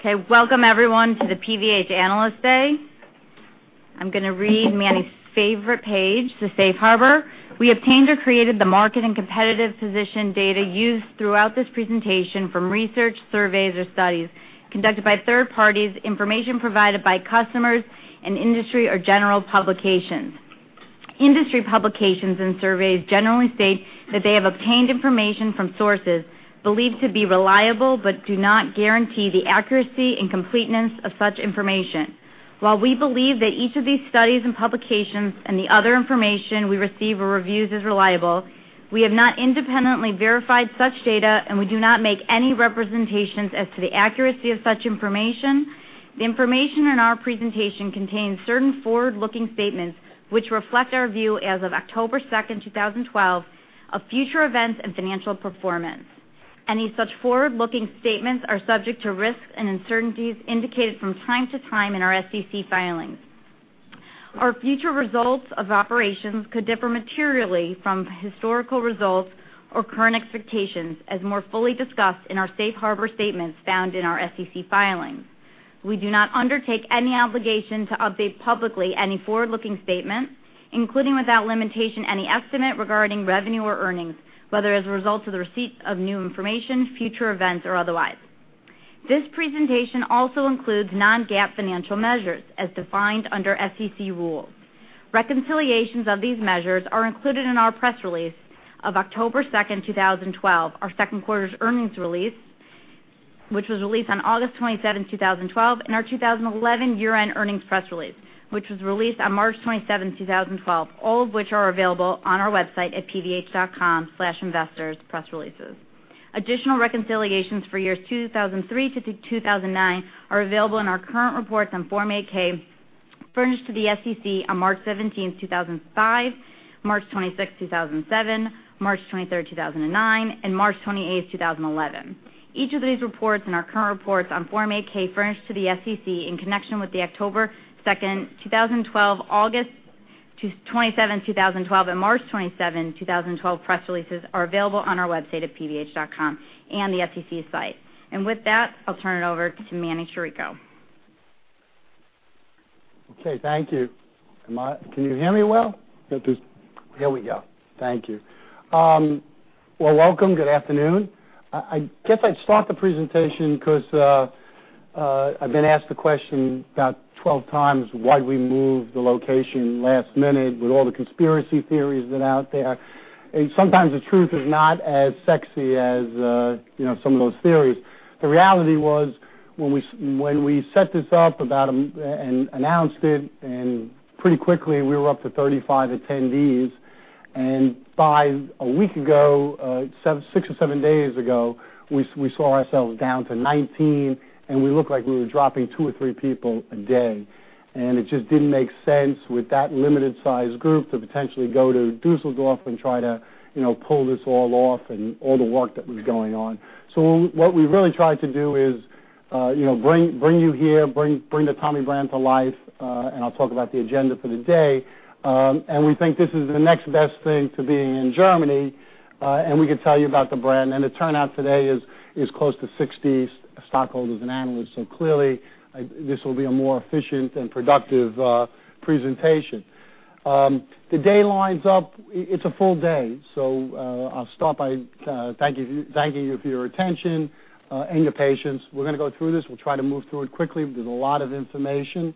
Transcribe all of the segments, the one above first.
Okay. Welcome, everyone, to the PVH Analyst Day. I'm going to read Manny's favorite page, the Safe Harbor. We obtained or created the market and competitive position data used throughout this presentation from research, surveys, or studies conducted by third parties, information provided by customers and industry, or general publications. Industry publications and surveys generally state that they have obtained information from sources believed to be reliable but do not guarantee the accuracy and completeness of such information. While we believe that each of these studies and publications and the other information we receive or review is reliable, we have not independently verified such data, and we do not make any representations as to the accuracy of such information. The information in our presentation contains certain forward-looking statements, which reflect our view as of October 2nd, 2012, of future events and financial performance. Any such forward-looking statements are subject to risks and uncertainties indicated from time to time in our SEC filings. Our future results of operations could differ materially from historical results or current expectations, as more fully discussed in our safe harbor statements found in our SEC filings. We do not undertake any obligation to update publicly any forward-looking statements, including, without limitation, any estimate regarding revenue or earnings, whether as a result of the receipt of new information, future events, or otherwise. This presentation also includes non-GAAP financial measures as defined under SEC rules. Reconciliations of these measures are included in our press release of October 2nd, 2012, our second quarter's earnings release, which was released on August 27, 2012, and our 2011 year-end earnings press release, which was released on March 27, 2012, all of which are available on our website at pvh.com/investors/press-releases. Additional reconciliations for years 2003 to 2009 are available in our current reports on Form 8-K furnished to the SEC on March 17th, 2005, March 26, 2007, March 23, 2009, and March 28, 2011. Each of these reports and our current reports on Form 8-K furnished to the SEC in connection with the October 2nd, 2012, August 27th, 2012, and March 27th, 2012, press releases are available on our website at pvh.com and the SEC site. With that, I'll turn it over to Manny Chirico. Okay. Thank you. Can you hear me well? There we go. Thank you. Well, welcome. Good afternoon. I guess I'd start the presentation because I've been asked the question about 12 times, why did we move the location last minute with all the conspiracy theories that are out there. Sometimes the truth is not as sexy as some of those theories. The reality was when we set this up and announced it, pretty quickly we were up to 35 attendees. A week ago, six or seven days ago, we saw ourselves down to 19, and we looked like we were dropping two or three people a day. It just didn't make sense with that limited size group to potentially go to Dusseldorf and try to pull this all off and all the work that was going on. What we really tried to do is bring you here, bring the Tommy brand to life. I'll talk about the agenda for the day. We think this is the next best thing to being in Germany. We can tell you about the brand. The turnout today is close to 60 stockholders and analysts. Clearly, this will be a more efficient and productive presentation. The day lines up. It's a full day, so I'll start by thanking you for your attention and your patience. We're going to go through this. We'll try to move through it quickly. There's a lot of information.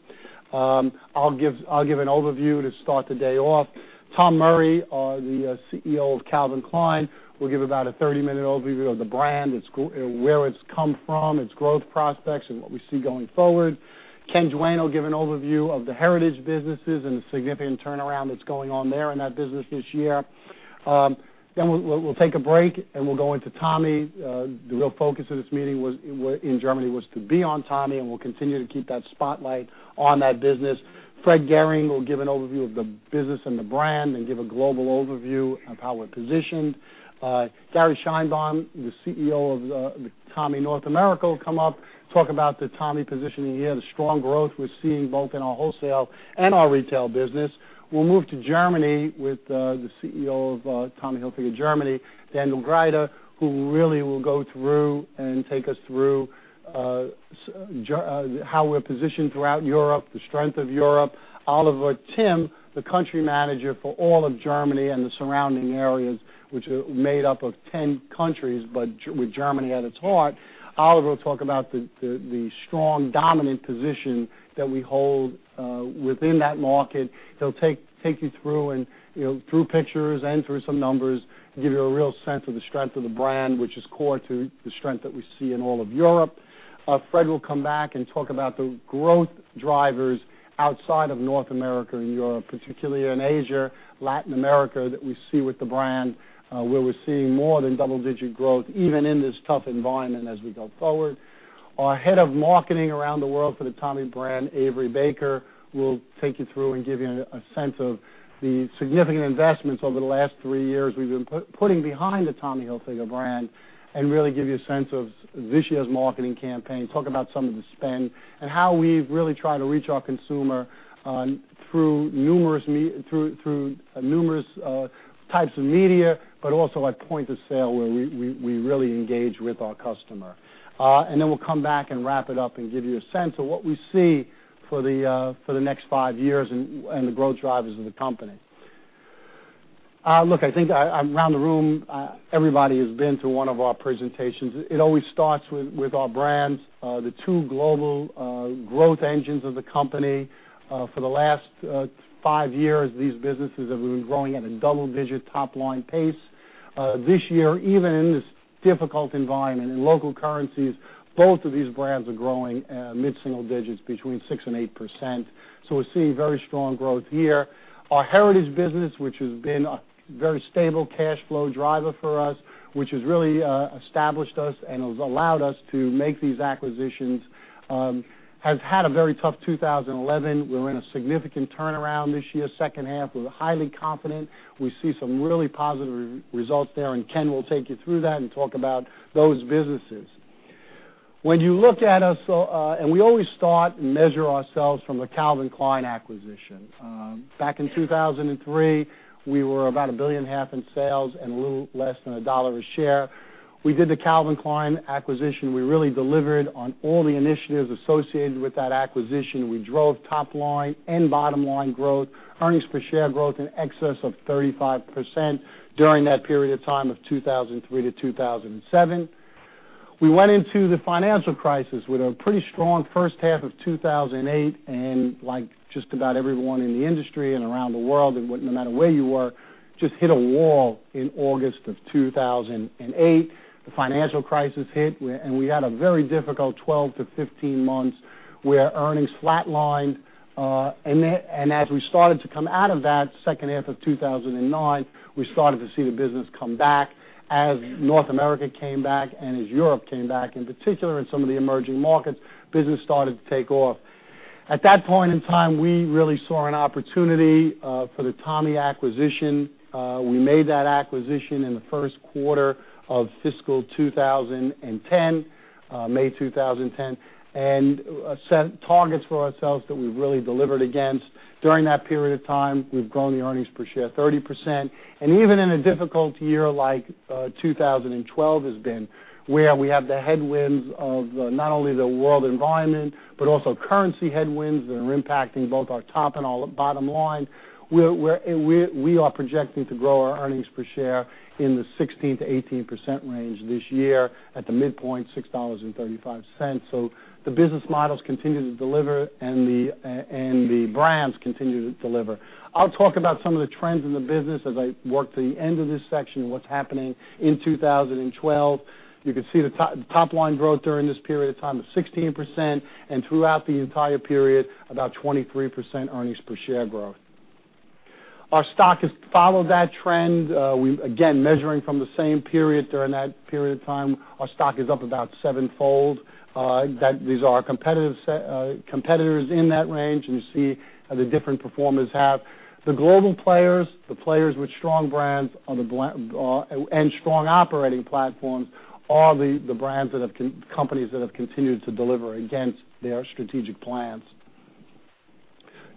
I'll give an overview to start the day off. Tom Murry, the CEO of Calvin Klein, will give about a 30-minute overview of the brand, where it's come from, its growth prospects, and what we see going forward. Ken Duane will give an overview of the heritage businesses and the significant turnaround that's going on there in that business this year. We'll take a break. We'll go into Tommy. The real focus of this meeting in Germany was to be on Tommy. We'll continue to keep that spotlight on that business. Fred Gehring will give an overview of the business and the brand and give a global overview of how we're positioned. Gary Sheinbaum, the CEO of Tommy North America, will come up, talk about the Tommy positioning here, the strong growth we're seeing both in our wholesale and our retail business. We'll move to Germany with the CEO of Tommy Hilfiger Germany, Daniel Grieder, who really will go through and take us through how we're positioned throughout Europe, the strength of Europe. Oliver Timm, the country manager for all of Germany and the surrounding areas, which are made up of 10 countries, but with Germany at its heart. Oliver will talk about the strong, dominant position that we hold within that market. He'll take you through pictures and through some numbers to give you a real sense of the strength of the brand, which is core to the strength that we see in all of Europe. Fred will come back and talk about the growth drivers outside of North America and Europe, particularly in Asia, Latin America, that we see with the brand, where we're seeing more than double-digit growth, even in this tough environment as we go forward. Our head of marketing around the world for the Tommy brand, Avery Baker, will take you through and give you a sense of the significant investments over the last three years we've been putting behind the Tommy Hilfiger brand and really give you a sense of this year's marketing campaign, talk about some of the spend, and how we've really tried to reach our consumer through numerous types of media, but also at point of sale, where we really engage with our customer. We'll come back and wrap it up and give you a sense of what we see for the next five years and the growth drivers of the company. Look, I think around the room, everybody has been to one of our presentations. It always starts with our brands, the two global growth engines of the company. For the last five years, these businesses have been growing at a double-digit top-line pace. This year, even in this difficult environment in local currencies, both of these brands are growing mid-single digits between 6% and 8%. We're seeing very strong growth here. Our heritage business, which has been a very stable cash flow driver for us, which has really established us and has allowed us to make these acquisitions, has had a very tough 2011. We're in a significant turnaround this year. Second half, we're highly confident. We see some really positive results there, and Ken will take you through that and talk about those businesses. We always start and measure ourselves from the Calvin Klein acquisition. Back in 2003, we were about a billion and a half in sales and a little less than $1 a share. We did the Calvin Klein acquisition. We really delivered on all the initiatives associated with that acquisition. We drove top-line and bottom-line growth, earnings per share growth in excess of 35% during that period of time of 2003 to 2007. We went into the financial crisis with a pretty strong first half of 2008, and like just about everyone in the industry and around the world, no matter where you were, just hit a wall in August of 2008. The financial crisis hit, and we had a very difficult 12-15 months where earnings flat-lined. As we started to come out of that second half of 2009, we started to see the business come back. As North America came back and as Europe came back, in particular in some of the emerging markets, business started to take off. At that point in time, we really saw an opportunity for the Tommy acquisition. We made that acquisition in the first quarter of fiscal 2010, May 2010, and set targets for ourselves that we really delivered against. During that period of time, we've grown the earnings per share 30%. Even in a difficult year like 2012 has been, where we have the headwinds of not only the world environment, but also currency headwinds that are impacting both our top and bottom line, we are projecting to grow our earnings per share in the 16%-18% range this year at the midpoint, $6.35. The business models continue to deliver, and the brands continue to deliver. I'll talk about some of the trends in the business as I work to the end of this section and what's happening in 2012. You can see the top-line growth during this period of time of 16%, and throughout the entire period, about 23% earnings per share growth. Our stock has followed that trend. Again, measuring from the same period during that period of time, our stock is up about sevenfold. These are our competitors in that range, and you see the different performance they have. The global players, the players with strong brands and strong operating platforms are the companies that have continued to deliver against their strategic plans.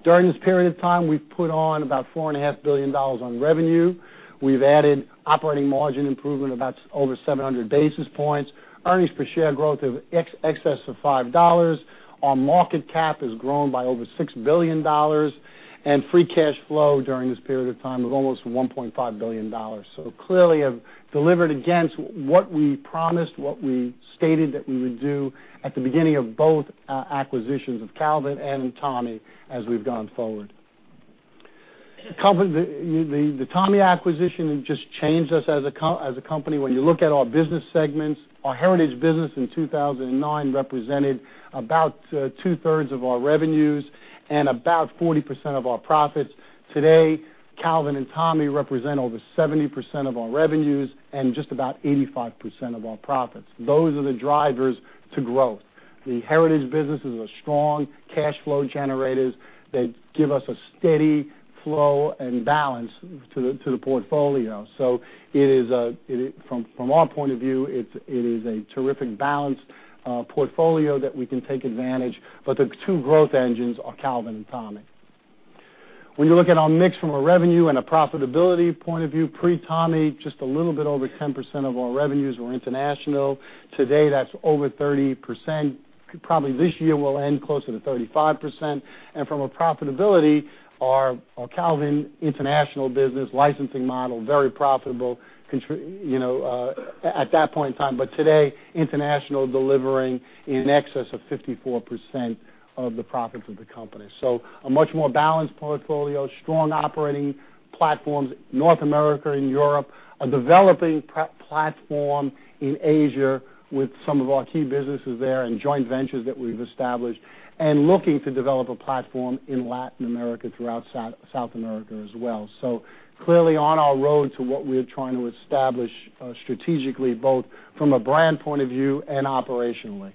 During this period of time, we've put on about $4.5 billion on revenue. We've added operating margin improvement about over 700 basis points. Earnings per share growth of excess of $5. Our market cap has grown by over $6 billion, and free cash flow during this period of time was almost $1.5 billion. Clearly have delivered against what we promised, what we stated that we would do at the beginning of both acquisitions of Calvin and Tommy as we've gone forward. The Tommy acquisition just changed us as a company. When you look at our business segments, our heritage business in 2009 represented about two-thirds of our revenues and about 40% of our profits. Today, Calvin and Tommy represent over 70% of our revenues and just about 85% of our profits. Those are the drivers to growth. The heritage businesses are strong cash flow generators that give us a steady flow and balance to the portfolio. From our point of view, it is a terrific balanced portfolio that we can take advantage, but the two growth engines are Calvin and Tommy. When you look at our mix from a revenue and a profitability point of view, pre-Tommy, just a little bit over 10% of our revenues were international. Today, that's over 30%. Probably this year we'll end closer to 35%. From a profitability, our Calvin international business licensing model, very profitable at that point in time. Today, international delivering in excess of 54% of the profits of the company. A much more balanced portfolio, strong operating platforms, North America and Europe, a developing platform in Asia with some of our key businesses there and joint ventures that we've established, and looking to develop a platform in Latin America throughout South America as well. Clearly on our road to what we're trying to establish strategically, both from a brand point of view and operationally.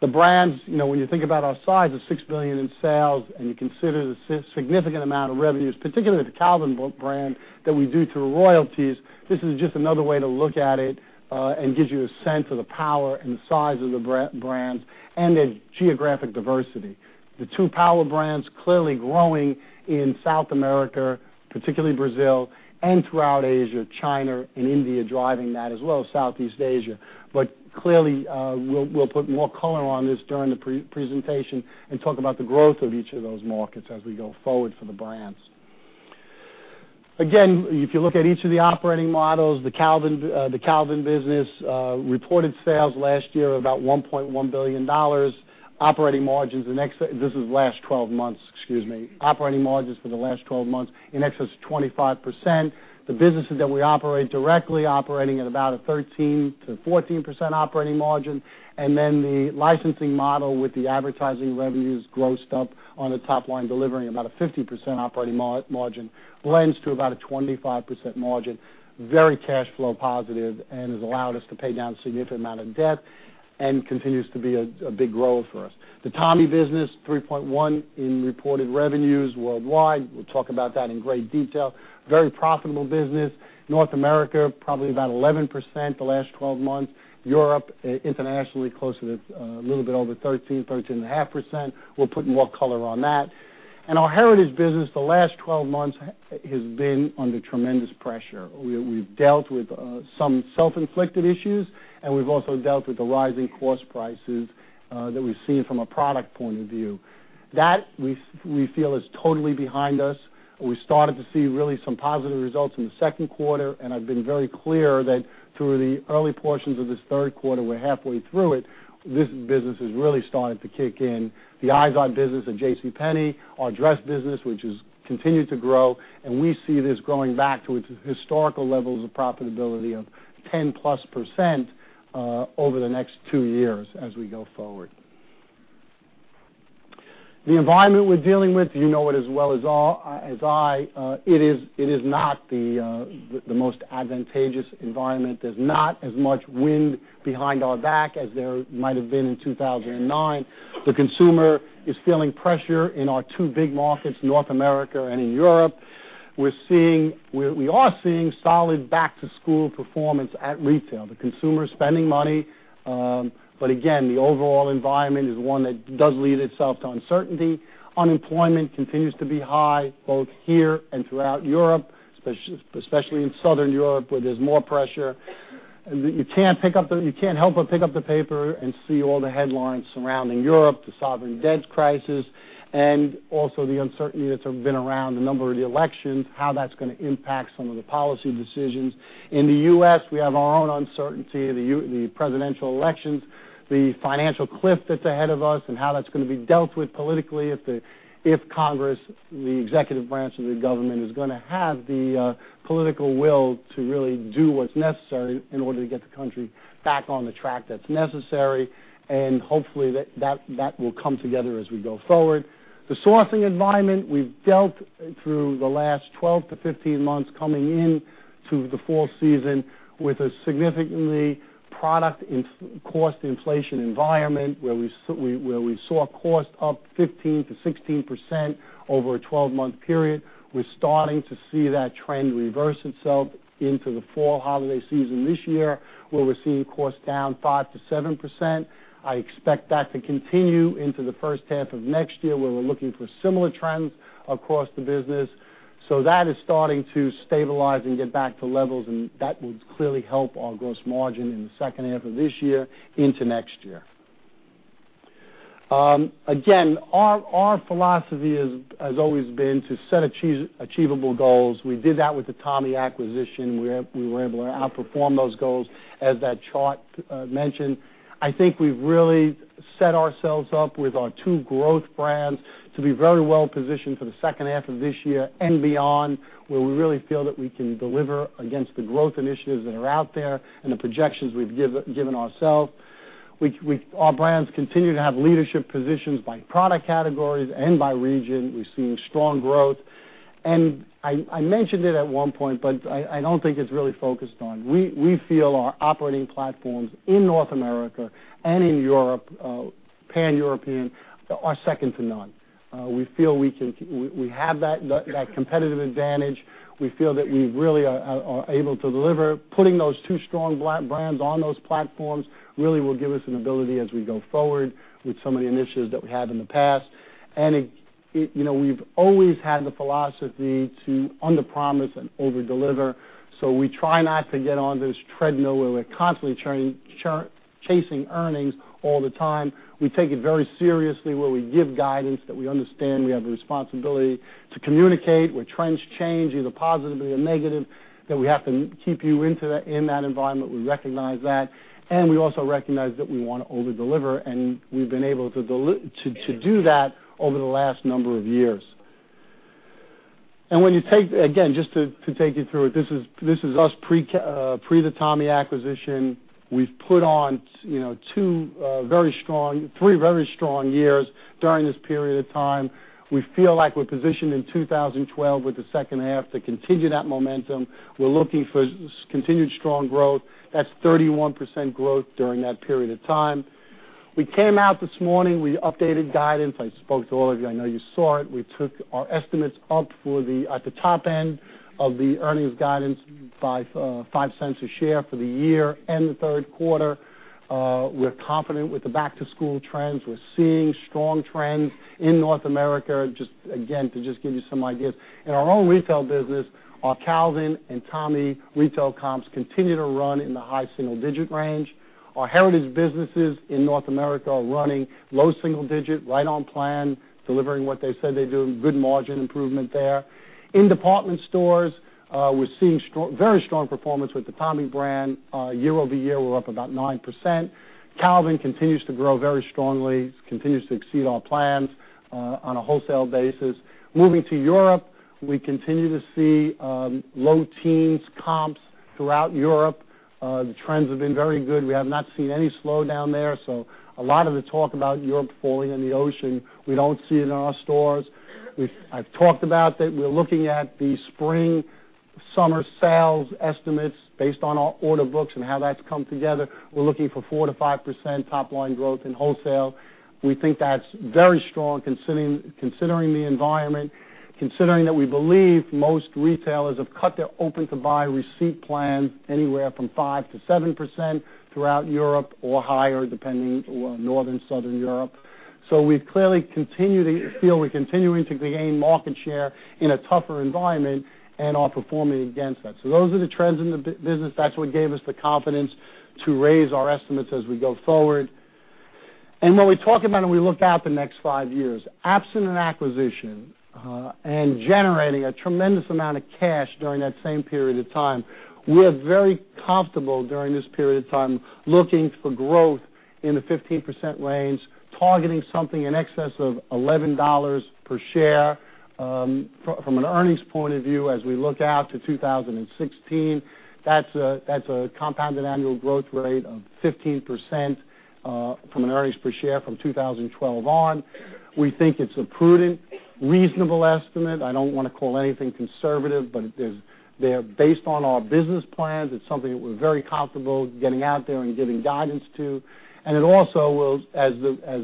The brands, when you think about our size of $6 billion in sales, you consider the significant amount of revenues, particularly the Calvin brand that we do through royalties, this is just another way to look at it, and gives you a sense of the power and the size of the brands and their geographic diversity. The two power brands clearly growing in South America, particularly Brazil, and throughout Asia, China, and India driving that as well, Southeast Asia. Clearly, we'll put more color on this during the presentation and talk about the growth of each of those markets as we go forward for the brands. Again, if you look at each of the operating models, the Calvin business reported sales last year of about $1.1 billion. Operating margins, this is last 12 months, excuse me. Operating margins for the last 12 months in excess of 25%. The businesses that we operate directly operating at about a 13%-14% operating margin. Then the licensing model with the advertising revenues grossed up on the top line, delivering about a 50% operating margin, blends to about a 25% margin. Very cash flow positive and has allowed us to pay down a significant amount of debt and continues to be a big growth for us. The Tommy business, $3.1 billion in reported revenues worldwide. We'll talk about that in great detail. Very profitable business. North America, probably about 11% the last 12 months. Europe, internationally, closer to a little bit over 13%, 13.5%. We'll put more color on that. Our Heritage business, the last 12 months has been under tremendous pressure. We've dealt with some self-inflicted issues, and we've also dealt with the rising cost prices that we've seen from a product point of view. That, we feel is totally behind us. We started to see really some positive results in the second quarter, and I've been very clear that through the early portions of this third quarter, we're halfway through it, this business has really started to kick in. The Izod business at JCPenney, our dress business, which has continued to grow, and we see this going back to its historical levels of profitability of 10%+ over the next two years as we go forward. The environment we're dealing with, you know it as well as I, it is not the most advantageous environment. There's not as much wind behind our back as there might have been in 2009. The consumer is feeling pressure in our two big markets, North America and in Europe. We are seeing solid back-to-school performance at retail. The consumer spending money, again, the overall environment is one that does lead itself to uncertainty. Unemployment continues to be high, both here and throughout Europe, especially in Southern Europe, where there's more pressure. You can't help but pick up the paper and see all the headlines surrounding Europe, the sovereign debt crisis, and also the uncertainty that's been around a number of the elections, how that's going to impact some of the policy decisions. In the U.S., we have our own uncertainty, the presidential elections, the financial cliff that's ahead of us, and how that's going to be dealt with politically, if Congress, the executive branch of the government, is going to have the political will to really do what's necessary in order to get the country back on the track that's necessary. Hopefully that will come together as we go forward. The sourcing environment, we've dealt through the last 12-15 months coming in to the fall season with a significantly product cost inflation environment where we saw cost up 15%-16% over a 12-month period. We're starting to see that trend reverse itself into the fall holiday season this year, where we're seeing costs down 5%-7%. I expect that to continue into the first half of next year, where we're looking for similar trends across the business. That is starting to stabilize and get back to levels, and that would clearly help our gross margin in the second half of this year into next year. Again, our philosophy has always been to set achievable goals. We did that with the Tommy acquisition. We were able to outperform those goals, as that chart mentioned. I think we've really set ourselves up with our two growth brands to be very well-positioned for the second half of this year and beyond, where we really feel that we can deliver against the growth initiatives that are out there and the projections we've given ourselves. Our brands continue to have leadership positions by product categories and by region. We're seeing strong growth. I mentioned it at one point, but I don't think it's really focused on. We feel our operating platforms in North America and in Europe, pan-European, are second to none. We feel we have that competitive advantage. We feel that we really are able to deliver. Putting those two strong brands on those platforms really will give us an ability as we go forward with some of the initiatives that we had in the past. We've always had the philosophy to underpromise and overdeliver. We try not to get on this treadmill where we're constantly chasing earnings all the time. We take it very seriously where we give guidance, that we understand we have a responsibility to communicate where trends change, either positively or negative, that we have to keep you in that environment. We recognize that. We also recognize that we want to overdeliver, and we've been able to do that over the last number of years. When you take-- again, just to take you through it, this is us pre the Tommy acquisition. We've put on three very strong years during this period of time. We feel like we're positioned in 2012 with the second half to continue that momentum. We're looking for continued strong growth. That's 31% growth during that period of time. We came out this morning. We updated guidance. I spoke to all of you. I know you saw it. We took our estimates up at the top end of the earnings guidance by $0.05 a share for the year and the third quarter. We're confident with the back-to-school trends. We're seeing strong trends in North America. Just again, to just give you some ideas. In our own retail business, our Calvin and Tommy retail comps continue to run in the high single-digit range. Our Heritage businesses in North America are running low single-digit, right on plan, delivering what they said they'd do, good margin improvement there. In department stores, we're seeing very strong performance with the Tommy brand. Year-over-year, we're up about 9%. Calvin continues to grow very strongly, continues to exceed all plans on a wholesale basis. Moving to Europe, we continue to see low teens comps throughout Europe. The trends have been very good. We have not seen any slowdown there. A lot of the talk about Europe falling in the ocean, we don't see it in our stores. I've talked about that we're looking at the spring/summer sales estimates based on our order books and how that's come together. We're looking for 4%-5% top-line growth in wholesale. We think that's very strong considering the environment, considering that we believe most retailers have cut their open-to-buy receipt plans anywhere from 5%-7% throughout Europe or higher, depending on Northern, Southern Europe. We clearly feel we're continuing to gain market share in a tougher environment and are performing against that. Those are the trends in the business. That's what gave us the confidence to raise our estimates as we go forward. When we talk about and we look out the next five years, absent an acquisition, and generating a tremendous amount of cash during that same period of time, we're very comfortable during this period of time looking for growth in the 15% range, targeting something in excess of $11 per share. From an earnings point of view, as we look out to 2016, that's a compounded annual growth rate of 15% from an earnings per share from 2012 on. We think it's a prudent, reasonable estimate. I don't want to call anything conservative, but they're based on our business plans. It's something that we're very comfortable getting out there and giving guidance to. It also will, as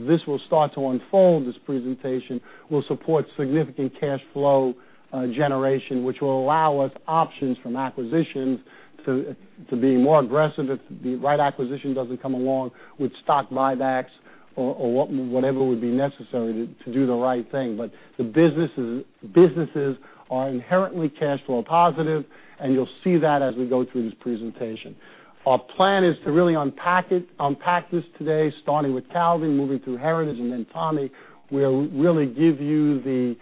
this will start to unfold, this presentation will support significant cash flow generation, which will allow us options from acquisitions to be more aggressive if the right acquisition doesn't come along with stock buybacks or whatever would be necessary to do the right thing. The businesses are inherently cash flow positive, and you'll see that as we go through this presentation. Our plan is to really unpack this today, starting with Calvin, moving through Heritage, and then Tommy. We'll really give you the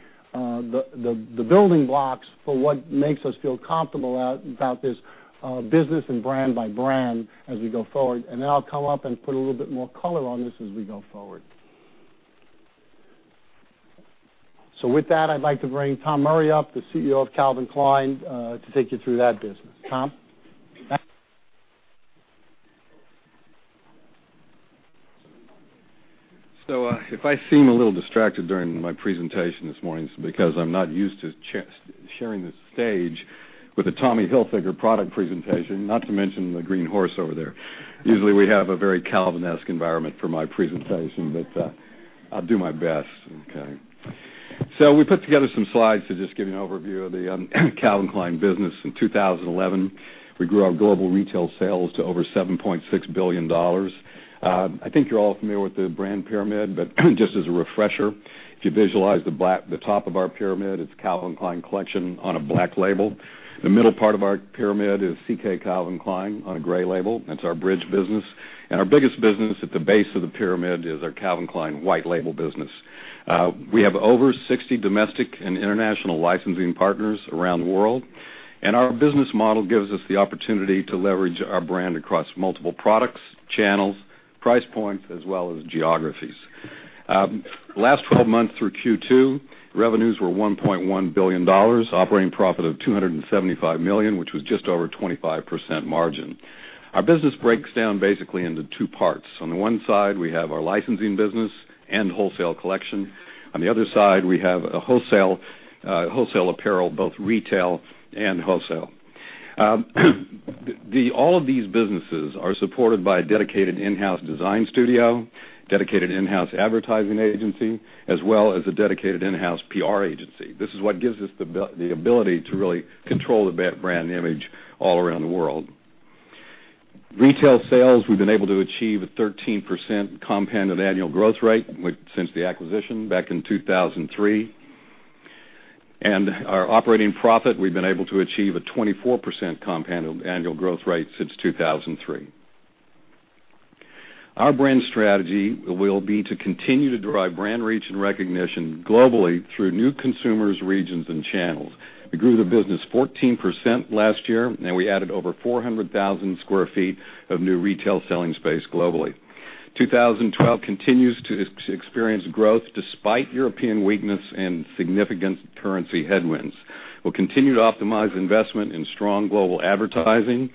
building blocks for what makes us feel comfortable about this business and brand by brand as we go forward. I'll come up and put a little bit more color on this as we go forward. With that, I'd like to bring Tom Murry up, the CEO of Calvin Klein to take you through that business. Tom? If I seem a little distracted during my presentation this morning, it's because I'm not used to sharing the stage with a Tommy Hilfiger product presentation, not to mention the green horse over there. Usually, we have a very Calvin-esque environment for my presentation, but I'll do my best. Okay. We put together some slides to just give you an overview of the Calvin Klein business. In 2011, we grew our global retail sales to over $7.6 billion. I think you're all familiar with the brand pyramid, but just as a refresher, if you visualize the top of our pyramid, it's Calvin Klein Collection on a black label. The middle part of our pyramid is CK Calvin Klein on a gray label. That's our bridge business. Our biggest business at the base of the pyramid is our Calvin Klein white label business. We have over 60 domestic and international licensing partners around the world. Our business model gives us the opportunity to leverage our brand across multiple products, channels, price points, as well as geographies. Last 12 months through Q2, revenues were $1.1 billion, operating profit of $275 million, which was just over 25% margin. Our business breaks down basically into two parts. On the one side, we have our licensing business and wholesale collection. On the other side, we have wholesale apparel, both retail and wholesale. All of these businesses are supported by a dedicated in-house design studio, dedicated in-house advertising agency, as well as a dedicated in-house PR agency. This is what gives us the ability to really control the brand image all around the world. Retail sales, we've been able to achieve a 13% compounded annual growth rate since the acquisition back in 2003. Our operating profit, we've been able to achieve a 24% compounded annual growth rate since 2003. Our brand strategy will be to continue to drive brand reach and recognition globally through new consumers, regions, and channels. We grew the business 14% last year. We added over 400,000 square feet of new retail selling space globally. 2012 continues to experience growth despite European weakness and significant currency headwinds. We'll continue to optimize investment in strong global advertising.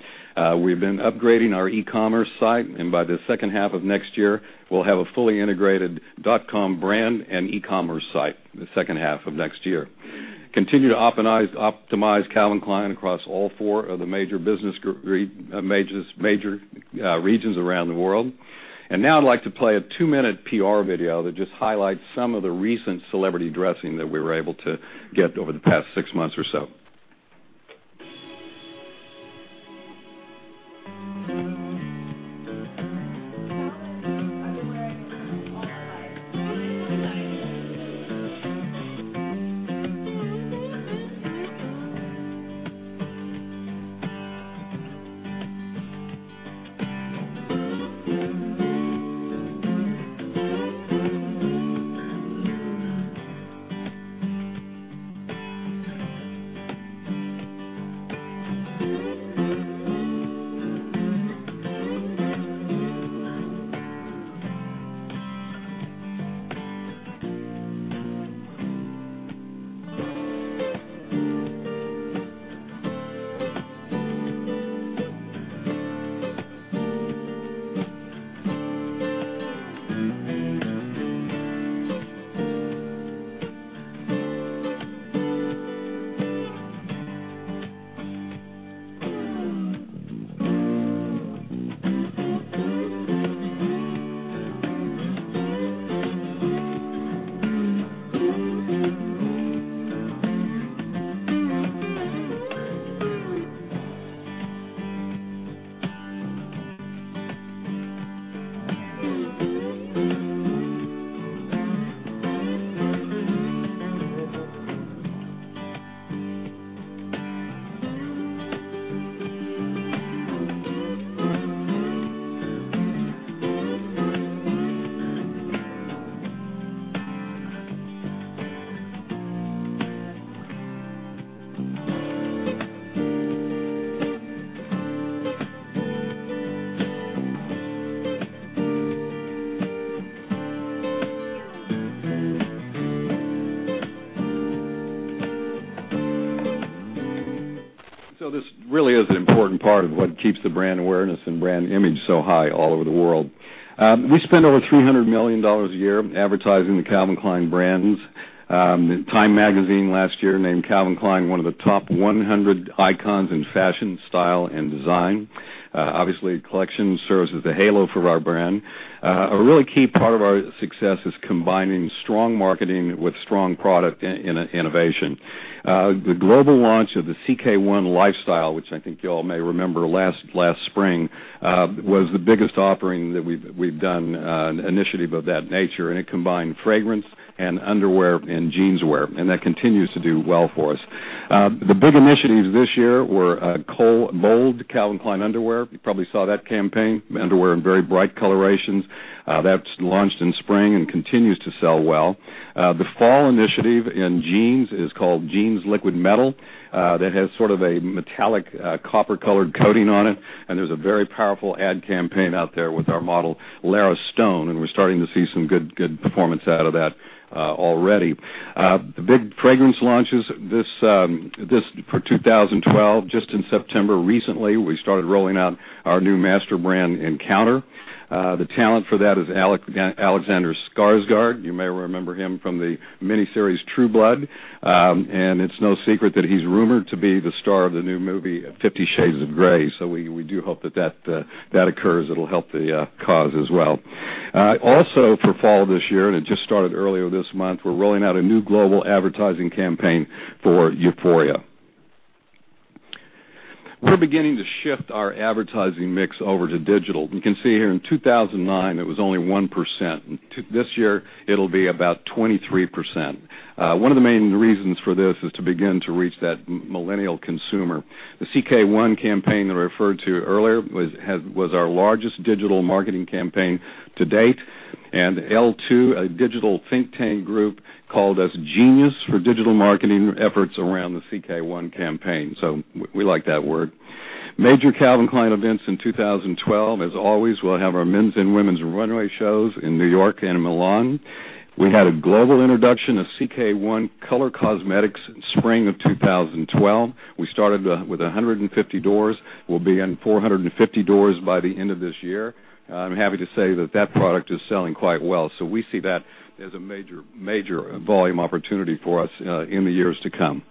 We've been upgrading our e-commerce site, and by the second half of next year, we'll have a fully integrated dot-com brand and e-commerce site, the second half of next year. Continue to optimize Calvin Klein across all four of the major business regions around the world. I'd like to play a two-minute PR video that just highlights some of the recent celebrity dressing that we were able to get over the past six months or so. This really is an important part of what keeps the brand awareness and brand image so high all over the world. We spend over $300 million a year advertising the Calvin Klein brands. Time magazine last year named Calvin Klein one of the top 100 icons in fashion, style, and design. Obviously, Calvin Klein Collection serves as the halo for our brand. A really key part of our success is combining strong marketing with strong product innovation. The global launch of the CK One lifestyle, which I think you all may remember last spring, was the biggest offering that we've done, an initiative of that nature, and it combined fragrance and underwear and jeanswear, and that continues to do well for us. The big initiatives this year were Bold Calvin Klein underwear. You probably saw that campaign, underwear in very bright colorations. That's launched in spring and continues to sell well. The fall initiative in jeans is called Jeans Liquid Metal. That has sort of a metallic copper-colored coating on it, and there's a very powerful ad campaign out there with our model, Lara Stone, and we're starting to see some good performance out of that already. The big fragrance launch is for 2012. Just in September recently, we started rolling out our new master brand, Encounter. The talent for that is Alexander Skarsgård. You may remember him from the miniseries "True Blood," and it's no secret that he's rumored to be the star of the new movie "Fifty Shades of Grey." We do hope that occurs. It'll help the cause as well. Also for fall this year, and it just started earlier this month, we're rolling out a new global advertising campaign for Euphoria. We're beginning to shift our advertising mix over to digital. You can see here in 2009, it was only 1%, and this year it'll be about 23%. One of the main reasons for this is to begin to reach that millennial consumer. The CK One campaign I referred to earlier was our largest digital marketing campaign to date, and L2, a digital think tank group, called us genius for digital marketing efforts around the CK One campaign. We like that word. Major Calvin Klein events in 2012, as always, we'll have our men's and women's runway shows in New York and Milan. We had a global introduction of CK One Color Cosmetics spring of 2012. We started with 150 doors. We'll be in 450 doors by the end of this year. I'm happy to say that product is selling quite well. We see that as a major volume opportunity for us in the years to come.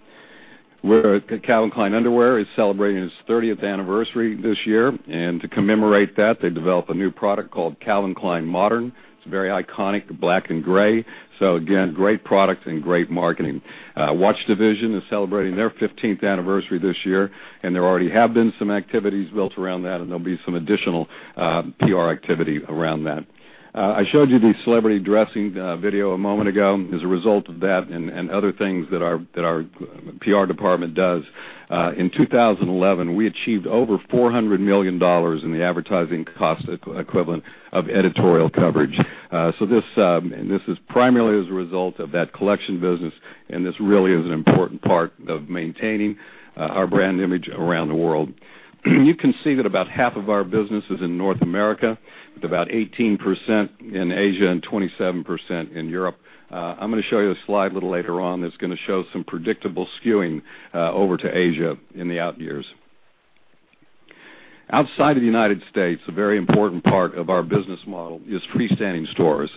Calvin Klein underwear is celebrating its 30th anniversary this year, and to commemorate that, they developed a new product called Calvin Klein Modern Cotton. It's very iconic, the black and gray. Again, great product and great marketing. Watch division is celebrating their 15th anniversary this year, and there already have been some activities built around that, and there'll be some additional PR activity around that. I showed you the celebrity dressing video a moment ago. As a result of that and other things that our PR department does, in 2011, we achieved over $400 million in the advertising cost equivalent of editorial coverage. This is primarily as a result of that collection business. This really is an important part of maintaining our brand image around the world. You can see that about half of our business is in North America, with about 18% in Asia and 27% in Europe. I'm going to show you a slide a little later on that's going to show some predictable skewing over to Asia in the out years. Outside of the U.S., a very important part of our business model is freestanding stores.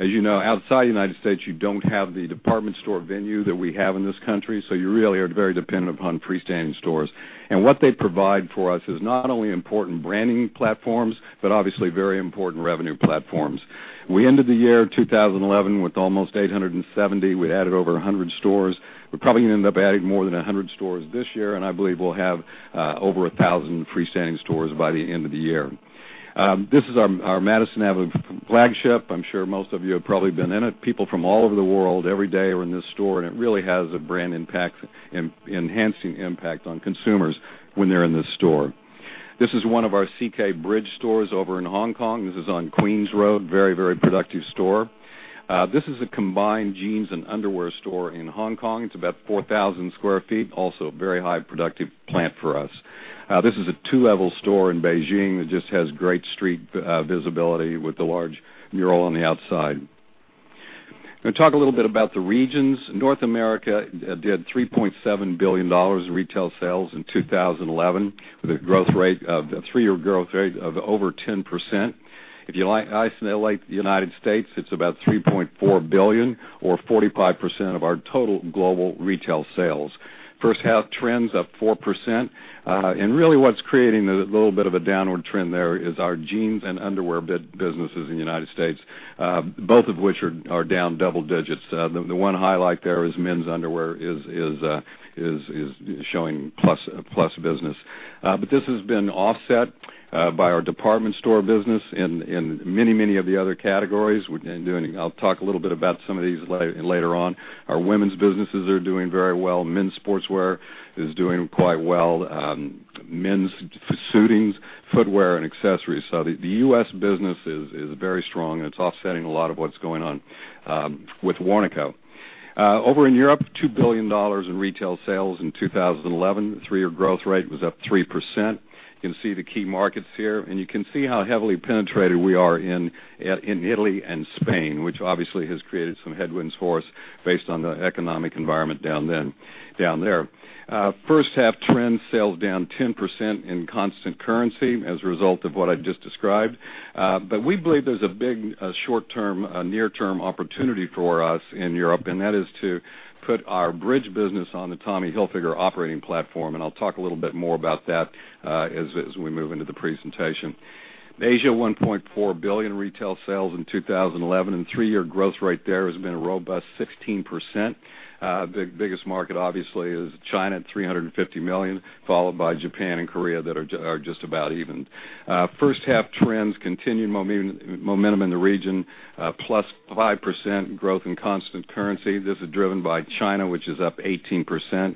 As you know, outside U.S., you don't have the department store venue that we have in this country, you really are very dependent upon freestanding stores. What they provide for us is not only important branding platforms, but obviously very important revenue platforms. We ended the year 2011 with almost 870. We added over 100 stores. We're probably going to end up adding more than 100 stores this year, I believe we'll have over 1,000 freestanding stores by the end of the year. This is our Madison Avenue flagship. I'm sure most of you have probably been in it. People from all over the world every day are in this store, it really has a brand impact, enhancing impact on consumers when they're in this store. This is one of our CK Bridge stores over in Hong Kong. This is on Queens Road. Very productive store. This is a combined jeans and underwear store in Hong Kong. It's about 4,000 sq ft. Also a very high productive plant for us. This is a two-level store in Beijing that just has great street visibility with the large mural on the outside. I'm going to talk a little bit about the regions. North America did $3.7 billion in retail sales in 2011, with a three-year growth rate of over 10%. If you isolate the U.S., it's about $3.4 billion or 45% of our total global retail sales. Really what's creating a little bit of a downward trend there is our jeans and underwear businesses in the U.S., both of which are down double digits. The one highlight there is men's underwear is showing plus business. This has been offset by our department store business in many of the other categories. I'll talk a little bit about some of these later on. Our women's businesses are doing very well. Men's sportswear is doing quite well. Men's suitings, footwear, and accessories. The U.S. business is very strong, it's offsetting a lot of what's going on with Warnaco. Over in Europe, $2 billion in retail sales in 2011. Three-year growth rate was up 3%. You can see the key markets here, you can see how heavily penetrated we are in Italy and Spain, which obviously has created some headwinds for us based on the economic environment down there. First half trends, sales down 10% in constant currency as a result of what I just described. We believe there's a big short-term, near-term opportunity for us in Europe, and that is to put our bridge business on the Tommy Hilfiger operating platform, and I'll talk a little bit more about that as we move into the presentation. Asia, $1.4 billion retail sales in 2011, and three-year growth rate there has been a robust 16%. The biggest market obviously is China at $350 million, followed by Japan and Korea that are just about even. First half trends, continued momentum in the region, +5% growth in constant currency. This is driven by China, which is up 18%.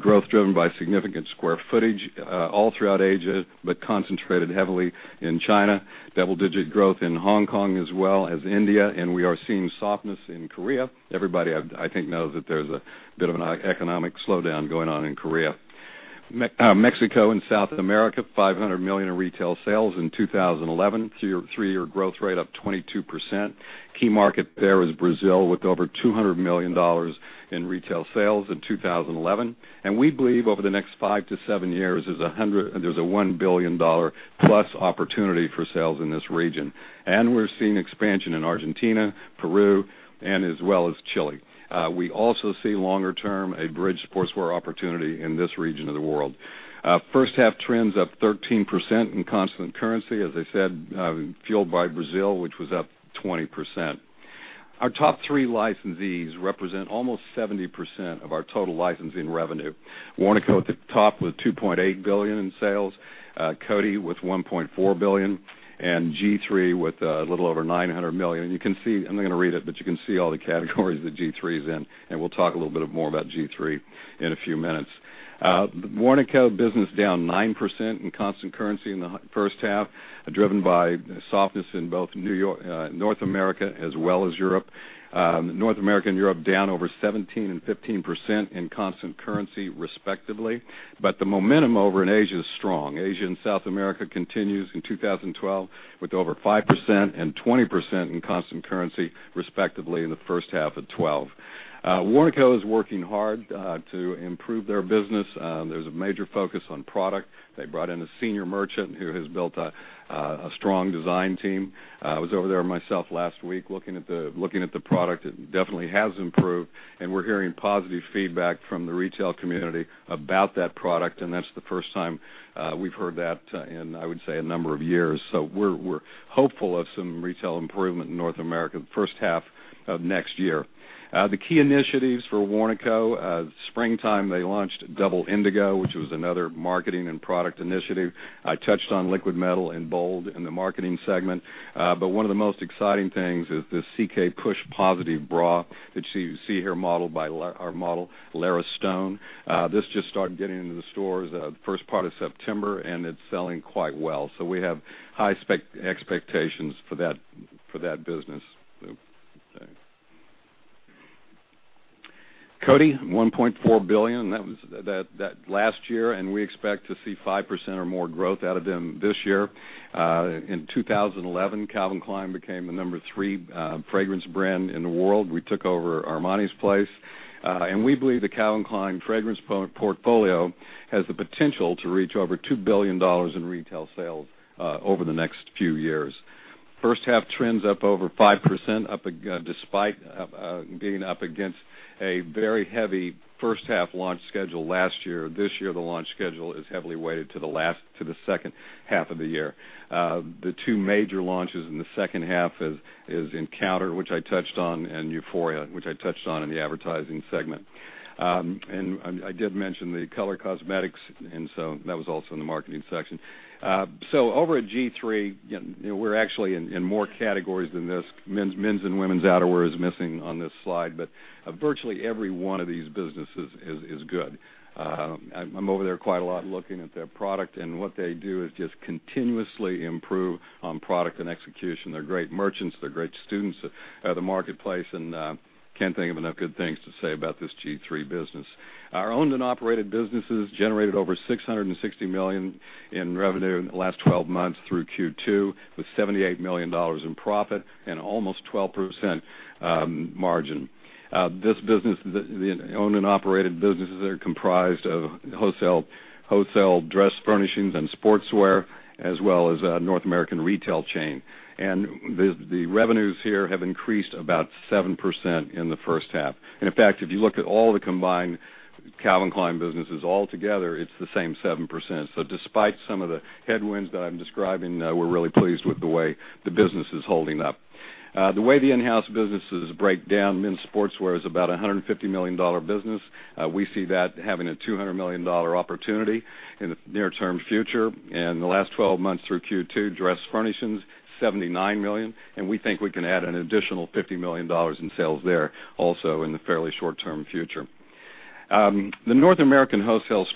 Growth driven by significant square footage all throughout Asia, but concentrated heavily in China. Double-digit growth in Hong Kong as well as India, and we are seeing softness in Korea. Everybody, I think, knows that there's a bit of an economic slowdown going on in Korea. Mexico and South America, $500 million in retail sales in 2011. Three-year growth rate up 22%. Key market there is Brazil with over $200 million in retail sales in 2011. And we believe over the next five to seven years, there's a $1 billion-plus opportunity for sales in this region. And we're seeing expansion in Argentina, Peru, and as well as Chile. We also see longer term, a bridge sportswear opportunity in this region of the world. First half trends up 13% in constant currency, as I said, fueled by Brazil, which was up 20%. Our top three licensees represent almost 70% of our total licensing revenue. Warnaco at the top with $2.8 billion in sales, Coty with $1.4 billion, and G-III with a little over $900 million. I'm not going to read it, you can see all the categories that G-III is in, and we'll talk a little bit more about G-III in a few minutes. The Warnaco business down 9% in constant currency in the first half, driven by softness in both North America as well as Europe. North America and Europe down over 17% and 15% in constant currency, respectively. But the momentum over in Asia is strong. Asia and South America continues in 2012 with over 5% and 20% in constant currency, respectively, in the first half of 2012. Warnaco is working hard to improve their business. There's a major focus on product. They brought in a senior merchant who has built a strong design team. I was over there myself last week looking at the product. It definitely has improved, we're hearing positive feedback from the retail community about that product, and that's the first time we've heard that in, I would say, a number of years. We're hopeful of some retail improvement in North America the first half of next year. The key initiatives for Warnaco. Springtime, they launched Double Indigo, which was another marketing and product initiative. I touched on Liquid Metal and Bold in the marketing segment. But one of the most exciting things is this CK Push Positive bra that you see here modeled by our model, Lara Stone. This just started getting into the stores the first part of September, and it's selling quite well. So we have high expectations for that business. Coty, $1.4 billion. That was last year, we expect to see 5% or more growth out of them this year. In 2011, Calvin Klein became the number 3 fragrance brand in the world. We took over Armani's place. We believe the Calvin Klein fragrance portfolio has the potential to reach over $2 billion in retail sales over the next few years. First half trends up over 5%, up again despite being up against a very heavy first half launch schedule last year. This year, the launch schedule is heavily weighted to the second half of the year. The two major launches in the second half is Encounter, which I touched on, and Euphoria, which I touched on in the advertising segment. I did mention the color cosmetics, that was also in the marketing section. Over at G3, we're actually in more categories than this. Men's and women's outerwear is missing on this slide, but virtually every one of these businesses is good. I'm over there quite a lot looking at their product, what they do is just continuously improve on product and execution. They're great merchants. They're great students of the marketplace, can't think of enough good things to say about this G3 business. Our owned and operated businesses generated over $660 million in revenue in the last 12 months through Q2, with $78 million in profit and almost 12% margin. This business, the owned and operated businesses, are comprised of wholesale dress furnishings and sportswear, as well as a North American retail chain. The revenues here have increased about 7% in the first half. In fact, if you look at all the combined Calvin Klein businesses all together, it's the same 7%. Despite some of the headwinds that I'm describing, we're really pleased with the way the business is holding up. The way the in-house businesses break down, men's sportswear is about a $150 million business. We see that having a $200 million opportunity in the near-term future. In the last 12 months through Q2, dress furnishings, $79 million, we think we can add an additional $50 million in sales there also in the fairly short-term future. The North American wholesale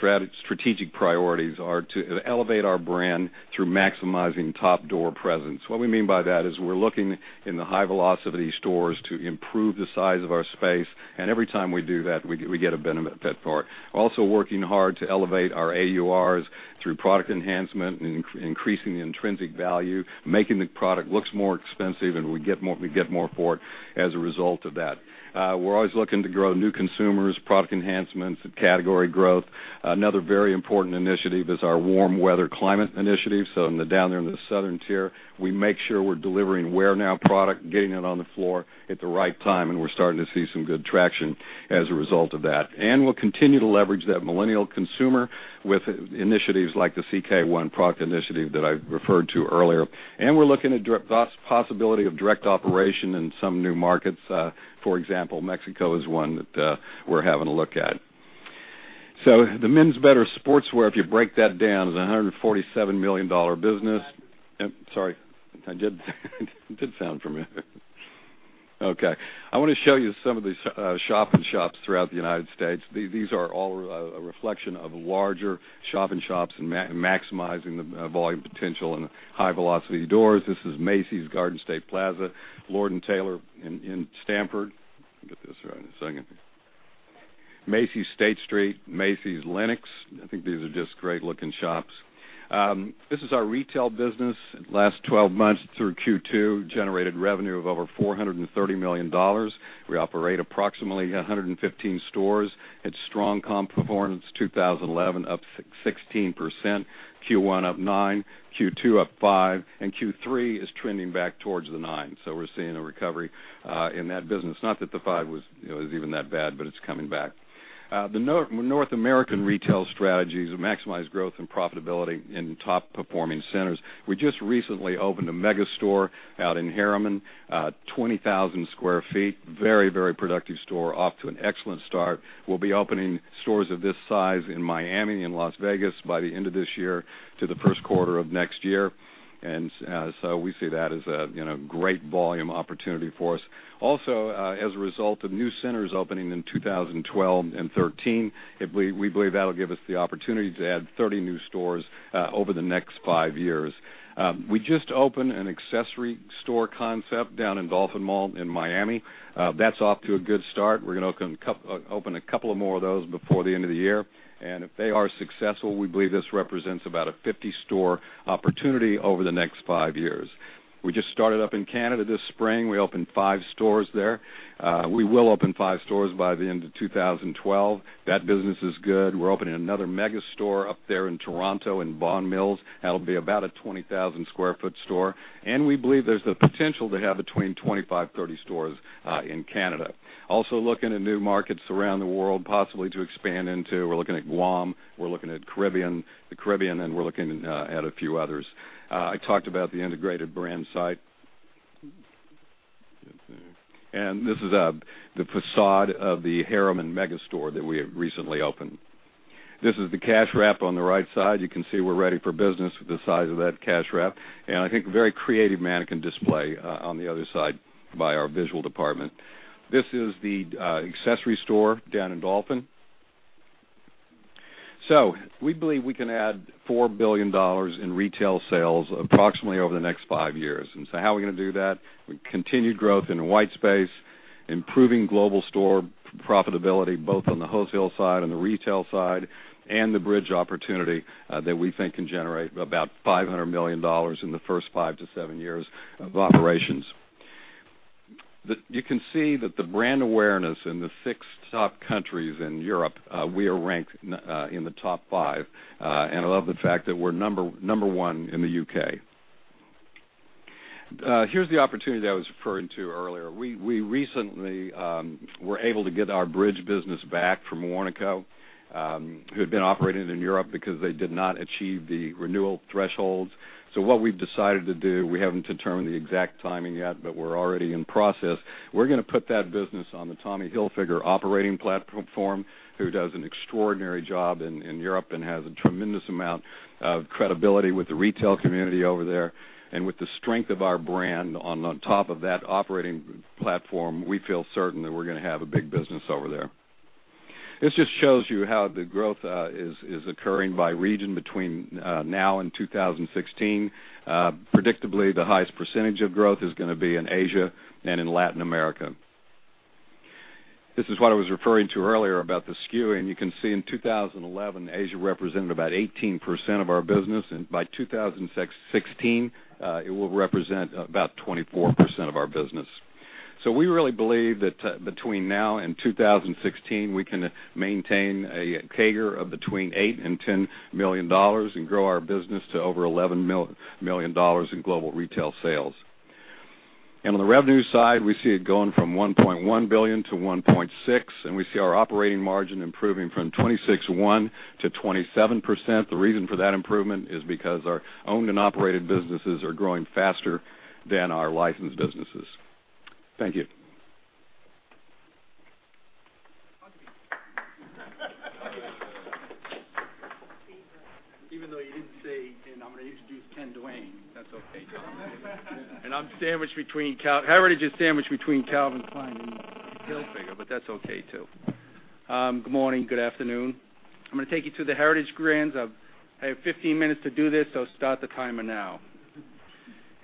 strategic priorities are to elevate our brand through maximizing top door presence. What we mean by that is we're looking in the high velocity stores to improve the size of our space, every time we do that, we get a benefit for it. Also working hard to elevate our AURs through product enhancement increasing the intrinsic value, making the product looks more expensive, we get more for it as a result of that. We're always looking to grow new consumers, product enhancements, category growth. Another very important initiative is our warm weather climate initiative. Down there in the southern tier, we make sure we're delivering wear-now product, getting it on the floor at the right time, we're starting to see some good traction as a result of that. We'll continue to leverage that millennial consumer with initiatives like the CK One product initiative that I referred to earlier. We're looking at the possibility of direct operation in some new markets. For example, Mexico is one that we're having a look at. The men's better sportswear, if you break that down, is a $147 million business. Sorry. It did sound familiar. Okay. I want to show you some of these shop in shops throughout the United States. These are all a reflection of larger shop in shops maximizing the volume potential in high velocity doors. This is Macy's Garden State Plaza, Lord & Taylor in Stamford. I'll get this right in a second. Macy's State Street, Macy's Lenox. I think these are just great looking shops. This is our retail business. Last 12 months through Q2 generated revenue of over $430 million. We operate approximately 115 stores. It's strong comp performance, 2011 up 16%, Q1 up 9%, Q2 up 5%, and Q3 is trending back towards the 9%. We're seeing a recovery in that business. Not that the 5% was even that bad, but it's coming back. The North American retail strategies maximize growth and profitability in top performing centers. We just recently opened a mega store out in Herriman, 20,000 sq ft. Very productive store, off to an excellent start. We'll be opening stores of this size in Miami and Las Vegas by the end of this year to the first quarter of next year. We see that as a great volume opportunity for us. Also, as a result of new centers opening in 2012 and 2013, we believe that'll give us the opportunity to add 30 new stores over the next five years. We just opened an accessory store concept down in Dolphin Mall in Miami. That's off to a good start. We're going to open a couple of more of those before the end of the year. If they are successful, we believe this represents about a 50-store opportunity over the next five years. We just started up in Canada this spring. We opened five stores there. We will open five stores by the end of 2012. That business is good. We're opening another mega store up there in Toronto in Vaughan Mills. That'll be about a 20,000 sq ft store. We believe there's the potential to have between 25-30 stores in Canada. Also looking at new markets around the world, possibly to expand into. We're looking at Guam, we're looking at the Caribbean, and we're looking at a few others. I talked about the integrated brand site. This is the façade of the Herriman mega store that we have recently opened. This is the cash wrap on the right side. You can see we're ready for business with the size of that cash wrap. I think very creative mannequin display on the other side by our visual department. This is the accessory store down in Dolphin. We believe we can add $4 billion in retail sales approximately over the next five years. How are we going to do that? With continued growth in the white space, improving global store profitability, both on the wholesale side and the retail side, and the bridge opportunity that we think can generate about $500 million in the first five to seven years of operations. You can see that the brand awareness in the six top countries in Europe, we are ranked in the top five. I love the fact that we're number one in the U.K. Here's the opportunity that I was referring to earlier. We recently were able to get our bridge business back from Warnaco, who had been operating in Europe because they did not achieve the renewal thresholds. What we've decided to do, we haven't determined the exact timing yet, but we're already in process. We're going to put that business on the Tommy Hilfiger operating platform, who does an extraordinary job in Europe and has a tremendous amount of credibility with the retail community over there. With the strength of our brand on top of that operating platform, we feel certain that we're going to have a big business over there. This just shows you how the growth is occurring by region between now and 2016. Predictably, the highest percentage of growth is going to be in Asia and in Latin America. This is what I was referring to earlier about the skew, and you can see in 2011, Asia represented about 18% of our business, and by 2016, it will represent about 24% of our business. We really believe that between now and 2016, we can maintain a CAGR of between $8 million and $10 million and grow our business to over $11 million in global retail sales. On the revenue side, we see it going from $1.1 billion to $1.6 billion, and we see our operating margin improving from 26.1% to 27%. The reason for that improvement is because our owned and operated businesses are growing faster than our licensed businesses. Thank you. Even though you didn't say, "I'm going to introduce Ken Duane." That's okay, Tom. Heritage is sandwiched between Calvin Klein and Hilfiger, but that's okay, too. Good morning. Good afternoon. I'm going to take you through the Heritage brands. I have 15 minutes to do this, so start the timer now.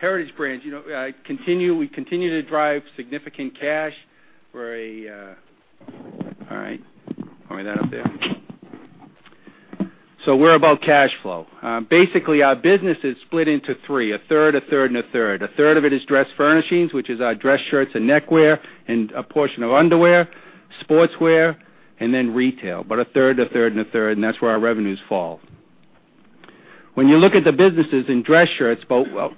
Heritage brands. We continue to drive significant cash. All right. Pull that up there. We're about cash flow. Basically, our business is split into three, a third, a third, and a third. A third of it is dress furnishings, which is our dress shirts and neckwear, and a portion of underwear, sportswear, and then retail. But a third, a third, and a third, and that's where our revenues fall. When you look at the businesses in dress shirts,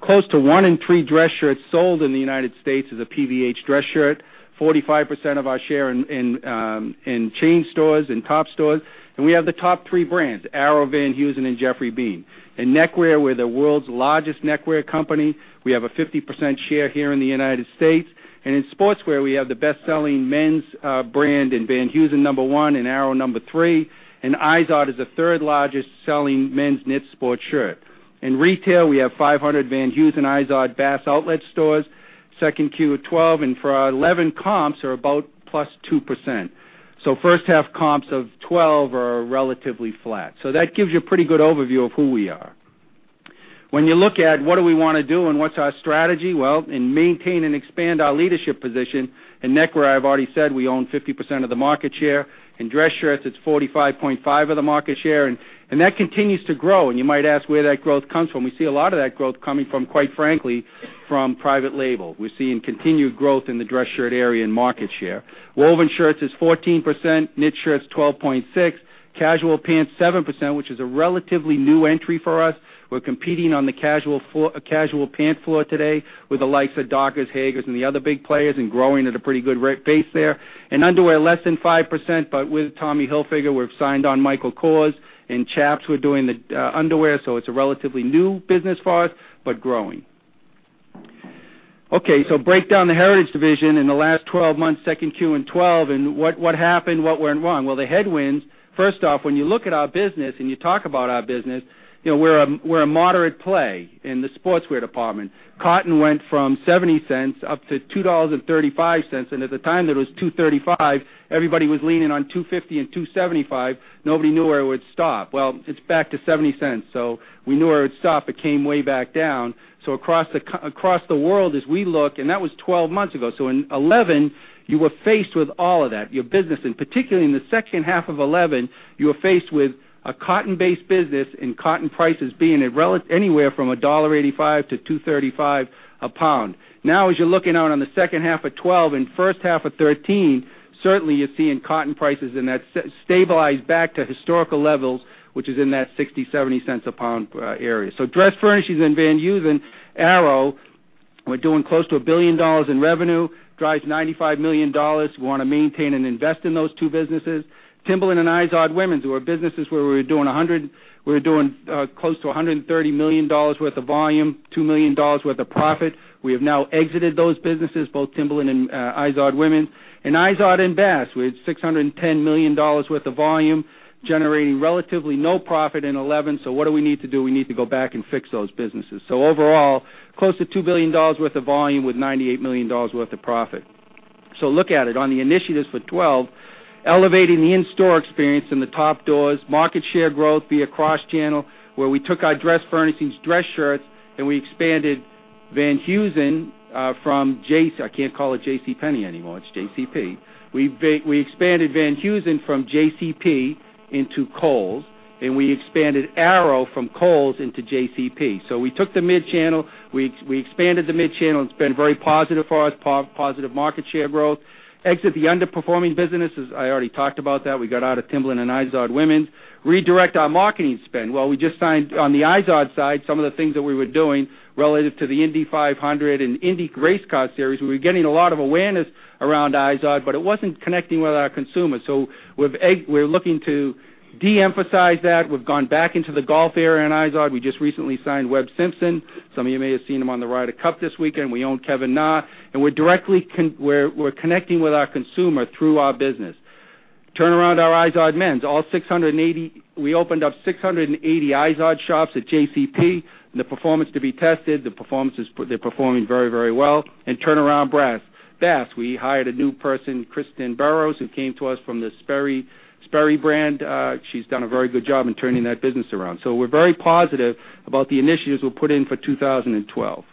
close to one in three dress shirts sold in the U.S. is a PVH dress shirt, 45% of our share in chain stores, in top stores. We have the top three brands, Arrow, Van Heusen, and Geoffrey Beene. In neckwear, we're the world's largest neckwear company. We have a 50% share here in the U.S. In sportswear, we have the best-selling men's brand in Van Heusen, number 1, and Arrow, number 3, and Izod is the third largest selling men's knit sport shirt. In retail, we have 500 Van Heusen, Izod, Bass outlet stores, 2Q of 2012, and for our 11 comps are about +2%. First half comps of 2012 are relatively flat. That gives you a pretty good overview of who we are. To maintain and expand our leadership position. In neckwear, I've already said we own 50% of the market share. In dress shirts, it's 45.5% of the market share, and that continues to grow. You might ask where that growth comes from. We see a lot of that growth coming from, quite frankly, from private label. We're seeing continued growth in the dress shirt area in market share. Woven shirts is 14%, knit shirts, 12.6%, casual pants, 7%, which is a relatively new entry for us. We're competing on the casual pant floor today with the likes of Dockers, Haggar, and the other big players and growing at a pretty good pace there. In underwear, less than 5%, but with Tommy Hilfiger, we've signed on Michael Kors. In Chaps, we're doing the underwear, so it's a relatively new business for us, but growing. Break down the Heritage division in the last 12 months, second Q in 2012, and what happened? What went wrong? The headwinds, first off, when you look at our business and you talk about our business, we're a moderate play in the sportswear department. Cotton went from $0.70 up to $2.35, and at the time that it was $2.35, everybody was leaning on $2.50 and $2.75. Nobody knew where it would stop. It's back to $0.70. We knew where it would stop. It came way back down. Across the world, as we look, and that was 12 months ago. In 2011, you were faced with all of that. Your business, and particularly in the second half of 2011, you were faced with a cotton-based business and cotton prices being anywhere from $1.85 to $2.35 a pound. As you're looking out on the second half of 2012 and first half of 2013, certainly you're seeing cotton prices, and that's stabilized back to historical levels, which is in that $0.60, $0.70 a pound area. Dress furnishings in Van Heusen, Arrow, we're doing close to $1 billion in revenue, drives $95 million. We want to maintain and invest in those two businesses. Timberland and Izod women's were businesses where we were doing close to $130 million worth of volume, $2 million worth of profit. We have now exited those businesses, both Timberland and Izod Women. Izod and Bass, we had $610 million worth of volume, generating relatively no profit in 2011. What do we need to do? We need to go back and fix those businesses. Overall, close to $2 billion worth of volume with $98 million worth of profit. Look at it. On the initiatives for 2012, elevating the in-store experience in the top doors, market share growth via cross-channel, where we took our dress furnishings, dress shirts, and we expanded Van Heusen from J. I can't call it JCPenney anymore, it's JCP. We expanded Van Heusen from JCP into Kohl's, and we expanded Arrow from Kohl's into JCP. We took the mid-channel, we expanded the mid-channel, and it's been very positive for us. Positive market share growth. Exit the underperforming businesses. I already talked about that. We got out of Timberland and Izod women. Redirect our marketing spend. Well, we just signed on the Izod side, some of the things that we were doing related to the Indy 500 and Indy race car series. We were getting a lot of awareness around Izod, but it wasn't connecting with our consumers. We're looking to de-emphasize that. We've gone back into the golf area in Izod. We just recently signed Webb Simpson. Some of you may have seen him on the Ryder Cup this weekend. We own Kevin Na, and we're connecting with our consumer through our business. Turnaround our Izod men's. We opened up 680 Izod shops at JCP, and the performance to be tested. They're performing very well. Turn around Bass. We hired a new person, Kristin Burrows, who came to us from the Sperry brand. She's done a very good job in turning that business around. We're very positive about the initiatives we'll put in for 2012.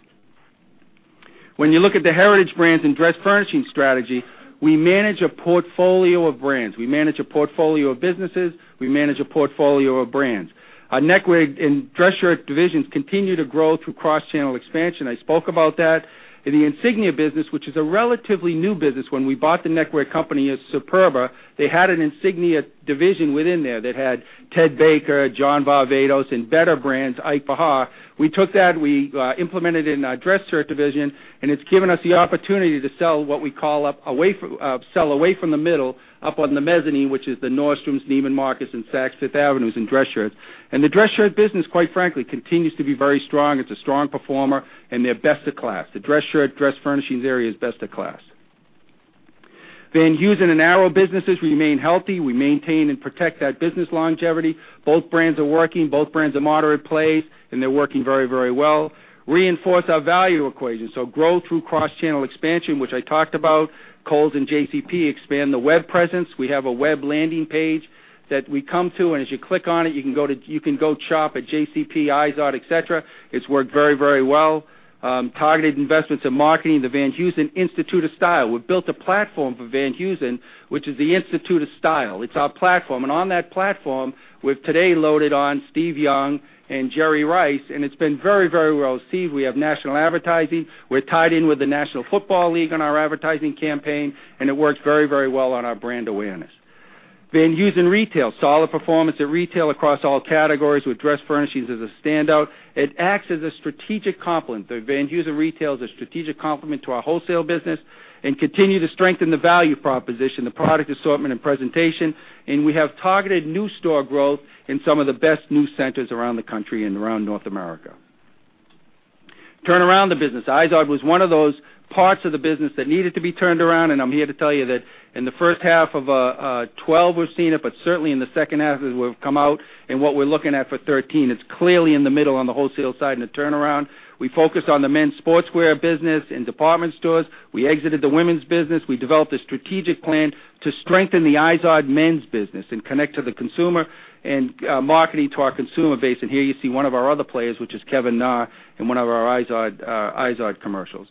When you look at the heritage brands and dress furnishing strategy, we manage a portfolio of brands. We manage a portfolio of businesses, we manage a portfolio of brands. Our neckwear and dress shirt divisions continue to grow through cross-channel expansion. I spoke about that. In the Insignia business, which is a relatively new business. When we bought the neckwear company as Superba, they had an Insignia division within there that had Ted Baker, John Varvatos, and better brands, Ike Behar. We took that, we implemented it in our dress shirt division, and it's given us the opportunity to sell what we call sell away from the middle, up on the mezzanine, which is the Nordstrom, Neiman Marcus, and Saks Fifth Avenue in dress shirts. The dress shirt business, quite frankly, continues to be very strong. It's a strong performer, and they're best in class. The dress shirt, dress furnishings area is best in class. Van Heusen and Arrow businesses remain healthy. We maintain and protect that business longevity. Both brands are working, both brands are moderately placed, and they're working very well. Reinforce our value equation. Grow through cross-channel expansion, which I talked about. Kohl's and JCP expand the web presence. We have a web landing page that we come to, and as you click on it, you can go shop at JCP, Izod, et cetera. It's worked very well. Targeted investments in marketing. The Van Heusen Institute of Style. We've built a platform for Van Heusen, which is the Institute of Style. It's our platform. On that platform, we've today loaded on Steve Young and Jerry Rice, and it's been very well received. We have national advertising. We're tied in with the National Football League on our advertising campaign, and it works very well on our brand awareness. Van Heusen Retail. Solid performance at retail across all categories, with dress furnishings as a standout. It acts as a strategic complement. The Van Heusen Retail is a strategic complement to our wholesale business, and continue to strengthen the value proposition, the product assortment and presentation. We have targeted new store growth in some of the best new centers around the country and around North America. Turn around the business. Izod was one of those parts of the business that needed to be turned around. I'm here to tell you that in the first half of 2012, we've seen it, certainly in the second half as we've come out and what we're looking at for 2013, it's clearly in the middle on the wholesale side and the turnaround. We focused on the men's sportswear business in department stores. We exited the women's business. We developed a strategic plan to strengthen the Izod men's business and connect to the consumer and marketing to our consumer base. Here you see one of our other players, which is Kevin Na, in one of our Izod commercials.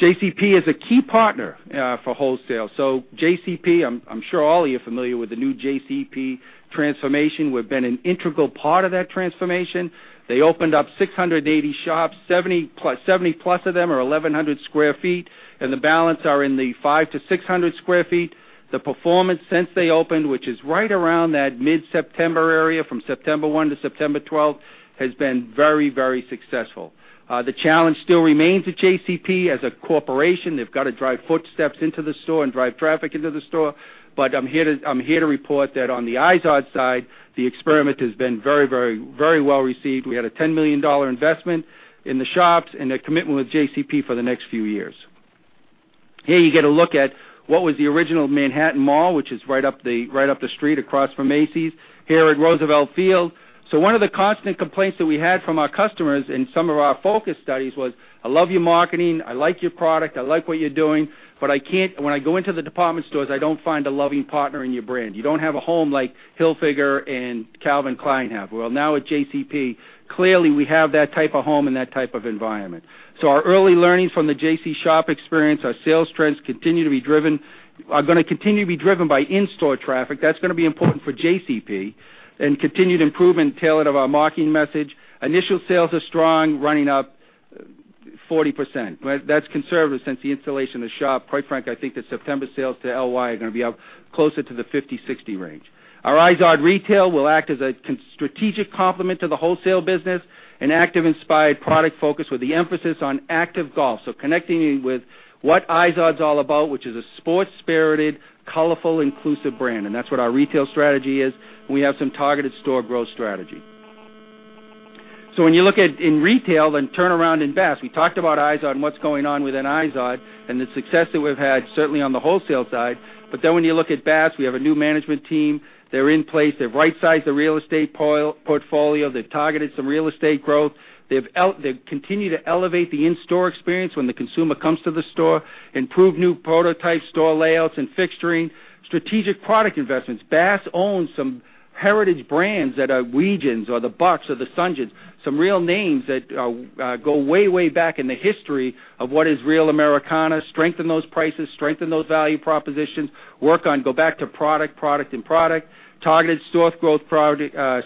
JCP is a key partner for wholesale. JCP, I'm sure all of you are familiar with the new JCP transformation. We've been an integral part of that transformation. They opened up 680 shops, 70+ of them are 1,100 sq ft, and the balance are in the five to 600 sq ft. The performance since they opened, which is right around that mid-September area, from September 1 to September 12, has been very successful. The challenge still remains at JCP as a corporation. They've got to drive footsteps into the store and drive traffic into the store. I'm here to report that on the Izod side, the experiment has been very well received. We had a $10 million investment in the shops and a commitment with JCP for the next few years. Here you get a look at what was the original Manhattan Mall, which is right up the street across from Macy's here at Roosevelt Field. One of the constant complaints that we had from our customers in some of our focus studies was, "I love your marketing, I like your product, I like what you're doing, but when I go into the department stores, I don't find a loving partner in your brand. You don't have a home like Hilfiger and Calvin Klein have." Well, now at JCP, clearly we have that type of home and that type of environment. Our early learnings from the JCP shop experience, our sales trends are going to continue to be driven by in-store traffic. That's going to be important for JCP. Continued improvement and tailoring of our marketing message. Initial sales are strong, running up 40%. That's conservative since the installation of the shop. Quite frankly, I think that September sales to LY are going to be up closer to the 50%-60% range. Our Izod Retail will act as a strategic complement to the wholesale business. An active inspired product focus with the emphasis on active golf. Connecting you with what Izod's all about, which is a sports spirited, colorful, inclusive brand, and that's what our retail strategy is. We have some targeted store growth strategy. When you look at in retail and turnaround in Bass, we talked about Izod and what's going on within Izod and the success that we've had certainly on the wholesale side. When you look at Bass, we have a new management team. They're in place. They've right-sized the real estate portfolio. They've targeted some real estate growth. They've continued to elevate the in-store experience when the consumer comes to the store. Improved new prototype store layouts and fixturing. Strategic product investments. Bass owns some heritage brands that are Weejuns or the Bucks or the St. John's. Some real names that go way back in the history of what is real Americana. Strengthen those prices, strengthen those value propositions. Go back to product. Targeted store growth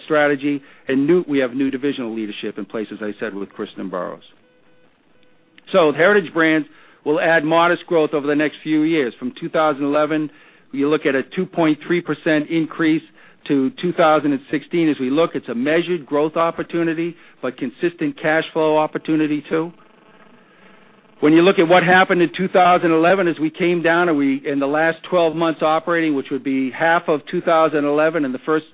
strategy. And we have new divisional leadership in place, as I said, with Kristin Burrows. Heritage Brands will add modest growth over the next few years. From 2011, we look at a 2.3% increase to 2016. As we look, it's a measured growth opportunity, but consistent cash flow opportunity, too. When you look at what happened in 2011, as we came down and we, in the last 12 months operating, which would be half of 2011 and the first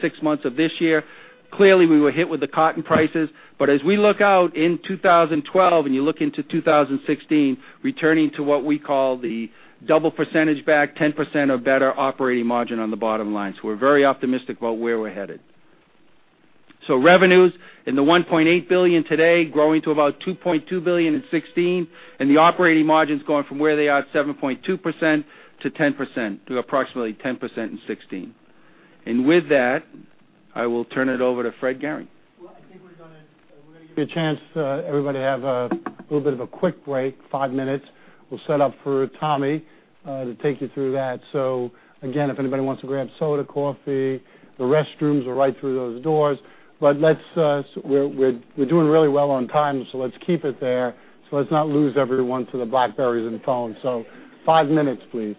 6 months of this year, clearly, we were hit with the cotton prices. As we look out in 2012 and you look into 2016, returning to what we call the double percentage back, 10% or better operating margin on the bottom line. We're very optimistic about where we're headed. Revenues in the $1.8 billion today, growing to about $2.2 billion in 2016, and the operating margins going from where they are at 7.2% to approximately 10% in 2016. And with that, I will turn it over to Fred Gehring. I think we're going to give a chance for everybody to have a little bit of a quick break, five minutes. We'll set up for Tommy to take you through that. Again, if anybody wants to grab soda, coffee, the restrooms are right through those doors. We're doing really well on time, so let's keep it there. Let's not lose everyone to the BlackBerrys and phones. Five minutes, please.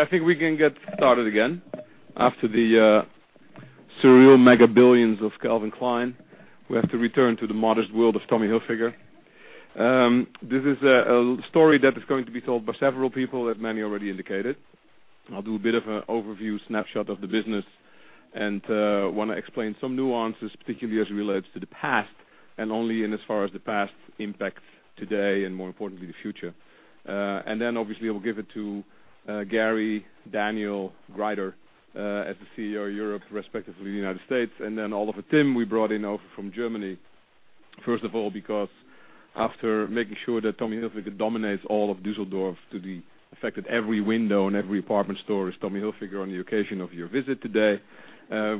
I think we can get started again. After the surreal mega billions of Calvin Klein, we have to return to the modest world of Tommy Hilfiger. This is a story that is going to be told by several people, as many already indicated. I'll do a bit of an overview snapshot of the business and want to explain some nuances, particularly as it relates to the past, and only in as far as the past impacts today and, more importantly, the future. And then, obviously, I will give it to Gary, Daniel Grieder, as the CEO of Europe, respectively the United States, and then Oliver Timm we brought in over from Germany. First of all because after making sure that Tommy Hilfiger dominates all of Düsseldorf to the effect that every window and every apartment store is Tommy Hilfiger on the occasion of your visit today,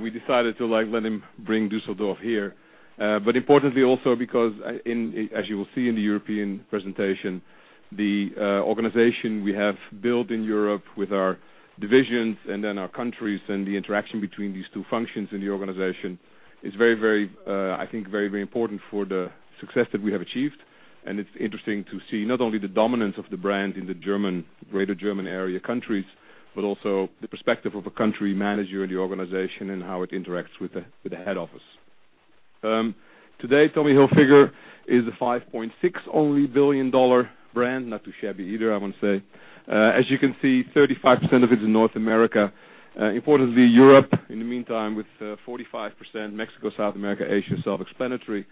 we decided to let him bring Düsseldorf here. Importantly, also because, as you will see in the European presentation, the organization we have built in Europe with our divisions and then our countries, and the interaction between these two functions in the organization is, I think, very important for the success that we have achieved. It's interesting to see not only the dominance of the brand in the greater German area countries, but also the perspective of a country manager in the organization and how it interacts with the head office. Today, Tommy Hilfiger is a $5.6 billion brand. Not too shabby either, I want to say. As you can see, 35% of it is North America. Importantly, Europe, in the meantime, with 45%, Mexico, South America, Asia, self-explanatory.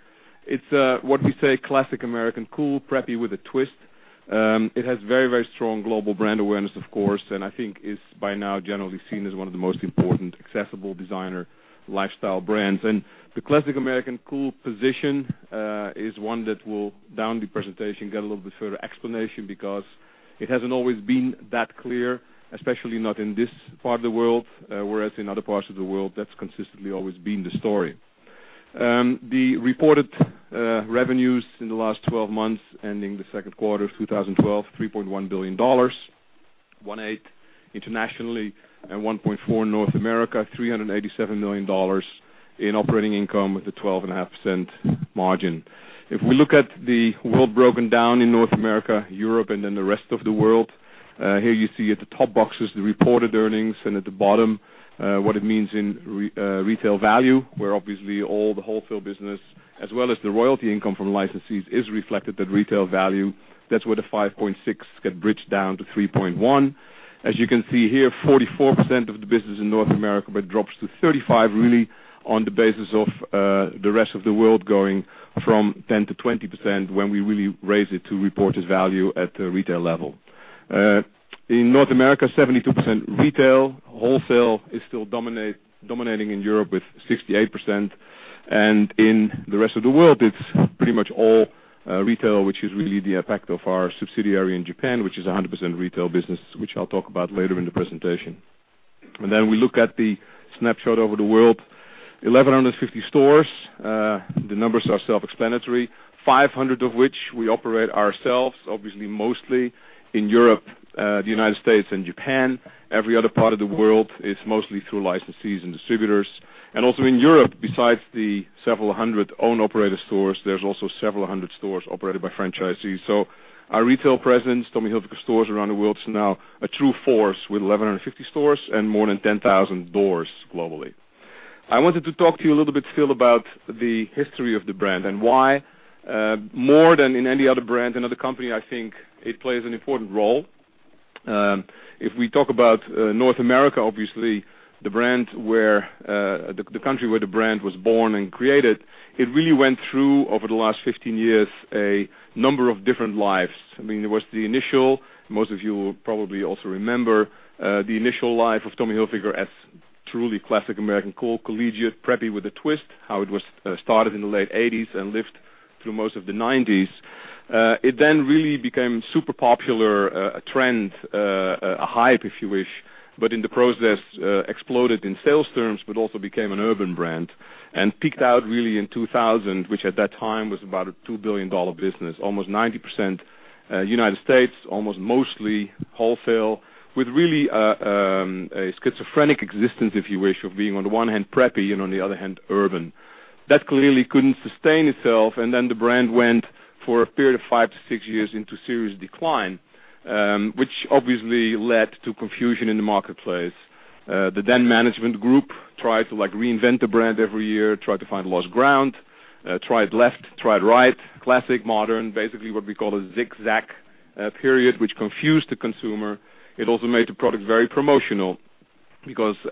It's what we say, classic American cool, preppy with a twist. It has very strong global brand awareness, of course, and I think is by now generally seen as one of the most important accessible designer lifestyle brands. The classic American cool position, is one that will, down the presentation, get a little bit further explanation because it hasn't always been that clear, especially not in this part of the world, whereas in other parts of the world, that's consistently always been the story. The reported revenues in the last 12 months ending the second quarter of 2012, $3.1 billion, $1.8 billion internationally and $1.4 billion North America, $387 million in operating income with a 12.5% margin. If we look at the world broken down in North America, Europe, and then the rest of the world, here you see at the top box is the reported earnings, and at the bottom, what it means in retail value, where obviously all the wholesale business, as well as the royalty income from licensees is reflected at retail value. That's where the $5.6 billion get bridged down to $3.1 billion. As you can see here, 44% of the business in North America, but drops to 35%, really, on the basis of the rest of the world going from 10% to 20% when we really raise it to reported value at the retail level. In North America, 72% retail. Wholesale is still dominating in Europe with 68%, in the rest of the world, it's pretty much all retail, which is really the effect of our subsidiary in Japan, which is 100% retail business, which I'll talk about later in the presentation. Then we look at the snapshot over the world. 1,150 stores. The numbers are self-explanatory. 500 of which we operate ourselves, obviously, mostly in Europe, the U.S., and Japan. Every other part of the world is mostly through licensees and distributors. Also in Europe, besides the several hundred own operator stores, there's also several hundred stores operated by franchisees. So our retail presence, Tommy Hilfiger stores around the world, is now a true force with 1,150 stores and more than 10,000 doors globally. I wanted to talk to you a little bit still about the history of the brand and why, more than in any other brand, another company, I think it plays an important role. If we talk about North America, obviously, the country where the brand was born and created, it really went through, over the last 15 years, a number of different lives. There was the initial, most of you will probably also remember, the initial life of Tommy Hilfiger as truly classic American cool, collegiate preppy with a twist, how it was started in the late '80s and lived through most of the '90s. It really became super popular, a trend, a hype, if you wish, but in the process, exploded in sales terms, but also became an urban brand and peaked out really in 2000, which at that time was about a $2 billion business. Almost 90% U.S., almost mostly wholesale, with really a schizophrenic existence, if you wish, of being, on the one hand, preppy, and on the other hand, urban. That clearly couldn't sustain itself. The brand went for a period of five to six years into serious decline, which obviously led to confusion in the marketplace. The management group tried to reinvent the brand every year, tried to find lost ground, tried left, tried right, classic, modern, basically what we call a zigzag period, which confused the consumer. It also made the product very promotional.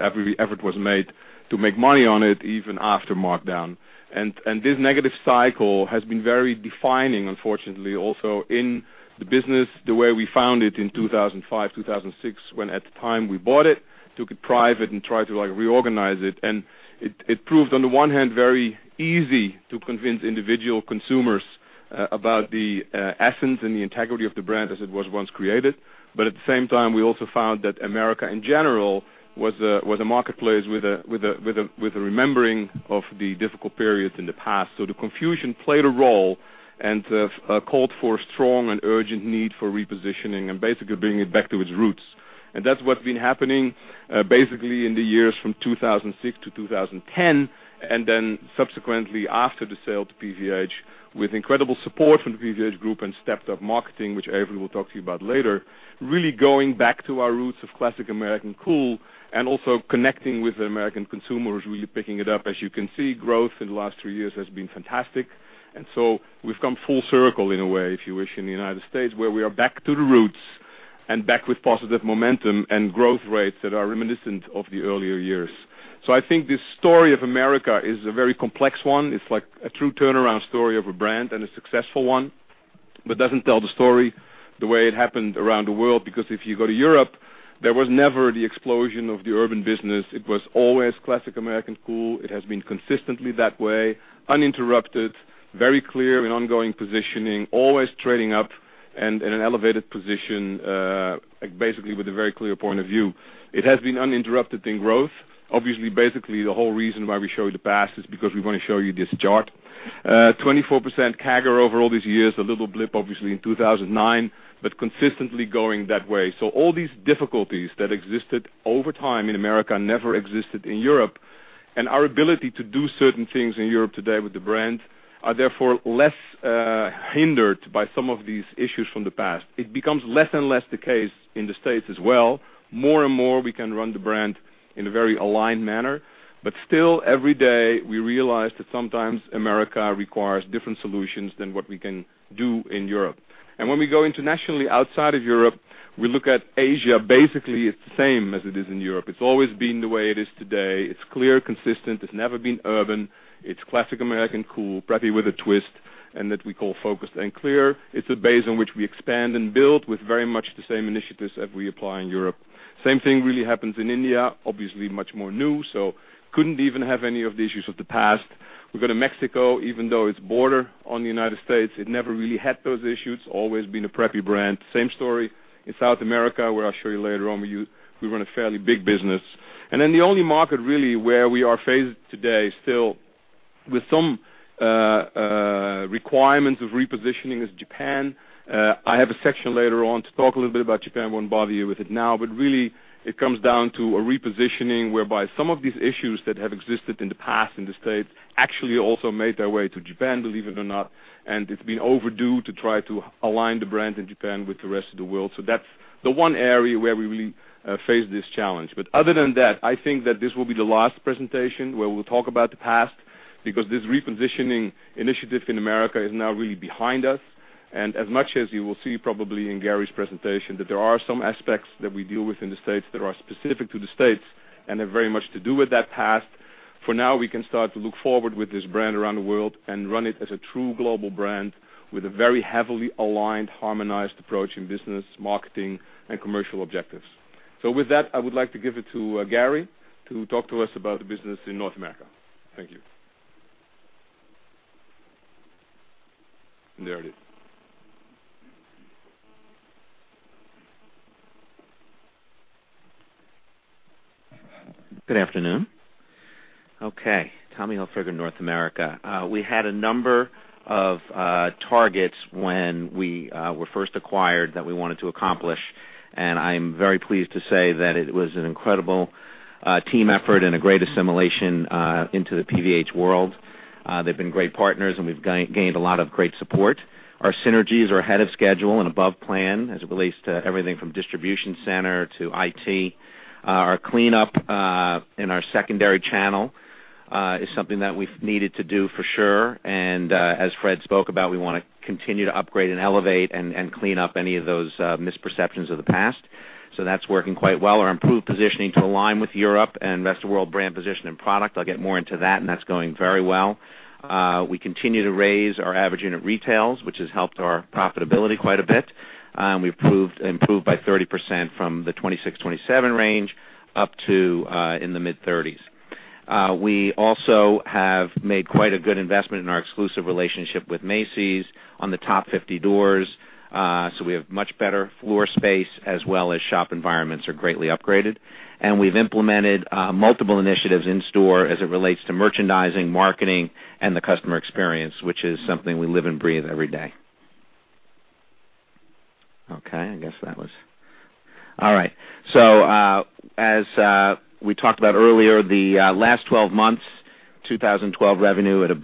Every effort was made to make money on it, even after markdown. This negative cycle has been very defining, unfortunately, also in the business the way we found it in 2005, 2006, when at the time we bought it, took it private, and tried to reorganize it. It proved, on the one hand, very easy to convince individual consumers about the essence and the integrity of the brand as it was once created. At the same time, we also found that America, in general, was a marketplace with a remembering of the difficult periods in the past. The confusion played a role and called for a strong and urgent need for repositioning and basically bringing it back to its roots. That's what's been happening, basically in the years from 2006 to 2010, and subsequently after the sale to PVH, with incredible support from the PVH group and stepped-up marketing, which Avery will talk to you about later. Really going back to our roots of classic American cool and also connecting with American consumers, really picking it up. As you can see, growth in the last three years has been fantastic. We've come full circle in a way, if you wish, in the U.S., where we are back to the roots and back with positive momentum and growth rates that are reminiscent of the earlier years. I think this story of America is a very complex one. It's like a true turnaround story of a brand and a successful one. It doesn't tell the story the way it happened around the world, because if you go to Europe, there was never the explosion of the urban business. It was always classic American cool. It has been consistently that way, uninterrupted, very clear and ongoing positioning, always trading up and in an elevated position, basically with a very clear point of view. It has been uninterrupted in growth. Obviously, basically, the whole reason why we show you the past is because we want to show you this chart. 24% CAGR over all these years. A little blip obviously in 2009, but consistently going that way. All these difficulties that existed over time in America never existed in Europe. Our ability to do certain things in Europe today with the brand are therefore less hindered by some of these issues from the past. It becomes less and less the case in the States as well. More and more, we can run the brand in a very aligned manner, but still, every day, we realize that sometimes America requires different solutions than what we can do in Europe. When we go internationally outside of Europe, we look at Asia, basically it's the same as it is in Europe. It's always been the way it is today. It's clear, consistent. It's never been urban. It's classic American cool, preppy with a twist, and that we call focused and clear. It's a base on which we expand and build with very much the same initiatives that we apply in Europe. Same thing really happens in India. Obviously, much more new, so couldn't even have any of the issues of the past. We go to Mexico. Even though it's border on the United States, it never really had those issues. Always been a preppy brand. Same story in South America, where I'll show you later on. We run a fairly big business. The only market really where we are faced today, still with some requirements of repositioning, is Japan. I have a section later on to talk a little bit about Japan. Won't bother you with it now, but really it comes down to a repositioning whereby some of these issues that have existed in the past in the States actually also made their way to Japan, believe it or not. It's been overdue to try to align the brand in Japan with the rest of the world. That's the one area where we really face this challenge. Other than that, I think that this will be the last presentation where we'll talk about the past because this repositioning initiative in America is now really behind us. As much as you will see probably in Gary's presentation, that there are some aspects that we deal with in the States that are specific to the States and have very much to do with that past. For now, we can start to look forward with this brand around the world and run it as a true global brand with a very heavily aligned, harmonized approach in business, marketing, and commercial objectives. With that, I would like to give it to Gary to talk to us about the business in North America. Thank you. There it is. Good afternoon. Tommy Hilfiger, North America. We had a number of targets when we were first acquired that we wanted to accomplish, and I'm very pleased to say that it was an incredible team effort and a great assimilation into the PVH world. They've been great partners, and we've gained a lot of great support. Our synergies are ahead of schedule and above plan as it relates to everything from distribution center to IT. Our cleanup in our secondary channel is something that we've needed to do for sure. As Fred spoke about, we want to continue to upgrade and elevate and clean up any of those misperceptions of the past. That's working quite well. Our improved positioning to align with Europe and rest of world brand position and product. I'll get more into that, and that's going very well. We continue to raise our average unit retails, which has helped our profitability quite a bit. We've improved by 30% from the 26-27 range up to in the mid-30s. We also have made quite a good investment in our exclusive relationship with Macy's on the top 50 doors. We have much better floor space as well as shop environments are greatly upgraded. We've implemented multiple initiatives in store as it relates to merchandising, marketing, and the customer experience, which is something we live and breathe every day. As we talked about earlier, the last 12 months, 2012 revenue at $1.4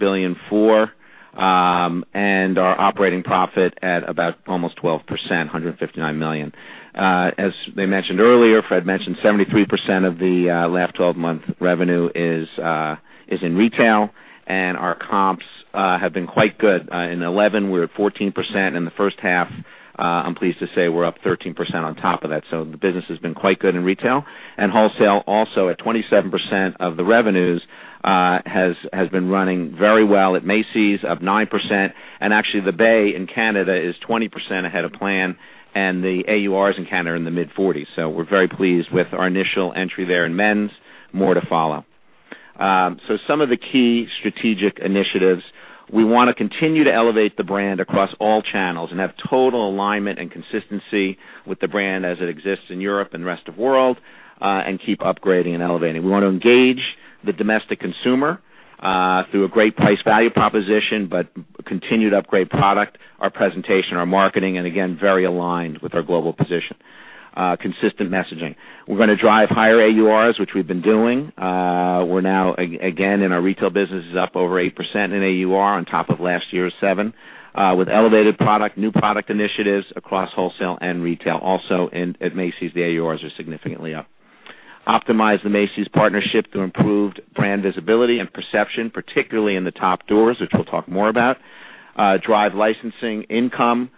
billion. Our operating profit at almost 12%, $159 million. As they mentioned earlier, Fred mentioned 73% of the last 12-month revenue is in retail, and our comps have been quite good. In 2011, we're at 14%. In the first half, I'm pleased to say we're up 13% on top of that. The business has been quite good in retail. Wholesale, also at 27% of the revenues has been running very well at Macy's, up 9%. Actually, The Bay in Canada is 20% ahead of plan, and the AURs in Canada are in the mid-40s. We're very pleased with our initial entry there in men's. More to follow. Some of the key strategic initiatives. We want to continue to elevate the brand across all channels and have total alignment and consistency with the brand as it exists in Europe and the rest of world, and keep upgrading and elevating. We want to engage the domestic consumer through a great price-value proposition, but continued upgrade product, our presentation, our marketing, and again, very aligned with our global position. Consistent messaging. We're going to drive higher AURs, which we've been doing. We're now, again, in our retail business is up over 8% in AUR on top of last year's 7%. With elevated product, new product initiatives across wholesale and retail. Also at Macy's, the AURs are significantly up. Optimize the Macy's partnership through improved brand visibility and perception, particularly in the top doors, which we'll talk more about. Drive licensing income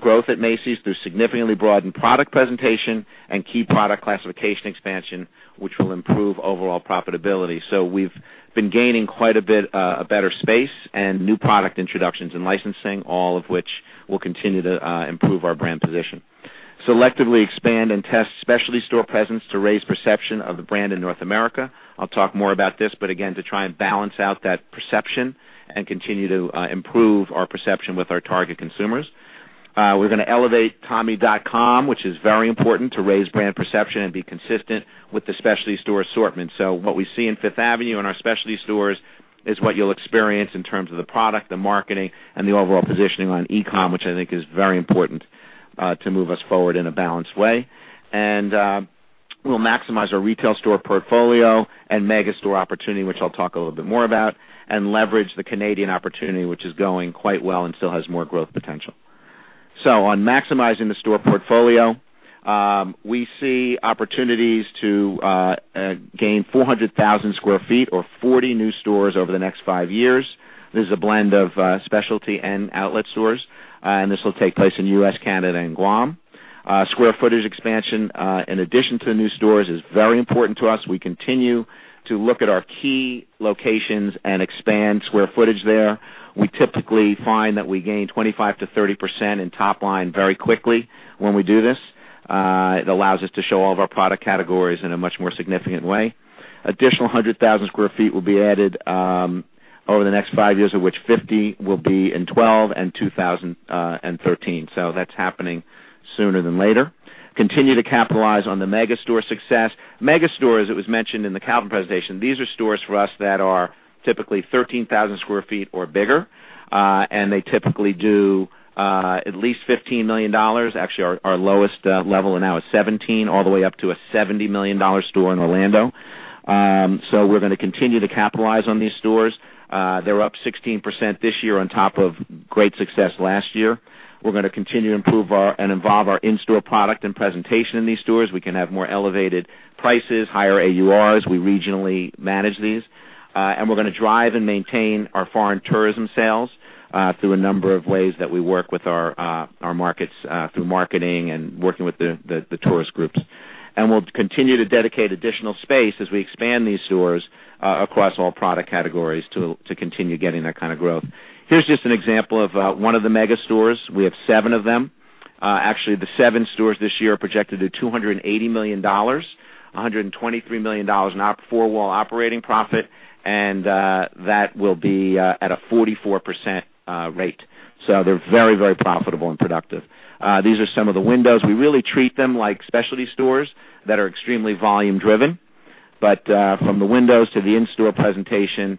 growth at Macy's through significantly broadened product presentation and key product classification expansion, which will improve overall profitability. We've been gaining quite a bit, a better space and new product introductions and licensing, all of which will continue to improve our brand position. Selectively expand and test specialty store presence to raise perception of the brand in North America. I'll talk more about this, to try and balance out that perception and continue to improve our perception with our target consumers. We're going to elevate tommy.com, which is very important to raise brand perception and be consistent with the specialty store assortment. What we see in Fifth Avenue in our specialty stores is what you'll experience in terms of the product, the marketing, and the overall positioning on e-com, which I think is very important to move us forward in a balanced way. We'll maximize our retail store portfolio and mega store opportunity, which I'll talk a little bit more about, and leverage the Canadian opportunity, which is going quite well and still has more growth potential. On maximizing the store portfolio, we see opportunities to gain 400,000 square feet or 40 new stores over the next five years. This is a blend of specialty and outlet stores, this will take place in U.S., Canada, and Guam. Square footage expansion, in addition to new stores, is very important to us. We continue to look at our key locations and expand square footage there. We typically find that we gain 25%-30% in top line very quickly when we do this. It allows us to show all of our product categories in a much more significant way. Additional 100,000 square feet will be added over the next five years, of which 50 will be in 2012 and 2013. That's happening sooner than later. Continue to capitalize on the mega store success. Mega store, as it was mentioned in the Calvin presentation, these are stores for us that are typically 13,000 square feet or bigger. They typically do at least $15 million. Actually, our lowest level now is $17, all the way up to a $70 million store in Orlando. We're going to continue to capitalize on these stores. They're up 16% this year on top of great success last year. We're going to continue to improve and evolve our in-store product and presentation in these stores. We can have more elevated prices, higher AURs. We regionally manage these. We're going to drive and maintain our foreign tourism sales through a number of ways that we work with our markets through marketing and working with the tourist groups. We'll continue to dedicate additional space as we expand these stores across all product categories to continue getting that kind of growth. Here's just an example of one of the mega stores. We have seven of them. Actually, the seven stores this year are projected at $280 million, $123 million in our four-wall operating profit, that will be at a 44% rate. They're very profitable and productive. These are some of the windows. We really treat them like specialty stores that are extremely volume driven. From the windows to the in-store presentation,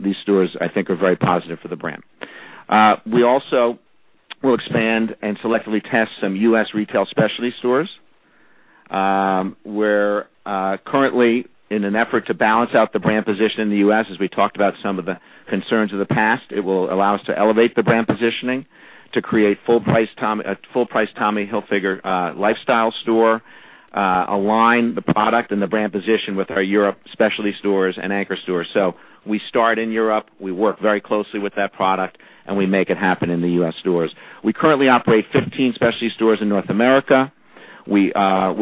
these stores, I think, are very positive for the brand. We also will expand and selectively test some U.S. retail specialty stores, where currently, in an effort to balance out the brand position in the U.S., as we talked about some of the concerns of the past, it will allow us to elevate the brand positioning to create a full-price Tommy Hilfiger lifestyle store, align the product and the brand position with our Europe specialty stores and anchor stores. We start in Europe, we work very closely with that product, and we make it happen in the U.S. stores. We currently operate 15 specialty stores in North America. We're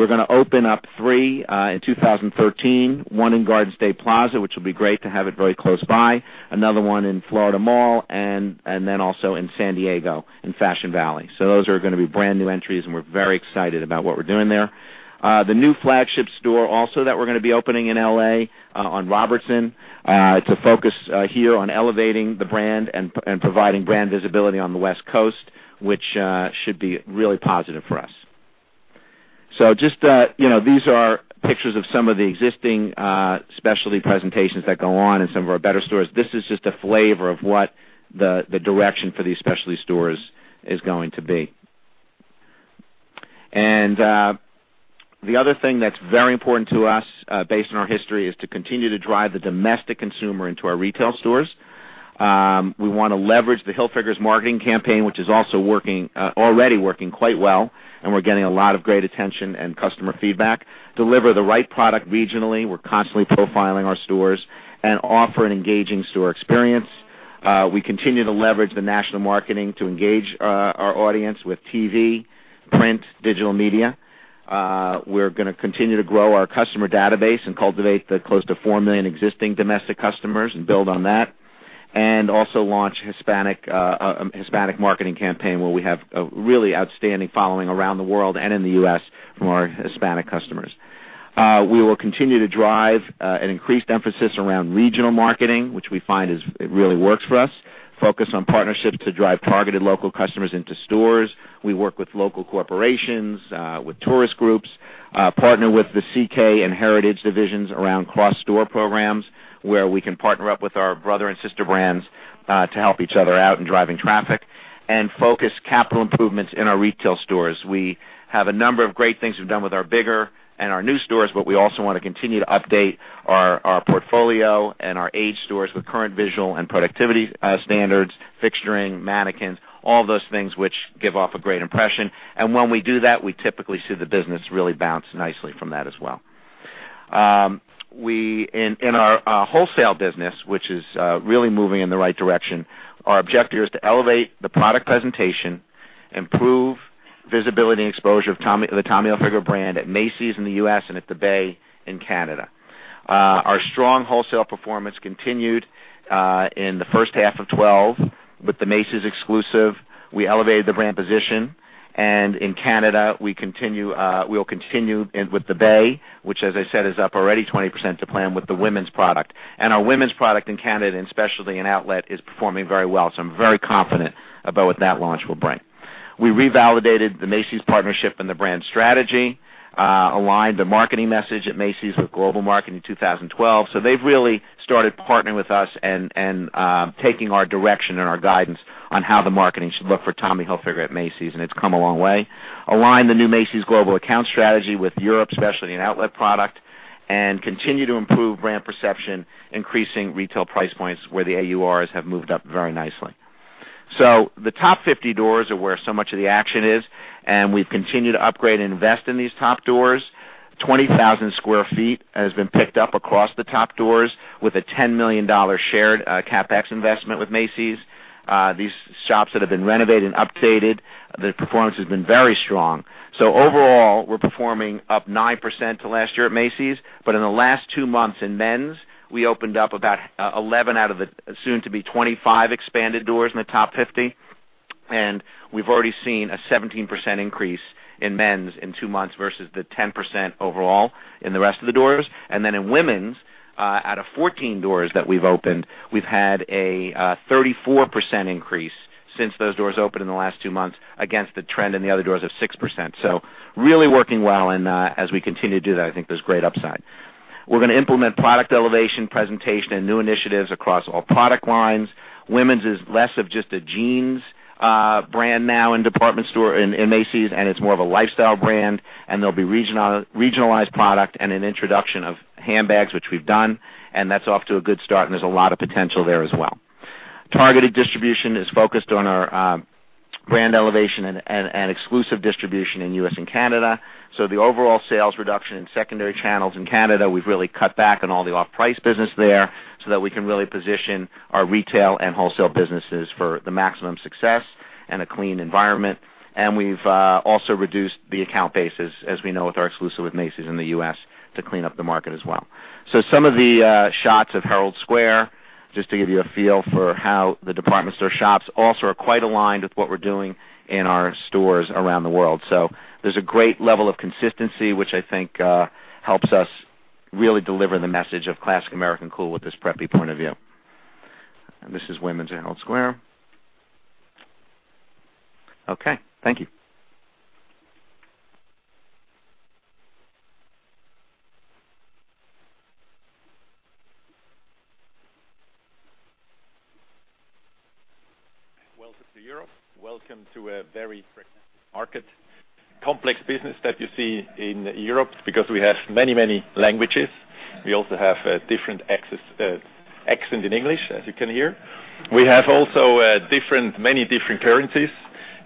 going to open up three in 2013, one in Garden State Plaza, which will be great to have it very close by, another one in Florida Mall, and then also in San Diego in Fashion Valley. Those are going to be brand new entries, and we're very excited about what we're doing there. The new flagship store also that we're going to be opening in L.A. on Robertson to focus here on elevating the brand and providing brand visibility on the West Coast, which should be really positive for us. Just these are pictures of some of the existing specialty presentations that go on in some of our better stores. This is just a flavor of what the direction for these specialty stores is going to be. The other thing that's very important to us, based on our history, is to continue to drive the domestic consumer into our retail stores. We want to leverage The Hilfigers marketing campaign, which is also already working quite well, and we're getting a lot of great attention and customer feedback. Deliver the right product regionally. We're constantly profiling our stores and offer an engaging store experience. We continue to leverage the national marketing to engage our audience with TV, print, digital media. We're going to continue to grow our customer database and cultivate the close to 4 million existing domestic customers and build on that. Also launch Hispanic marketing campaign, where we have a really outstanding following around the world and in the U.S. from our Hispanic customers. We will continue to drive an increased emphasis around regional marketing, which we find really works for us. Focus on partnerships to drive targeted local customers into stores. We work with local corporations, with tourist groups, partner with the CK and Heritage divisions around cross-store programs, where we can partner up with our brother and sister brands, to help each other out in driving traffic. Focus capital improvements in our retail stores. We have a number of great things we've done with our bigger and our new stores, but we also want to continue to update our portfolio and our aged stores with current visual and productivity standards, fixturing, mannequins, all those things which give off a great impression. When we do that, we typically see the business really bounce nicely from that as well. In our wholesale business, which is really moving in the right direction, our objective is to elevate the product presentation, improve visibility and exposure of the Tommy Hilfiger brand at Macy's in the U.S. and at The Bay in Canada. Our strong wholesale performance continued in the first half of 2012. With the Macy's exclusive, we elevated the brand position. In Canada, we'll continue with The Bay, which, as I said, is up already 20% to plan with the women's product. Our women's product in Canada, and especially in outlet, is performing very well. I'm very confident about what that launch will bring. We revalidated the Macy's partnership and the brand strategy, aligned the marketing message at Macy's with global marketing 2012. They've really started partnering with us and taking our direction and our guidance on how the marketing should look for Tommy Hilfiger at Macy's, and it's come a long way. Aligned the new Macy's global account strategy with Europe specialty and outlet product, and continue to improve brand perception, increasing retail price points where the AURs have moved up very nicely. The top 50 doors are where so much of the action is, and we've continued to upgrade and invest in these top doors. 20,000 sq ft has been picked up across the top doors with a $10 million shared CapEx investment with Macy's. These shops that have been renovated and updated, the performance has been very strong. Overall, we're performing up 9% to last year at Macy's. In the last two months in men's, we opened up about 11 out of the soon-to-be 25 expanded doors in the top 50, and we've already seen a 17% increase in men's in two months versus the 10% overall in the rest of the doors. In women's, out of 14 doors that we've opened, we've had a 34% increase since those doors opened in the last two months against the trend in the other doors of 6%. Really working well, and as we continue to do that, I think there's great upside. We're going to implement product elevation presentation and new initiatives across all product lines. Women's is less of just a jeans brand now in department store in Macy's, and it's more of a lifestyle brand. There'll be regionalized product and an introduction of handbags, which we've done, and that's off to a good start, and there's a lot of potential there as well. Targeted distribution is focused on our brand elevation and exclusive distribution in U.S. and Canada. The overall sales reduction in secondary channels in Canada, we've really cut back on all the off-price business there so that we can really position our retail and wholesale businesses for the maximum success and a clean environment. We've also reduced the account bases, as we know with our exclusive with Macy's in the U.S., to clean up the market as well. Some of the shots of Herald Square, just to give you a feel for how the department store shops also are quite aligned with what we're doing in our stores around the world. There's a great level of consistency, which I think helps us really deliver the message of classic American cool with this preppy point of view. This is women's at Herald Square. Okay. Thank you. Welcome to Europe. Welcome to a very market, complex business that you see in Europe because we have many languages. We also have different accent in English, as you can hear. We have also many different currencies.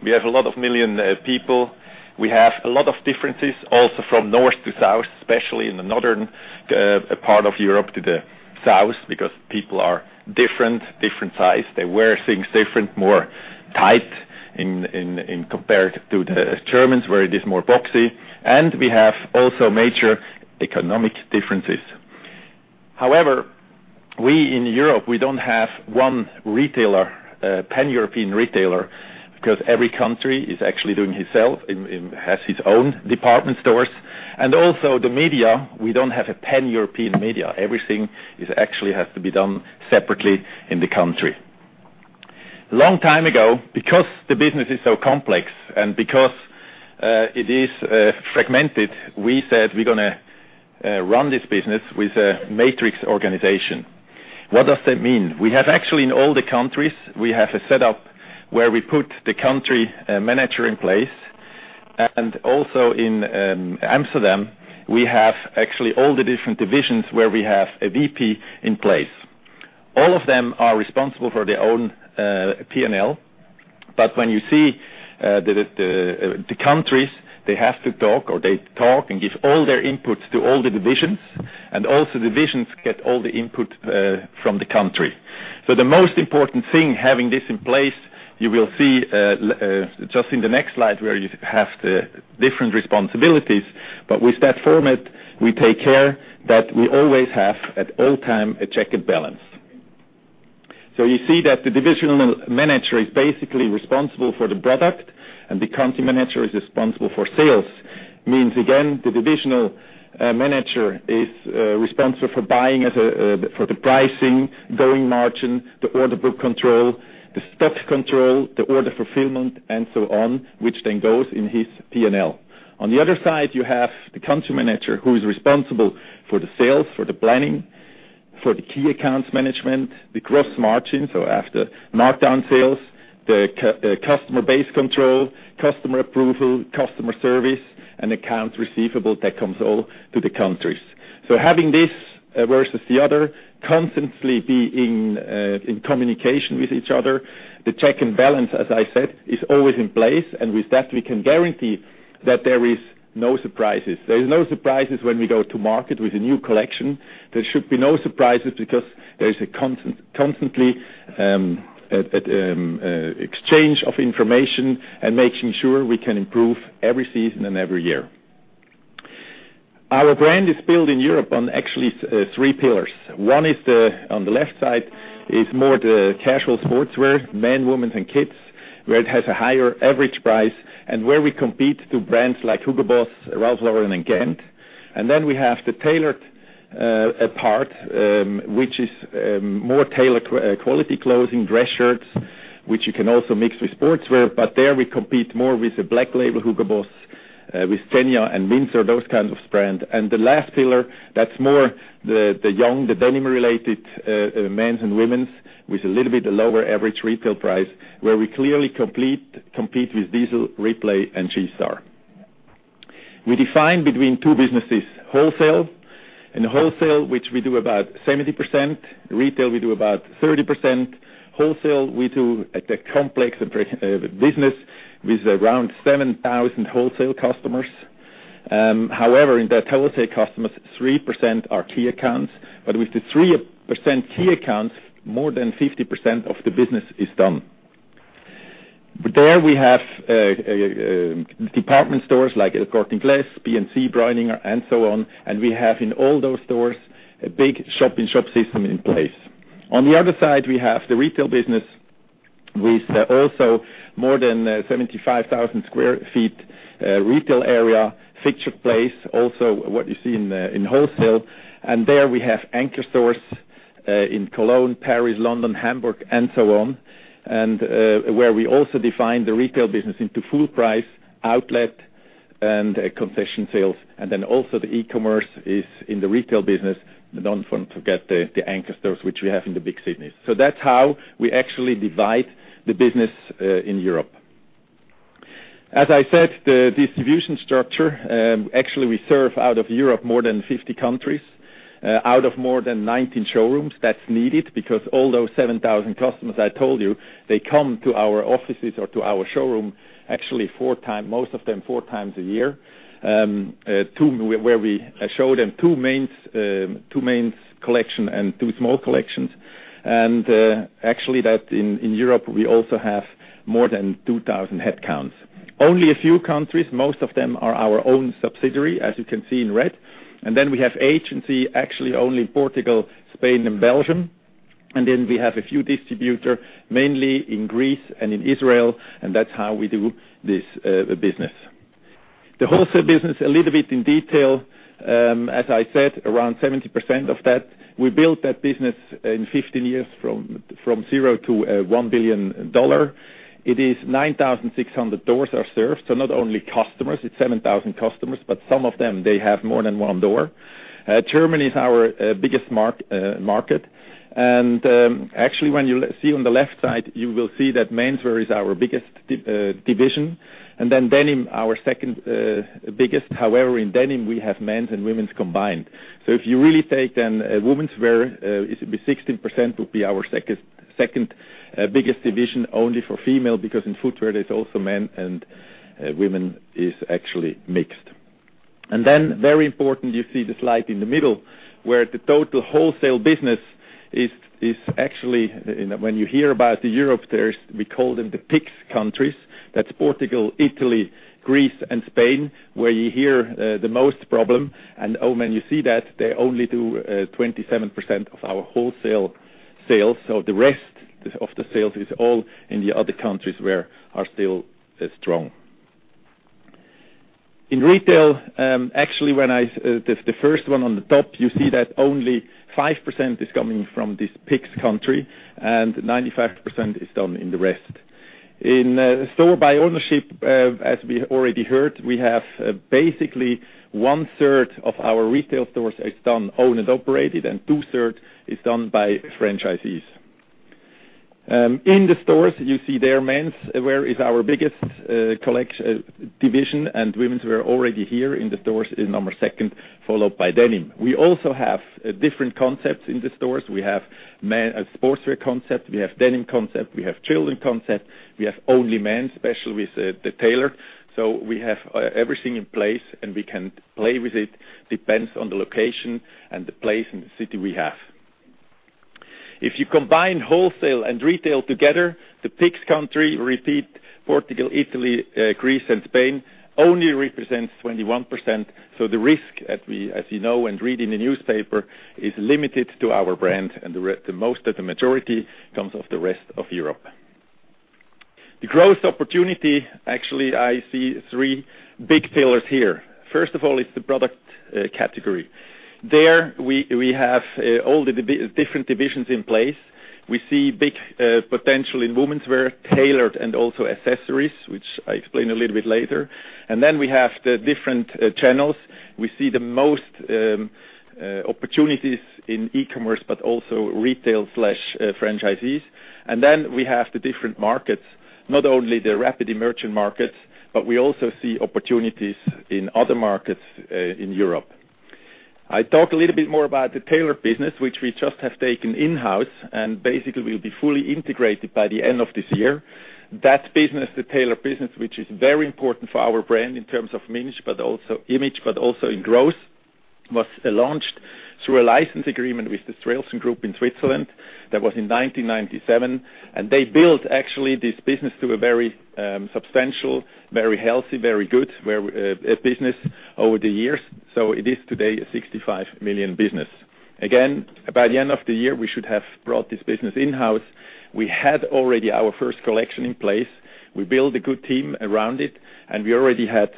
We have a lot of million people. We have a lot of differences also from north to south, especially in the northern part of Europe to the south because people are different size. They wear things different, more tight compared to the Germans where it is more boxy. We have also major economic differences. However, we in Europe, we don't have one pan-European retailer because every country is actually doing itself and has its own department stores. Also the media, we don't have a pan-European media. Everything actually has to be done separately in the country. A long time ago, because the business is so complex and because it is fragmented, we said we're going to run this business with a matrix organization. What does that mean? We have actually in all the countries, we have a setup where we put the country manager in place, and also in Amsterdam, we have actually all the different divisions where we have a VP in place. All of them are responsible for their own P&L. When you see the countries, they have to talk or they talk and give all their inputs to all the divisions, and also divisions get all the input from the country. The most important thing, having this in place, you will see just in the next slide where you have the different responsibilities. With that format, we take care that we always have, at all time, a check and balance. You see that the divisional manager is basically responsible for the product and the country manager is responsible for sales. Means, again, the divisional manager is responsible for the pricing, going margin, the order book control, the stock control, the order fulfillment, and so on, which then goes in his P&L. On the other side, you have the country manager who is responsible for the sales, for the planning, for the key accounts management, the gross margin, so after markdown sales, the customer base control, customer approval, customer service, and accounts receivable. That comes all to the countries. Having this versus the other, constantly be in communication with each other. The check and balance, as I said, is always in place. With that, we can guarantee that there is no surprises. There is no surprises when we go to market with a new collection. There should be no surprises because there is a constantly exchange of information and making sure we can improve every season and every year. Our brand is built in Europe on actually three pillars. One is, on the left side, is more the casual sportswear, men, women, and kids, where it has a higher average price and where we compete to brands like Hugo Boss, Ralph Lauren, and Gant. Then we have the tailored part, which is more tailored quality clothing, dress shirts, which you can also mix with sportswear, but there we compete more with the Black Label Hugo Boss, with Zegna and Windsor, those kinds of brand. The last pillar, that's more the young, the denim-related men's and women's, with a little bit lower average retail price, where we clearly compete with Diesel, Replay, and G-Star. We define between two businesses, wholesale. In wholesale, which we do about 70%. Retail, we do about 30%. Wholesale, we do a complex business with around 7,000 wholesale customers. However, in that wholesale customers, 3% are key accounts. With the 3% key accounts, more than 50% of the business is done. There we have department stores like El Corte Inglés, P&C, Breuninger, and so on, we have in all those stores a big shop-in-shop system in place. On the other side, we have the retail business with also more than 75,000 sq ft retail area, featured place, also what you see in wholesale. There we have anchor stores in Cologne, Paris, London, Hamburg, and so on, where we also define the retail business into full price, outlet, and concession sales. Also the e-commerce is in the retail business. We don't want to forget the anchor stores, which we have in the big cities. That's how we actually divide the business in Europe. As I said, the distribution structure, actually, we serve out of Europe, more than 50 countries, out of more than 19 showrooms. That's needed because all those 7,000 customers I told you, they come to our offices or to our showroom, actually, most of them four times a year, where we show them two main collection and two small collections. Actually, that in Europe, we also have more than 2,000 headcounts. Only a few countries, most of them are our own subsidiary, as you can see in red. We have agency, actually, only Portugal, Spain, and Belgium. We have a few distributor, mainly in Greece and in Israel, and that's how we do this business. The wholesale business, a little bit in detail. As I said, around 70% of that, we built that business in 15 years from zero to $1 billion. It is 9,600 doors are served. Not only customers, it's 7,000 customers, but some of them, they have more than one door. Germany is our biggest market. Actually, when you see on the left side, you will see that menswear is our biggest division, then denim, our second biggest. However, in denim, we have men's and women's combined. If you really take then womenswear, it would be 16% would be our second biggest division only for female, because in footwear, it's also men and women is actually mixed. Very important, you see the slide in the middle where the total wholesale business is actually, when you hear about the Europe, we call them the PIGS countries. That's Portugal, Italy, Greece, and Spain, where you hear the most problem. When you see that, they only do 27% of our wholesale sales. The rest of the sales is all in the other countries where are still strong. In retail, actually, the first one on the top, you see that only 5% is coming from this PIGS country and 95% is done in the rest. In store by ownership, as we already heard, we have basically one-third of our retail stores is done owned and operated, and two-third is done by franchisees. In the stores, you see there menswear is our biggest division, and womenswear already here in the stores is number second, followed by denim. We also have different concepts in the stores. We have sportswear concept. We have denim concept. We have children concept. We have only men special with the tailor. We have everything in place, and we can play with it, depends on the location and the place in the city we have. If you combine wholesale and retail together, the PIGS country, repeat, Portugal, Italy, Greece, and Spain, only represents 21%. The risk, as you know and read in the newspaper, is limited to our brand, and the most of the majority comes of the rest of Europe. The growth opportunity, actually, I see three big pillars here. First of all, it's the product category. There we have all the different divisions in place. We see big potential in womenswear, tailored, and also accessories, which I explain a little bit later. We have the different channels. We see the most opportunities in e-commerce but also retail/franchisees. We have the different markets, not only the rapid emerging markets, but we also see opportunities in other markets in Europe. I talk a little bit more about the tailor business, which we just have taken in-house and basically will be fully integrated by the end of this year. That business, the tailor business, which is very important for our brand in terms of image, but also in growth, was launched through a license agreement with the Strellson Group in Switzerland. That was in 1997. They built, actually, this business to a very substantial, very healthy, very good business over the years. It is today a $65 million business. Again, by the end of the year, we should have brought this business in-house. We had already our first collection in place. We built a good team around it, and we already had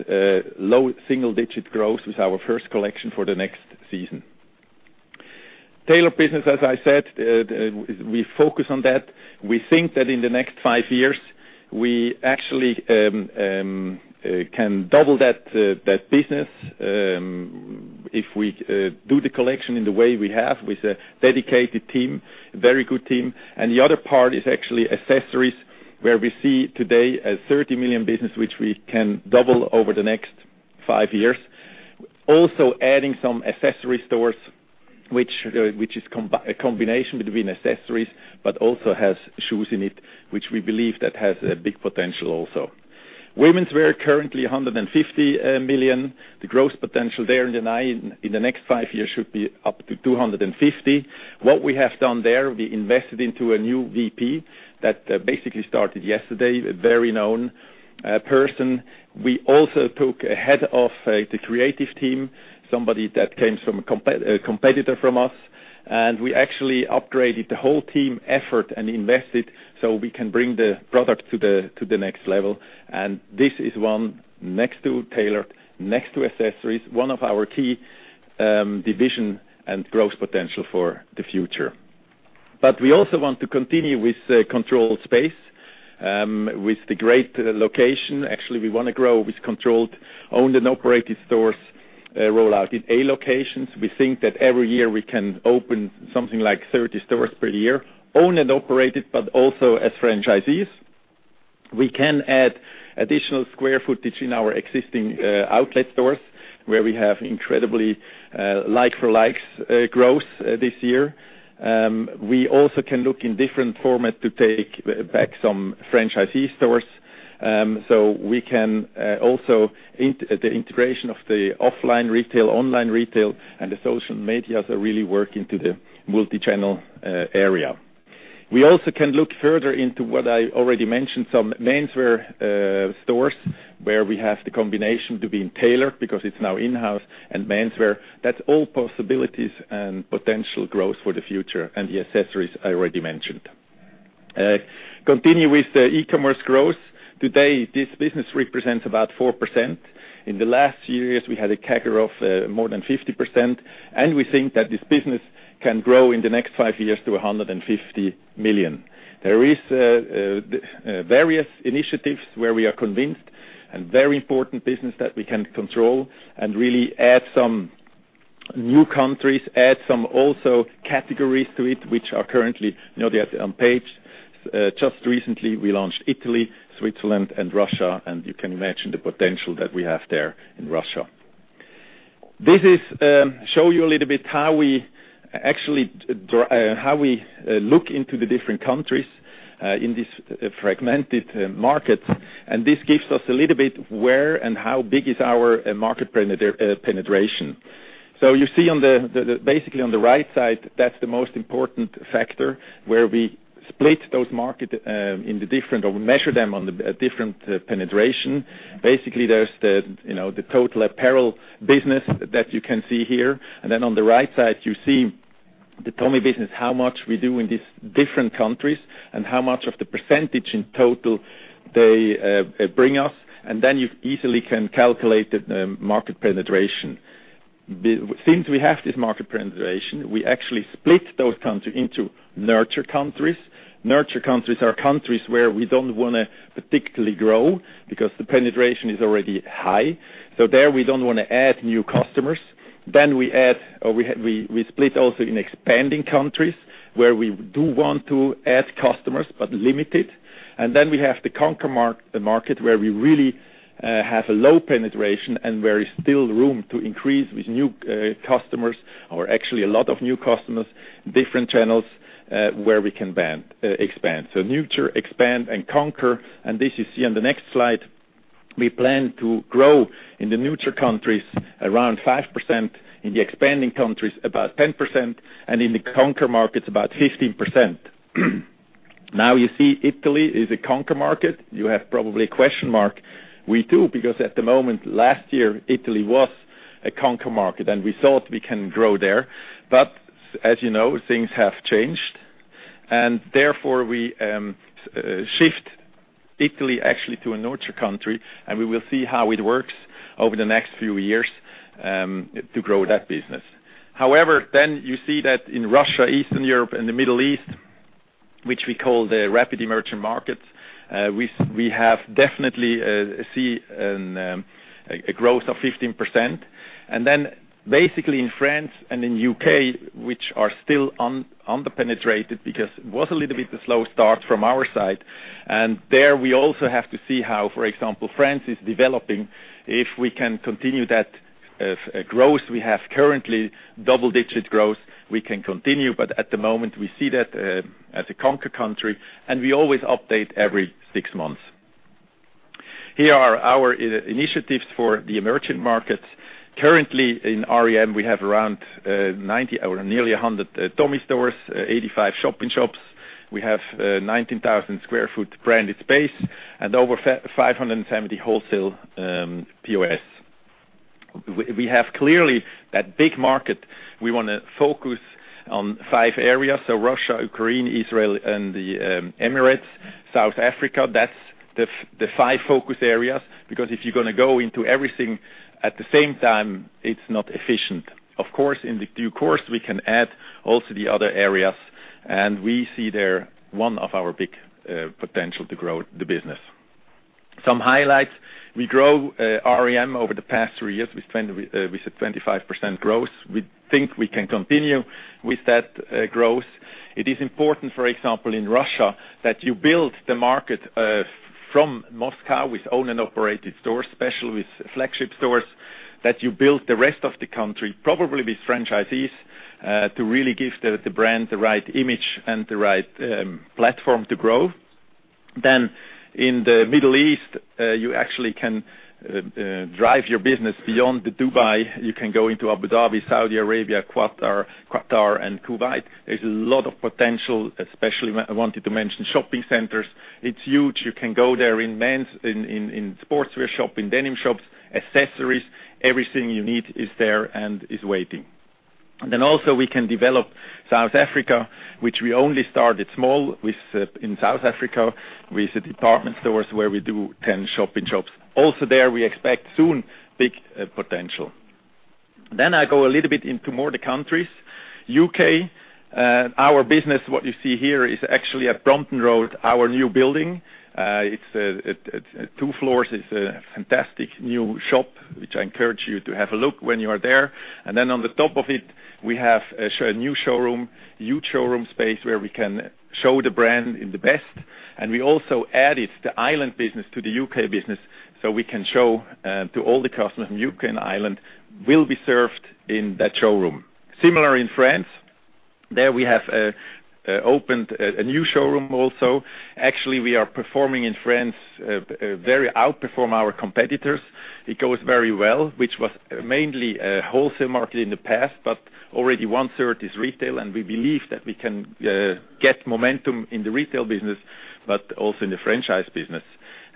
low single-digit growth with our first collection for the next season. Tailor business, as I said, we focus on that. We think that in the next five years, we actually can double that business, if we do the collection in the way we have with a dedicated team, very good team. The other part is actually accessories, where we see today a $30 million business, which we can double over the next five years. Also adding some accessory stores, which is a combination between accessories but also has shoes in it, which we believe that has a big potential also. Womenswear currently $150 million. The growth potential there in the next five years should be up to $250 million. What we have done there, we invested into a new VP that basically started yesterday, a very known person. We also took a head of the creative team, somebody that came from a competitor from us. We actually upgraded the whole team effort and invested so we can bring the product to the next level. This is one, next to tailor, next to accessories, one of our key division and growth potential for the future. We also want to continue with controlled space, with the great location. Actually, we want to grow with controlled, owned and operated stores rollout. In A locations, we think that every year we can open something like 30 stores per year, owned and operated, but also as franchisees. We can add additional square footage in our existing outlet stores, where we have incredibly like-for-likes growth this year. We also can look in different format to take back some franchisee stores. We can also, the integration of the offline retail, online retail, and the social medias are really working to the multi-channel area. We also can look further into what I already mentioned, some menswear stores, where we have the combination between tailor, because it's now in-house, and menswear. That's all possibilities and potential growth for the future, and the accessories I already mentioned. Continue with the e-commerce growth. Today, this business represents about 4%. In the last few years, we had a CAGR of more than 50%, and we think that this business can grow in the next five years to $150 million. There is various initiatives where we are convinced and very important business that we can control and really add some new countries, add some also categories to it, which are currently not yet on page. Just recently, we launched Italy, Switzerland, and Russia, and you can imagine the potential that we have there in Russia. This show you a little bit how we look into the different countries in this fragmented market, and this gives us a little bit where and how big is our market penetration. You see basically on the right side, that's the most important factor, where we split those market into different, or we measure them on a different penetration. Basically, there's the total apparel business that you can see here. On the right side, you see the Tommy business, how much we do in these different countries and how much of the percentage in total they bring us. Then you easily can calculate the market penetration. Since we have this market penetration, we actually split those countries into nurture countries. Nurture countries are countries where we don't want to particularly grow because the penetration is already high. There we don't want to add new customers. We split also in expanding countries where we do want to add customers, but limited. We have the conquer market, where we really have a low penetration and where is still room to increase with new customers or actually a lot of new customers, different channels, where we can expand. Nurture, expand, and conquer. This you see on the next slide. We plan to grow in the nurture countries around 5%, in the expanding countries about 10%, and in the conquer markets about 15%. Now you see Italy is a conquer market. You have probably a question mark. We do, because at the moment last year, Italy was a conquer market and we thought we can grow there. As you know, things have changed, and therefore we shift Italy actually to a nurture country, and we will see how it works over the next few years to grow that business. However, you see that in Russia, Eastern Europe, and the Middle East, which we call the rapid emerging markets, we have definitely seen a growth of 15%. Basically in France and in the U.K., which are still under-penetrated because it was a little bit a slow start from our side. There we also have to see how, for example, France is developing. If we can continue that growth we have currently, double-digit growth, we can continue. At the moment, we see that as a conquer country, and we always update every six months. Here are our initiatives for the emerging markets. Currently in REM, we have around 90 or nearly 100 Tommy stores, 85 shop-in-shops. We have 19,000 sq ft branded space and over 570 wholesale POS. We have clearly that big market. We want to focus on five areas, so Russia, Ukraine, Israel, and the Emirates, South Africa. That's the five focus areas. Because if you're going to go into everything at the same time, it's not efficient. Of course, in due course, we can add also the other areas, and we see they're one of our big potential to grow the business. Some highlights. We grow REM over the past three years with a 25% growth. We think we can continue with that growth. It is important, for example, in Russia, that you build the market from Moscow with own and operated stores, especially with flagship stores, that you build the rest of the country, probably with franchisees, to really give the brand the right image and the right platform to grow. In the Middle East, you actually can drive your business beyond Dubai. You can go into Abu Dhabi, Saudi Arabia, Qatar, and Kuwait. There's a lot of potential, especially I wanted to mention shopping centers. It's huge. You can go there in menswear shop, in denim shops, accessories. Everything you need is there and is waiting. Also we can develop South Africa, which we only started small in South Africa with the department stores where we do 10 shop-in-shops. Also there we expect soon big potential. I go a little bit into more the countries. U.K. Our business, what you see here, is actually at Brompton Road, our new building. It's two floors. It's a fantastic new shop, which I encourage you to have a look when you are there. On the top of it, we have a new showroom, huge showroom space where we can show the brand in the best. We also added the island business to the U.K. business so we can show to all the customers in U.K. and island will be served in that showroom. Similar in France. There we have opened a new showroom also. Actually, we are performing in France very outperform our competitors. It goes very well, which was mainly a wholesale market in the past, but already one-third is retail, we believe that we can get momentum in the retail business, but also in the franchise business.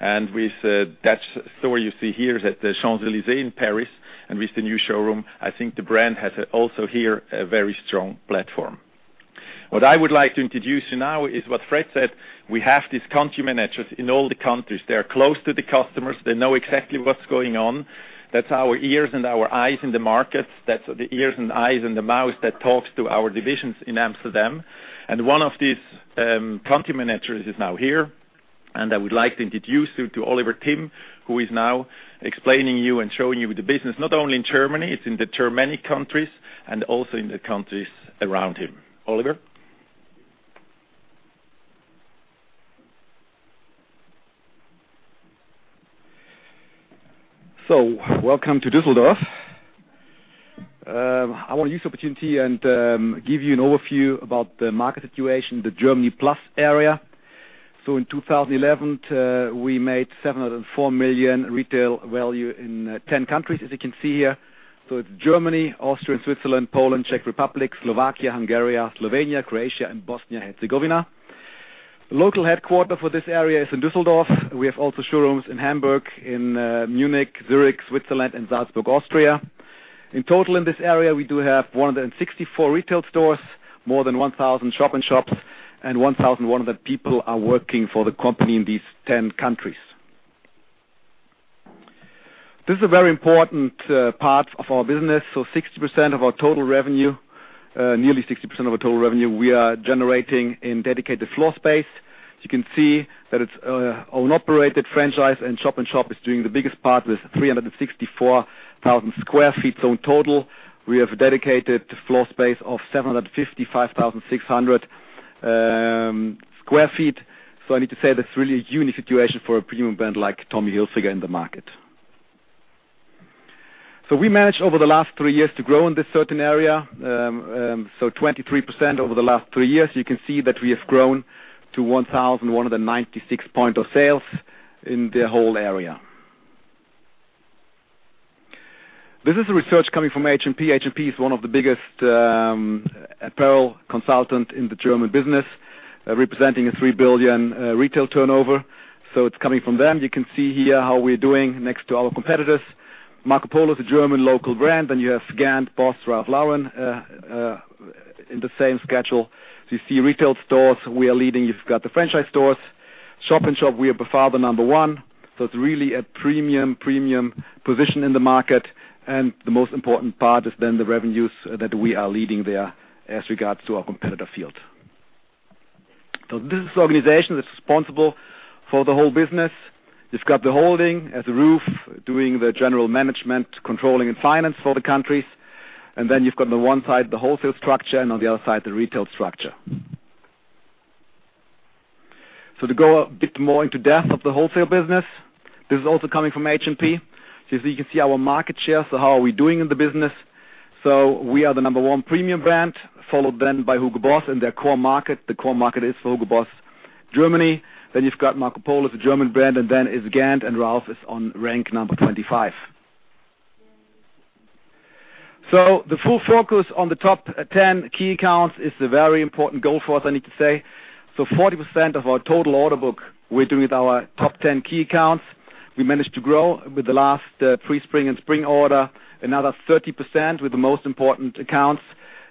With that store you see here at the Champs-Élysées in Paris and with the new showroom, I think the brand has also here a very strong platform. What I would like to introduce you now is what Fred said. We have these country managers in all the countries. They are close to the customers. They know exactly what's going on. That's our ears and our eyes in the markets. That's the ears and eyes and the mouth that talks to our divisions in Amsterdam. One of these country managers is now here, I would like to introduce you to Oliver Timm who is now explaining to you and showing you the business not only in Germany, it's in the Germanic countries and also in the countries around him. Oliver? Welcome to Düsseldorf. I want to use the opportunity and give you an overview about the market situation, the Germany Plus area. In 2011, we made 704 million retail value in 10 countries, as you can see here. It is Germany, Austria, and Switzerland, Poland, Czech Republic, Slovakia, Hungary, Slovenia, Croatia, and Bosnia and Herzegovina. Local headquarter for this area is in Düsseldorf. We have also showrooms in Hamburg, in Munich, Zurich, Switzerland, and Salzburg, Austria. In total in this area, we do have 164 retail stores, more than 1,000 shop-in-shops, and 1,100 people are working for the company in these 10 countries. This is a very important part of our business. Nearly 60% of our total revenue, we are generating in dedicated floor space. You can see that it's own operated franchise and shop-in-shop is doing the biggest part with 364,000 sq ft. In total, we have a dedicated floor space of 755,600 sq ft. I need to say, that's really a unique situation for a premium brand like Tommy Hilfiger in the market. We managed over the last three years to grow in this certain area, 23% over the last three years. You can see that we have grown to 1,196 point of sales in the whole area. This is research coming from HPB. HPB is one of the biggest apparel consultant in the German business, representing a 3 billion retail turnover. It is coming from them. You can see here how we're doing next to our competitors. Marc O'Polo is a German local brand, then you have Gant, Boss, Ralph Lauren, in the same schedule. You see retail stores, we are leading. You've got the franchise stores. Shop-in-shop, we are by far the number one. It is really a premium position in the market, and the most important part is then the revenues that we are leading there as regards to our competitor field. This is the organization that's responsible for the whole business. You've got the holding as a roof, doing the general management, controlling, and finance for the countries. Then you've got on the one side the wholesale structure and on the other side, the retail structure. To go a bit more into depth of the wholesale business, this is also coming from HPB. You can see our market share. How are we doing in the business? We are the number one premium brand, followed then by Hugo Boss in their core market. The core market is for Hugo Boss, Germany. You've got Marc O'Polo, the German brand, and it's Gant, and Ralph is on rank number 25. The full focus on the top 10 key accounts is a very important goal for us, I need to say. 40% of our total order book, we're doing with our top 10 key accounts. We managed to grow with the last pre-spring and spring order, another 30% with the most important accounts.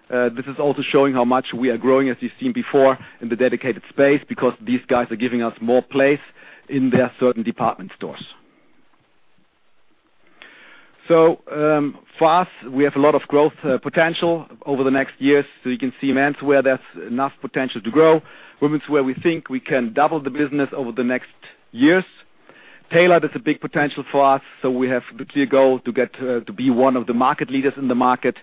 This is also showing how much we are growing, as you've seen before, in the dedicated space because these guys are giving us more place in their certain department stores. For us, we have a lot of growth potential over the next years. You can see menswear, there's enough potential to grow. Womenswear, we think we can double the business over the next years. Tailored is a big potential for us. We have the clear goal to be one of the market leaders in the market.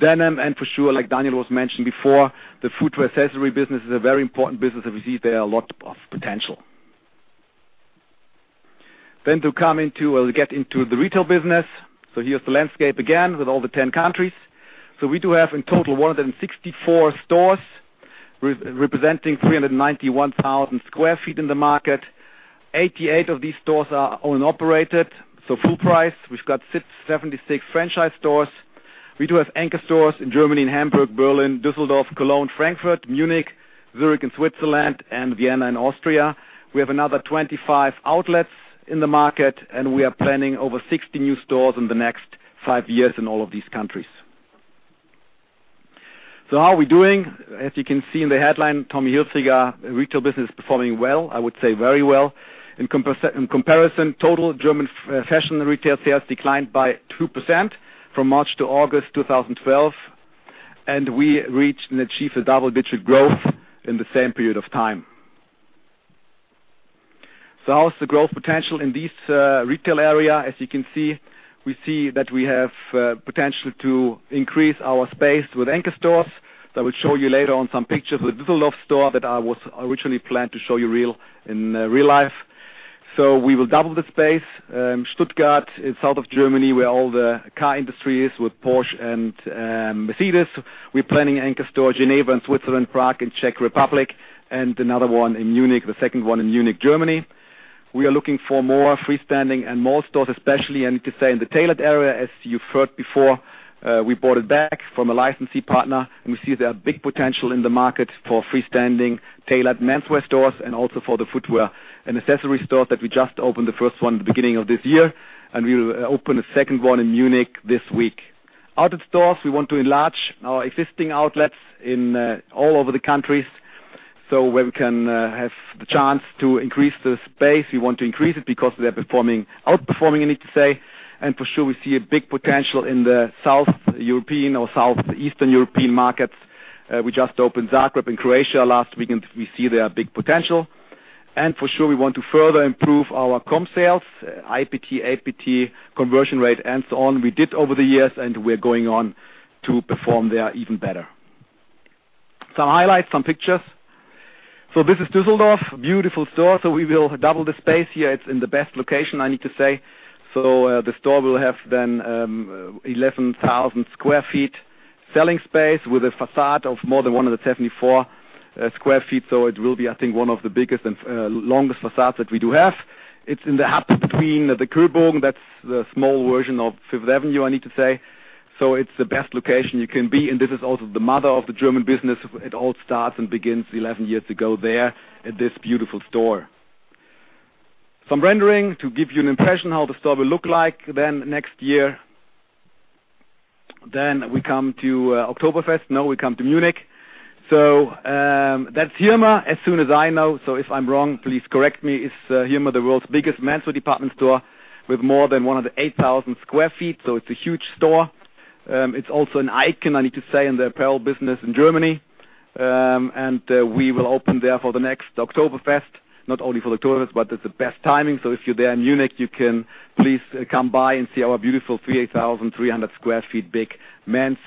Denim, for sure, like Daniel was mentioning before, the footwear accessory business is a very important business, and we see there a lot of potential. To get into the retail business. Here's the landscape again with all the 10 countries. We do have in total 164 stores, representing 391,000 sq ft in the market. 88 of these stores are owned and operated, so full price. We've got 76 franchise stores. We do have anchor stores in Germany, in Hamburg, Berlin, Düsseldorf, Cologne, Frankfurt, Munich, Zurich, and Switzerland, and Vienna in Austria. We have another 25 outlets in the market, and we are planning over 60 new stores in the next five years in all of these countries. How are we doing? As you can see in the headline, Tommy Hilfiger retail business is performing well, I would say very well. In comparison, total German fashion retail sales declined by 2% from March to August 2012. We reached and achieved a double-digit growth in the same period of time. How is the growth potential in this retail area? As you can see, we see that we have potential to increase our space with anchor stores. I will show you later on some pictures with the Düsseldorf store that I originally planned to show you in real life. We will double the space. Stuttgart is south of Germany, where all the car industry is with Porsche and Mercedes-Benz. We're planning an anchor store. Geneva in Switzerland, Prague in Czech Republic, and another one in Munich, the second one in Munich, Germany. We are looking for more freestanding and more stores, especially, I need to say, in the Tailored area. As you've heard before, we bought it back from a licensee partner, we see there are big potential in the market for freestanding Tailored menswear stores and also for the footwear and accessory stores that we just opened the first one at the beginning of this year, and we will open a second one in Munich this week. Outlet stores, we want to enlarge our existing outlets in all over the countries. Where we can have the chance to increase the space, we want to increase it because they're outperforming, I need to say. For sure, we see a big potential in the South European or Southeastern European markets. We just opened Zagreb in Croatia last week, and we see there are big potential. For sure, we want to further improve our comp sales, IPT, APT, conversion rate, and so on. We did over the years, we're going on to perform there even better. Some highlights, some pictures. This is Düsseldorf, a beautiful store. We will double the space here. It's in the best location, I need to say. The store will have then 11,000 sq ft selling space with a facade of more than 174 sq ft. It will be, I think, one of the biggest and longest facades that we do have. It's in the heart between the Kö-Bogen. That's the small version of Fifth Avenue, I need to say. It's the best location you can be, and this is also the mother of the German business. It all starts and begins 11 years ago there at this beautiful store. Some rendering to give you an impression how the store will look like next year. We come to Oktoberfest. We come to Munich. That's Hirmer, as soon as I know. If I'm wrong, please correct me. It's Hirmer, the world's biggest menswear department store with more than 108,000 sq ft. It's a huge store. It's also an icon, I need to say, in the apparel business in Germany. We will open there for the next Oktoberfest, not only for the tourists, but it's the best timing. If you're there in Munich, you can please come by and see our beautiful 38,300 sq ft big men's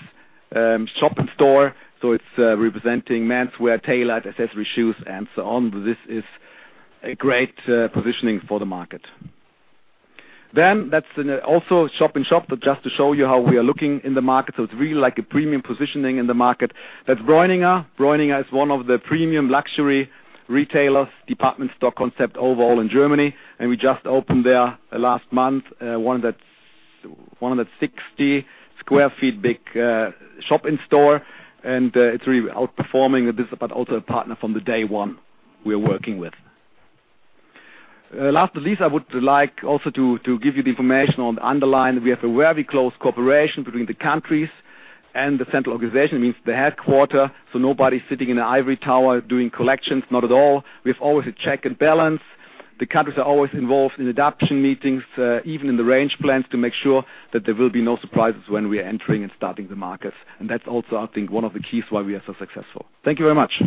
shop in store. It's representing menswear, tailored accessory shoes and so on. This is a great positioning for the market. That's also a shop in shop. Just to show you how we are looking in the market. It's really like a premium positioning in the market. That's Breuninger. Breuninger is one of the premium luxury retailers, department store concept overall in Germany. We just opened there last month, 160 sq ft big shop in store, and it's really outperforming this, but also a partner from the day one we're working with. Last but not least, I would like also to give you the information on underline. We have a very close cooperation between the countries and the central organization. It means the headquarter. Nobody's sitting in an ivory tower doing collections, not at all. We have always a check and balance. The countries are always involved in adaptation meetings, even in the range plans, to make sure that there will be no surprises when we are entering and starting the markets. That's also, I think, one of the keys why we are so successful. Thank you very much.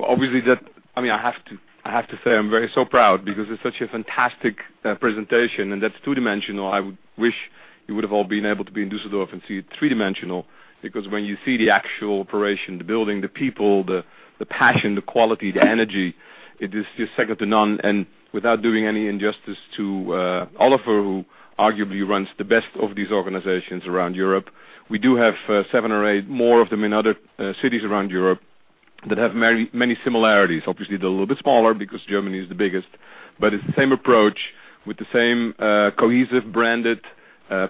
Obviously, I have to say I'm so proud because it's such a fantastic presentation, and that's two-dimensional. I would wish you would have all been able to be in Dusseldorf and see it three-dimensional. Because when you see the actual operation, the building, the people, the passion, the quality, the energy, it is just second to none. Without doing any injustice to Oliver, who arguably runs the best of these organizations around Europe. We do have seven or eight more of them in other cities around Europe that have many similarities. Obviously, they're a little bit smaller because Germany is the biggest. It's the same approach with the same cohesive branded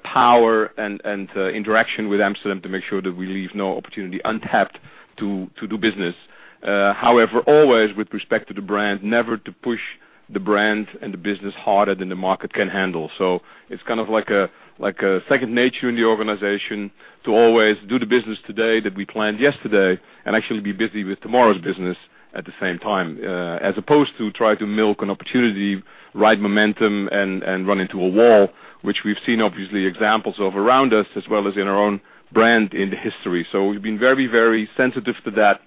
power and interaction with Amsterdam to make sure that we leave no opportunity untapped to do business. However, always with respect to the brand, never to push the brand and the business harder than the market can handle. It's kind of like a second nature in the organization to always do the business today that we planned yesterday and actually be busy with tomorrow's business at the same time. As opposed to trying to milk an opportunity, ride momentum, and run into a wall, which we've seen, obviously, examples of around us as well as in our own brand in the history. We've been very, very sensitive to that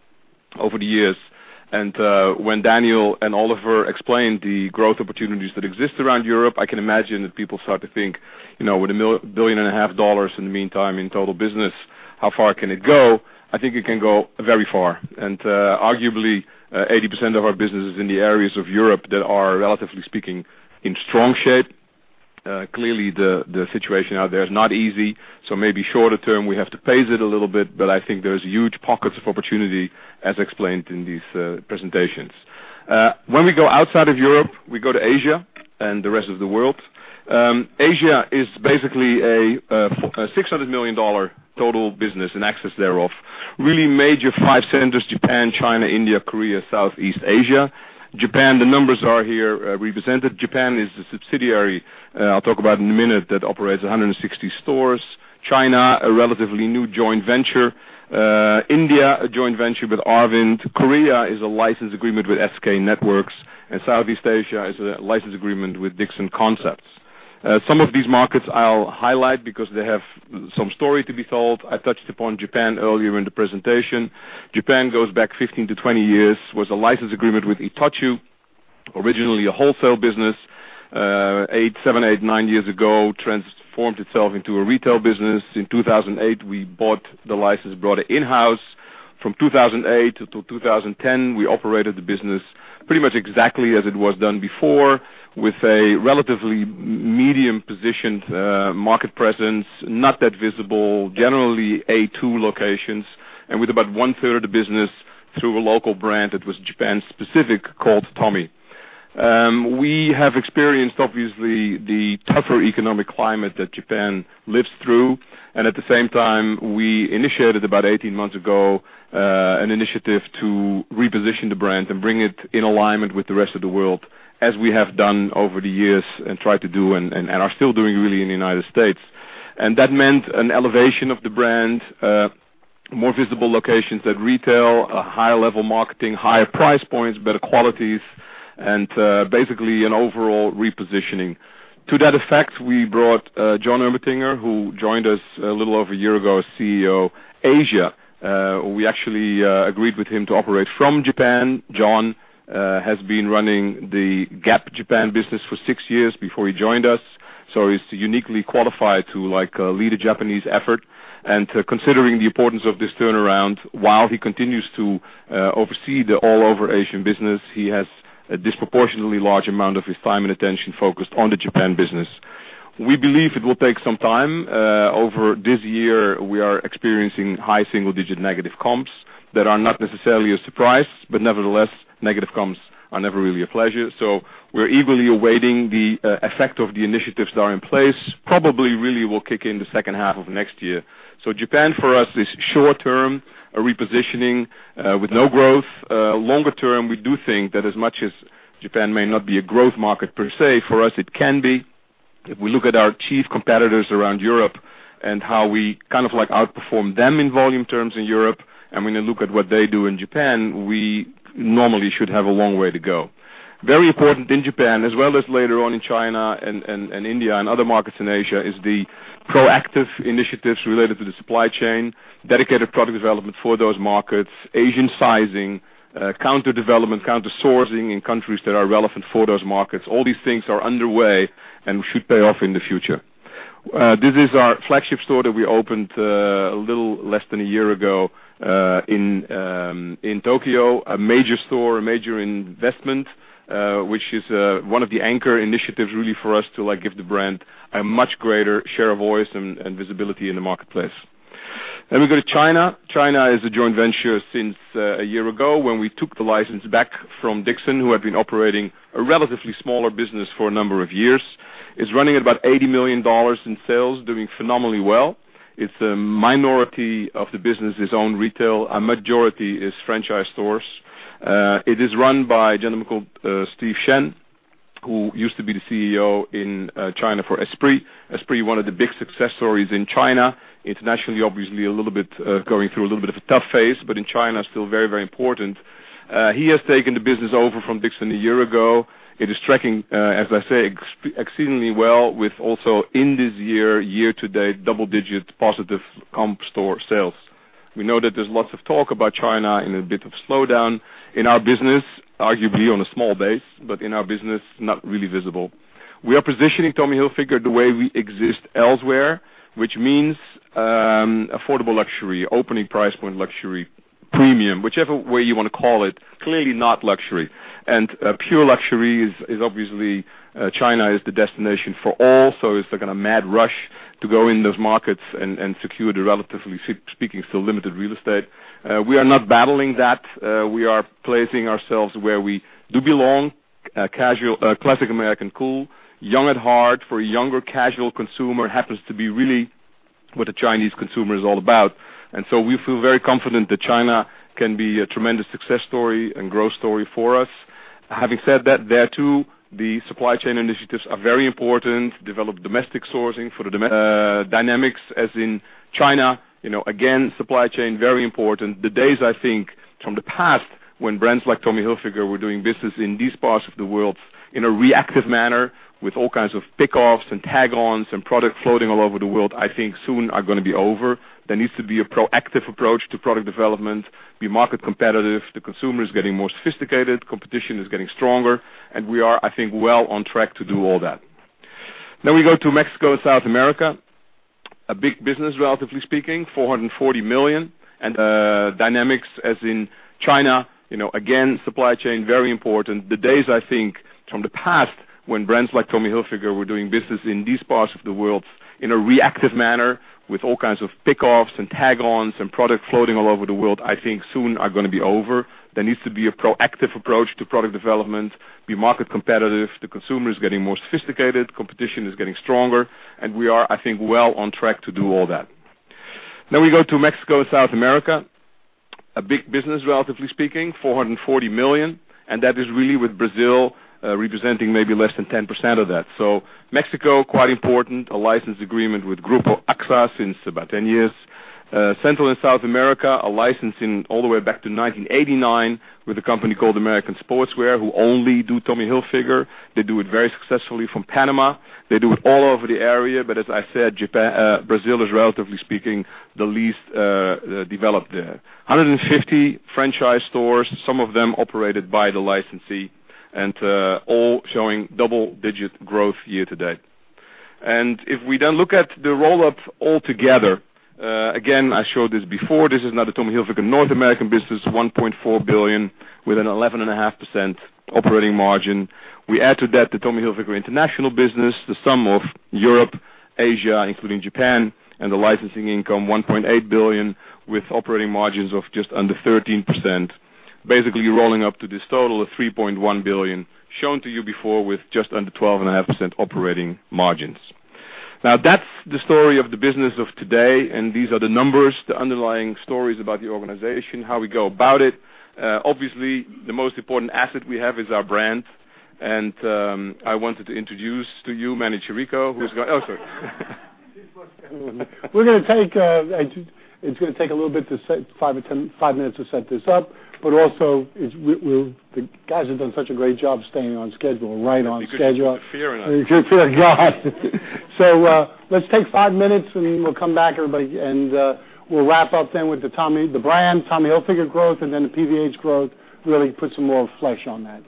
over the years. When Daniel and Oliver explained the growth opportunities that exist around Europe, I can imagine that people start to think, with $1.5 billion in the meantime in total business, how far can it go? I think it can go very far. Arguably, 80% of our business is in the areas of Europe that are, relatively speaking, in strong shape. Clearly, the situation out there is not easy. Maybe shorter term, we have to pace it a little bit, but I think there are huge pockets of opportunity, as explained in these presentations. When we go outside of Europe, we go to Asia and the rest of the world. Asia is basically a $600 million total business and access thereof. Really major five centers, Japan, China, India, Korea, Southeast Asia. Japan, the numbers are here represented. Japan is a subsidiary, I'll talk about in a minute, that operates 160 stores. China, a relatively new joint venture. India, a joint venture with Arvind. Korea is a license agreement with SK Networks. Southeast Asia is a license agreement with Dickson Concepts. Some of these markets I'll highlight because they have some story to be told. I touched upon Japan earlier in the presentation. Japan goes back 15 to 20 years, was a license agreement with Itochu, originally a wholesale business. Seven, eight, nine years ago, transformed itself into a retail business. In 2008, we bought the license, brought it in-house. From 2008 to 2010, we operated the business pretty much exactly as it was done before, with a relatively medium-positioned market presence, not that visible, generally A2 locations, and with about one-third of the business through a local brand that was Japan-specific called Tommy. We have experienced, obviously, the tougher economic climate that Japan lives through. At the same time, we initiated about 18 months ago an initiative to reposition the brand and bring it in alignment with the rest of the world, as we have done over the years and tried to do and are still doing, really, in the U.S. That meant an elevation of the brand, more visible locations at retail, a higher level marketing, higher price points, better qualities, and basically an overall repositioning. To that effect, we brought John Ermatinger, who joined us a little over a year ago, as CEO Asia. We actually agreed with him to operate from Japan. John has been running the Gap Japan business for six years before he joined us, so he's uniquely qualified to lead a Japanese effort. Considering the importance of this turnaround, while he continues to oversee the all-over Asian business, he has a disproportionately large amount of his time and attention focused on the Japan business. We believe it will take some time. Over this year, we are experiencing high single-digit negative comps that are not necessarily a surprise. Nevertheless, negative comps are never really a pleasure. We're eagerly awaiting the effect of the initiatives that are in place. Probably really will kick in the second half of next year. Japan, for us, is short-term, a repositioning with no growth. Longer term, we do think that as much as Japan may not be a growth market per se, for us, it can be. If we look at our chief competitors around Europe and how we kind of outperform them in volume terms in Europe, when you look at what they do in Japan, we normally should have a long way to go. Very important in Japan, as well as later on in China and India and other markets in Asia, is the proactive initiatives related to the supply chain, dedicated product development for those markets, Asian sizing, counter development, counter sourcing in countries that are relevant for those markets. All these things are underway and should pay off in the future. This is our flagship store that we opened a little less than a year ago, in Tokyo, a major store, a major investment, which is one of the anchor initiatives, really, for us to give the brand a much greater share of voice and visibility in the marketplace. We go to China. China is a joint venture since a year ago, when we took the license back from Dickson, who had been operating a relatively smaller business for a number of years. It's running at about $80 million in sales, doing phenomenally well. A minority of the business is owned retail. A majority is franchise stores. It is run by a gentleman called Steve Shen, who used to be the CEO in China for Esprit. Esprit, one of the big success stories in China. Internationally, obviously, going through a little bit of a tough phase, in China, still very important. He has taken the business over from Dickson a year ago. It is tracking, as I say, exceedingly well with also, in this year-to-date, double-digit positive comp store sales. We know that there's lots of talk about China and a bit of slowdown. In our business, arguably on a small base, but in our business, not really visible. We are positioning Tommy Hilfiger the way we exist elsewhere, which means affordable luxury, opening price point luxury, premium, whichever way you want to call it. Clearly not luxury. Pure luxury is obviously, China is the destination for all. It's like in a mad rush to go in those markets and secure the, relatively speaking, still limited real estate. We are not battling that. We are placing ourselves where we do belong. Casual, classic American cool, young at heart for a younger casual consumer, happens to be really what a Chinese consumer is all about. We feel very confident that China can be a tremendous success story and growth story for us. Having said that, there too, the supply chain initiatives are very important. Develop domestic sourcing for the dynamics as in China. Again, supply chain, very important. The days I think, from the past, when brands like Tommy Hilfiger were doing business in these parts of the world in a reactive manner with all kinds of pick-offs and tag-ons and product representing maybe less than 10% of that. Mexico, quite important. A license agreement with Grupo Axo since about ten years. Central and South America, a license all the way back to 1989 with a company called American Sportswear, who only do Tommy Hilfiger. They do it very successfully from Panama. They do it all over the area. As I said, Brazil is, relatively speaking, the least developed there. 150 franchise stores, some of them operated by the licensee, and all showing double-digit growth year to date. If we then look at the roll-up all together. Again, I showed this before. This is now the Tommy Hilfiger North American business, $1.4 billion with an 11.5% operating margin. We add to that the Tommy Hilfiger international business, the sum of Europe, Asia, including Japan, and the licensing income, $1.8 billion, with operating margins of just under 13%. Basically, rolling up to this total of $3.1 billion shown to you before with just under 12.5% operating margins. That's the story of the business of today, and these are the numbers, the underlying stories about the organization, how we go about it. Obviously, the most important asset we have is our brand. I wanted to introduce to you Manny Chirico. Oh, sorry. It's going to take a little bit to set, five minutes to set this up. Also, the guys have done such a great job staying on schedule, right on schedule. Fear or not. Fear of God. Let's take five minutes, and then we'll come back, everybody, and we'll wrap up then with the brand, Tommy Hilfiger growth, and then the PVH growth. Really put some more flesh on that.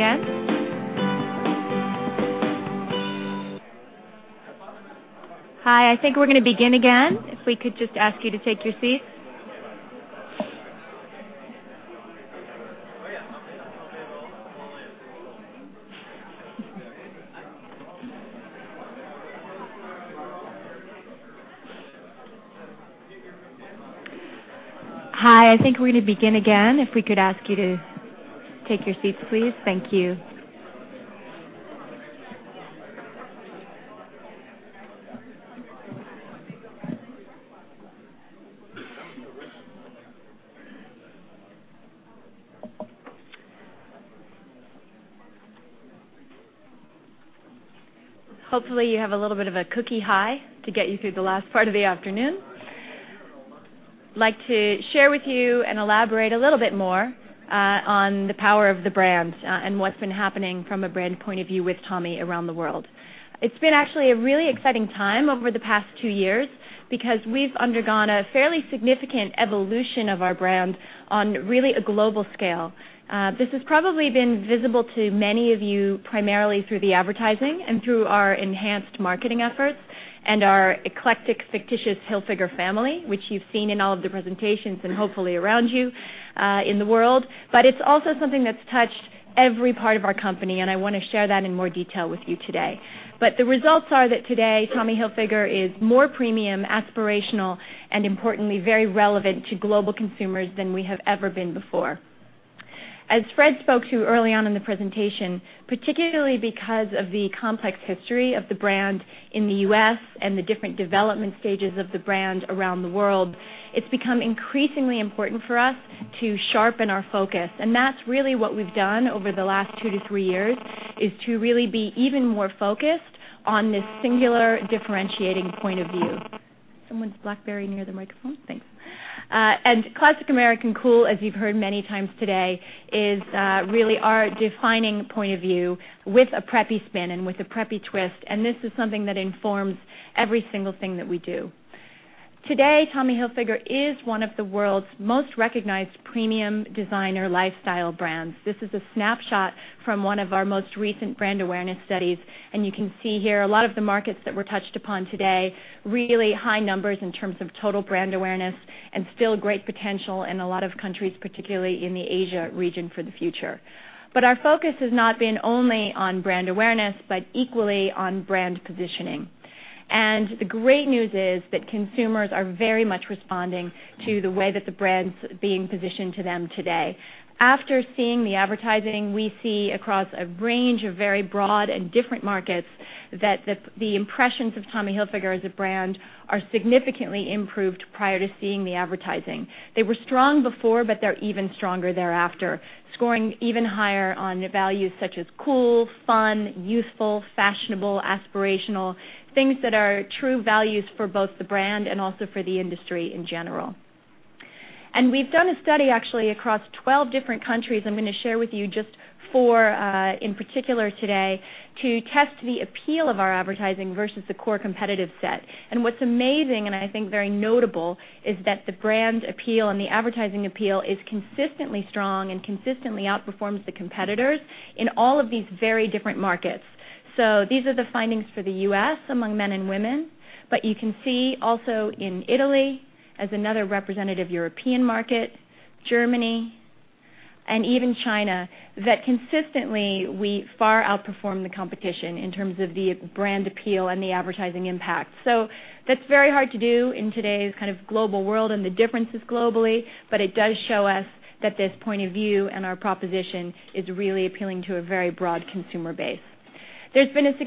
Okay, I think we'll begin again. Hi, I think we're going to begin again, if we could just ask you to take your seats. Hi, I think we're going to begin again, if we could ask you to take your seats, please. Thank you. Hopefully, you have a little bit of a cookie high to get you through the last part of the afternoon. Like to share with you and elaborate a little bit more on the power of the brand, and what's been happening from a brand point of view with Tommy around the world. It's been actually a really exciting time over the past two years because we've undergone a fairly significant evolution of our brand on really a global scale. This has probably been visible to many of you, primarily through the advertising and through our enhanced marketing efforts, and our eclectic, fictitious Hilfiger family, which you've seen in all of the presentations and hopefully around you in the world. It's also something that's touched every part of our company, and I want to share that in more detail with you today. The results are that today Tommy Hilfiger is more premium, aspirational, and importantly, very relevant to global consumers than we have ever been before. As Fred spoke to early on in the presentation, particularly because of the complex history of the brand in the U.S. and the different development stages of the brand around the world, it's become increasingly important for us to sharpen our focus. That's really what we've done over the last two to three years, is to really be even more focused on this singular differentiating point of view. Someone's BlackBerry near the microphone? Thanks. Classic American cool, as you've heard many times today, is really our defining point of view with a preppy spin and with a preppy twist, and this is something that informs every single thing that we do. Today, Tommy Hilfiger is one of the world's most recognized premium designer lifestyle brands. This is a snapshot from one of our most recent brand awareness studies, and you can see here a lot of the markets that were touched upon today, really high numbers in terms of total brand awareness and still great potential in a lot of countries, particularly in the Asia region for the future. Our focus has not been only on brand awareness, but equally on brand positioning. The great news is that consumers are very much responding to the way that the brand's being positioned to them today. After seeing the advertising, we see across a range of very broad and different markets that the impressions of Tommy Hilfiger as a brand are significantly improved prior to seeing the advertising. They were strong before, but they're even stronger thereafter, scoring even higher on values such as cool, fun, youthful, fashionable, aspirational, things that are true values for both the brand and also for the industry in general. We've done a study actually across 12 different countries. I'm going to share with you just four in particular today to test the appeal of our advertising versus the core competitive set. What's amazing, and I think very notable, is that the brand appeal and the advertising appeal is consistently strong and consistently outperforms the competitors in all of these very different markets. These are the findings for the U.S. among men and women. You can see also in Italy, as another representative European market, Germany, and even China, that consistently we far outperform the competition in terms of the brand appeal and the advertising impact. That's very hard to do in today's kind of global world and the differences globally, but it does show us that this point of view and our proposition is really appealing to a very broad consumer base. There's been a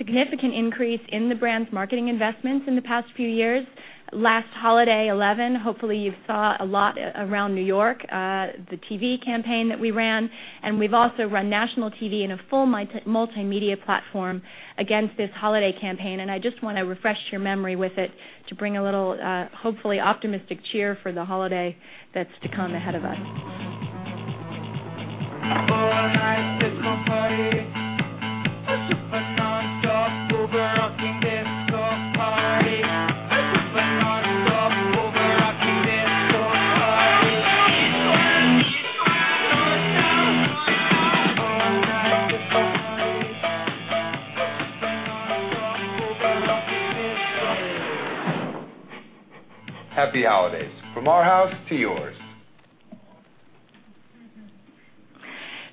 significant increase in the brand's marketing investments in the past few years. Last holiday 2011, hopefully you saw a lot around New York, the TV campaign that we ran. We've also run national TV in a full multimedia platform against this holiday campaign, I just want to refresh your memory with it to bring a little, hopefully optimistic cheer for the holiday that's to come ahead of us. Happy holidays, from our house to yours.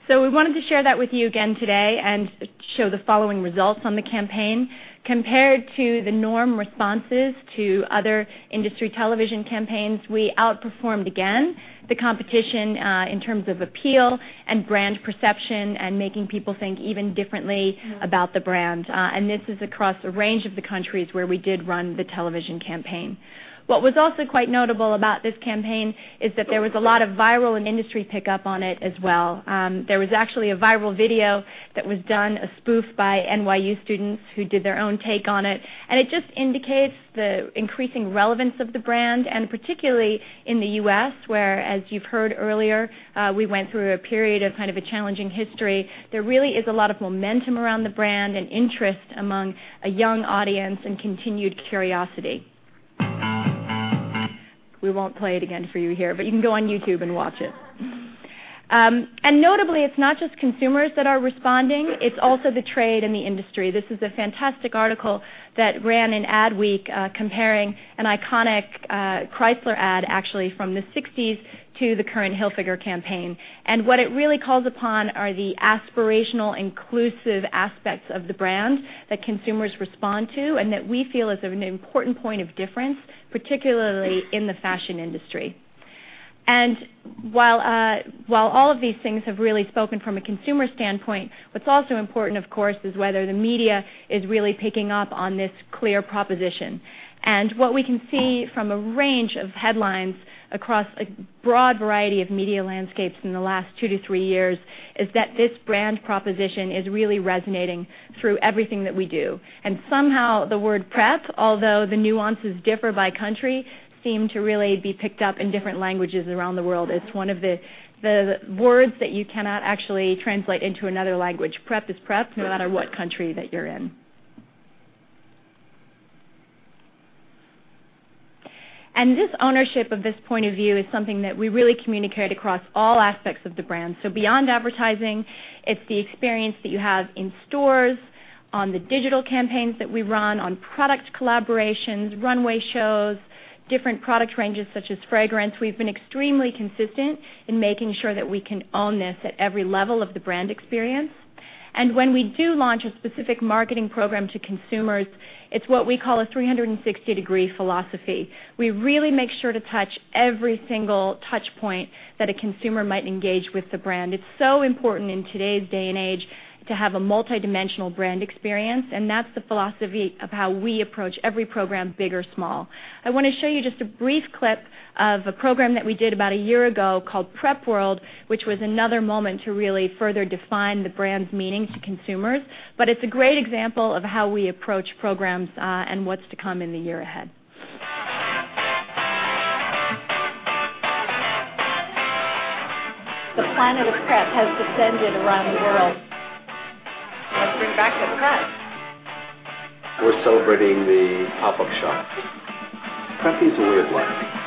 We wanted to share that with you again today and show the following results on the campaign. Compared to the norm responses to other industry television campaigns, we outperformed again the competition in terms of appeal and brand perception and making people think even differently about the brand. This is across a range of the countries where we did run the television campaign. What was also quite notable about this campaign is that there was a lot of viral and industry pickup on it as well. There was actually a viral video that was done, a spoof by NYU students who did their own take on it just indicates the increasing relevance of the brand, particularly in the U.S., where, as you've heard earlier, we went through a period of kind of a challenging history. There really is a lot of momentum around the brand and interest among a young audience and continued curiosity. We won't play it again for you here, but you can go on YouTube and watch it. Notably, it's not just consumers that are responding, it's also the trade and the industry. This is a fantastic article that ran in Adweek comparing an iconic Chrysler ad actually from the '60s to the current Hilfiger campaign. What it really calls upon are the aspirational, inclusive aspects of the brand that consumers respond to, and that we feel is an important point of difference, particularly in the fashion industry. While all of these things have really spoken from a consumer standpoint, what's also important, of course, is whether the media is really picking up on this clear proposition. What we can see from a range of headlines across a broad variety of media landscapes in the last two to three years is that this brand proposition is really resonating through everything that we do. Somehow the word Prep, although the nuances differ by country, seem to really be picked up in different languages around the world. It's one of the words that you cannot actually translate into another language. Prep is Prep, no matter what country that you're in. This ownership of this point of view is something that we really communicate across all aspects of the brand. Beyond advertising, it's the experience that you have in stores, on the digital campaigns that we run, on product collaborations, runway shows, different product ranges such as fragrance. We've been extremely consistent in making sure that we can own this at every level of the brand experience. When we do launch a specific marketing program to consumers, it's what we call a 360-degree philosophy. We really make sure to touch every single touch point that a consumer might engage with the brand. It's so important in today's day and age to have a multidimensional brand experience, and that's the philosophy of how we approach every program, big or small. I want to show you just a brief clip of a program that we did about a year ago called Prep World, which was another moment to really further define the brand's meaning to consumers. It's a great example of how we approach programs and what's to come in the year ahead. The planet of Prep has descended around the world. Let's bring back Prep. We're celebrating the pop-up shop. Prep means a weird life.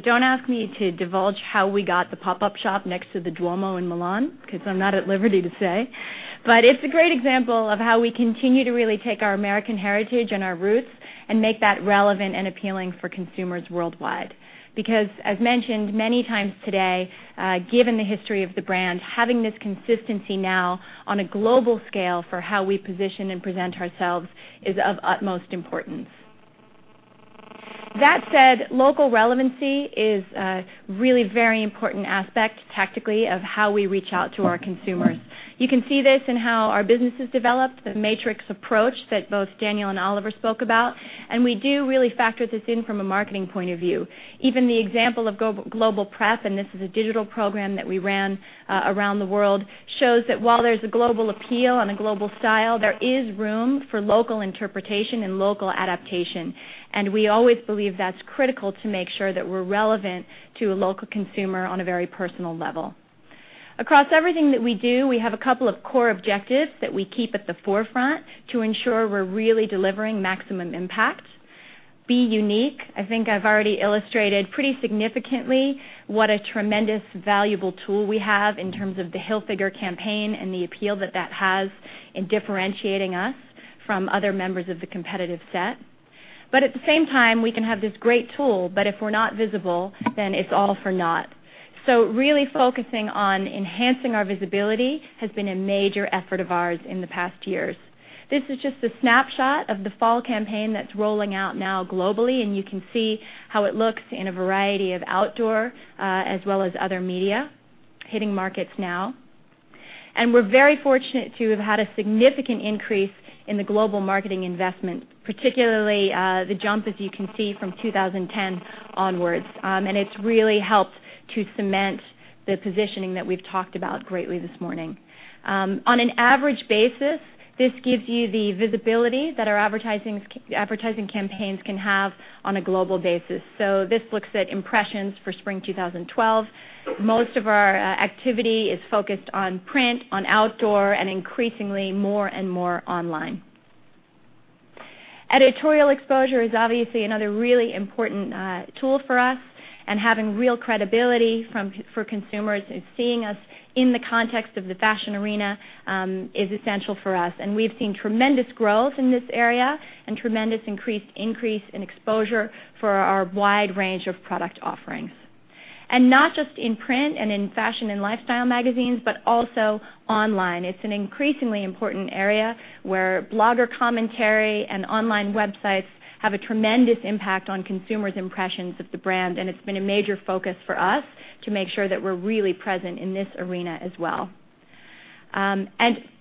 Don't ask me to divulge how we got the pop-up shop next to the Duomo in Milan, because I'm not at liberty to say. It's a great example of how we continue to really take our American heritage and our roots and make that relevant and appealing for consumers worldwide. As mentioned many times today, given the history of the brand, having this consistency now on a global scale for how we position and present ourselves is of utmost importance. That said, local relevancy is a really very important aspect, tactically, of how we reach out to our consumers. You can see this in how our business has developed, the matrix approach that both Daniel and Oliver spoke about, we do really factor this in from a marketing point of view. Even the example of global Prep, this is a digital program that we ran around the world, shows that while there's a global appeal and a global style, there is room for local interpretation and local adaptation. We always believe that's critical to make sure that we're relevant to a local consumer on a very personal level. Across everything that we do, we have a couple of core objectives that we keep at the forefront to ensure we're really delivering maximum impact. Be unique. I think I've already illustrated pretty significantly what a tremendous, valuable tool we have in terms of The Hilfigers campaign and the appeal that that has in differentiating us from other members of the competitive set. At the same time, we can have this great tool, but if we're not visible, then it's all for naught. Really focusing on enhancing our visibility has been a major effort of ours in the past years. This is just a snapshot of the fall campaign that's rolling out now globally, you can see how it looks in a variety of outdoor, as well as other media, hitting markets now. We're very fortunate to have had a significant increase in the global marketing investment, particularly the jump, as you can see, from 2010 onwards. It's really helped to cement the positioning that we've talked about greatly this morning. On an average basis, this gives you the visibility that our advertising campaigns can have on a global basis. This looks at impressions for spring 2012. Most of our activity is focused on print, on outdoor, and increasingly more and more online. Editorial exposure is obviously another really important tool for us, having real credibility for consumers in seeing us in the context of the fashion arena is essential for us. We've seen tremendous growth in this area and tremendous increase in exposure for our wide range of product offerings. Not just in print and in fashion and lifestyle magazines, but also online. It's an increasingly important area where blogger commentary and online websites have a tremendous impact on consumers' impressions of the brand, it's been a major focus for us to make sure that we're really present in this arena as well.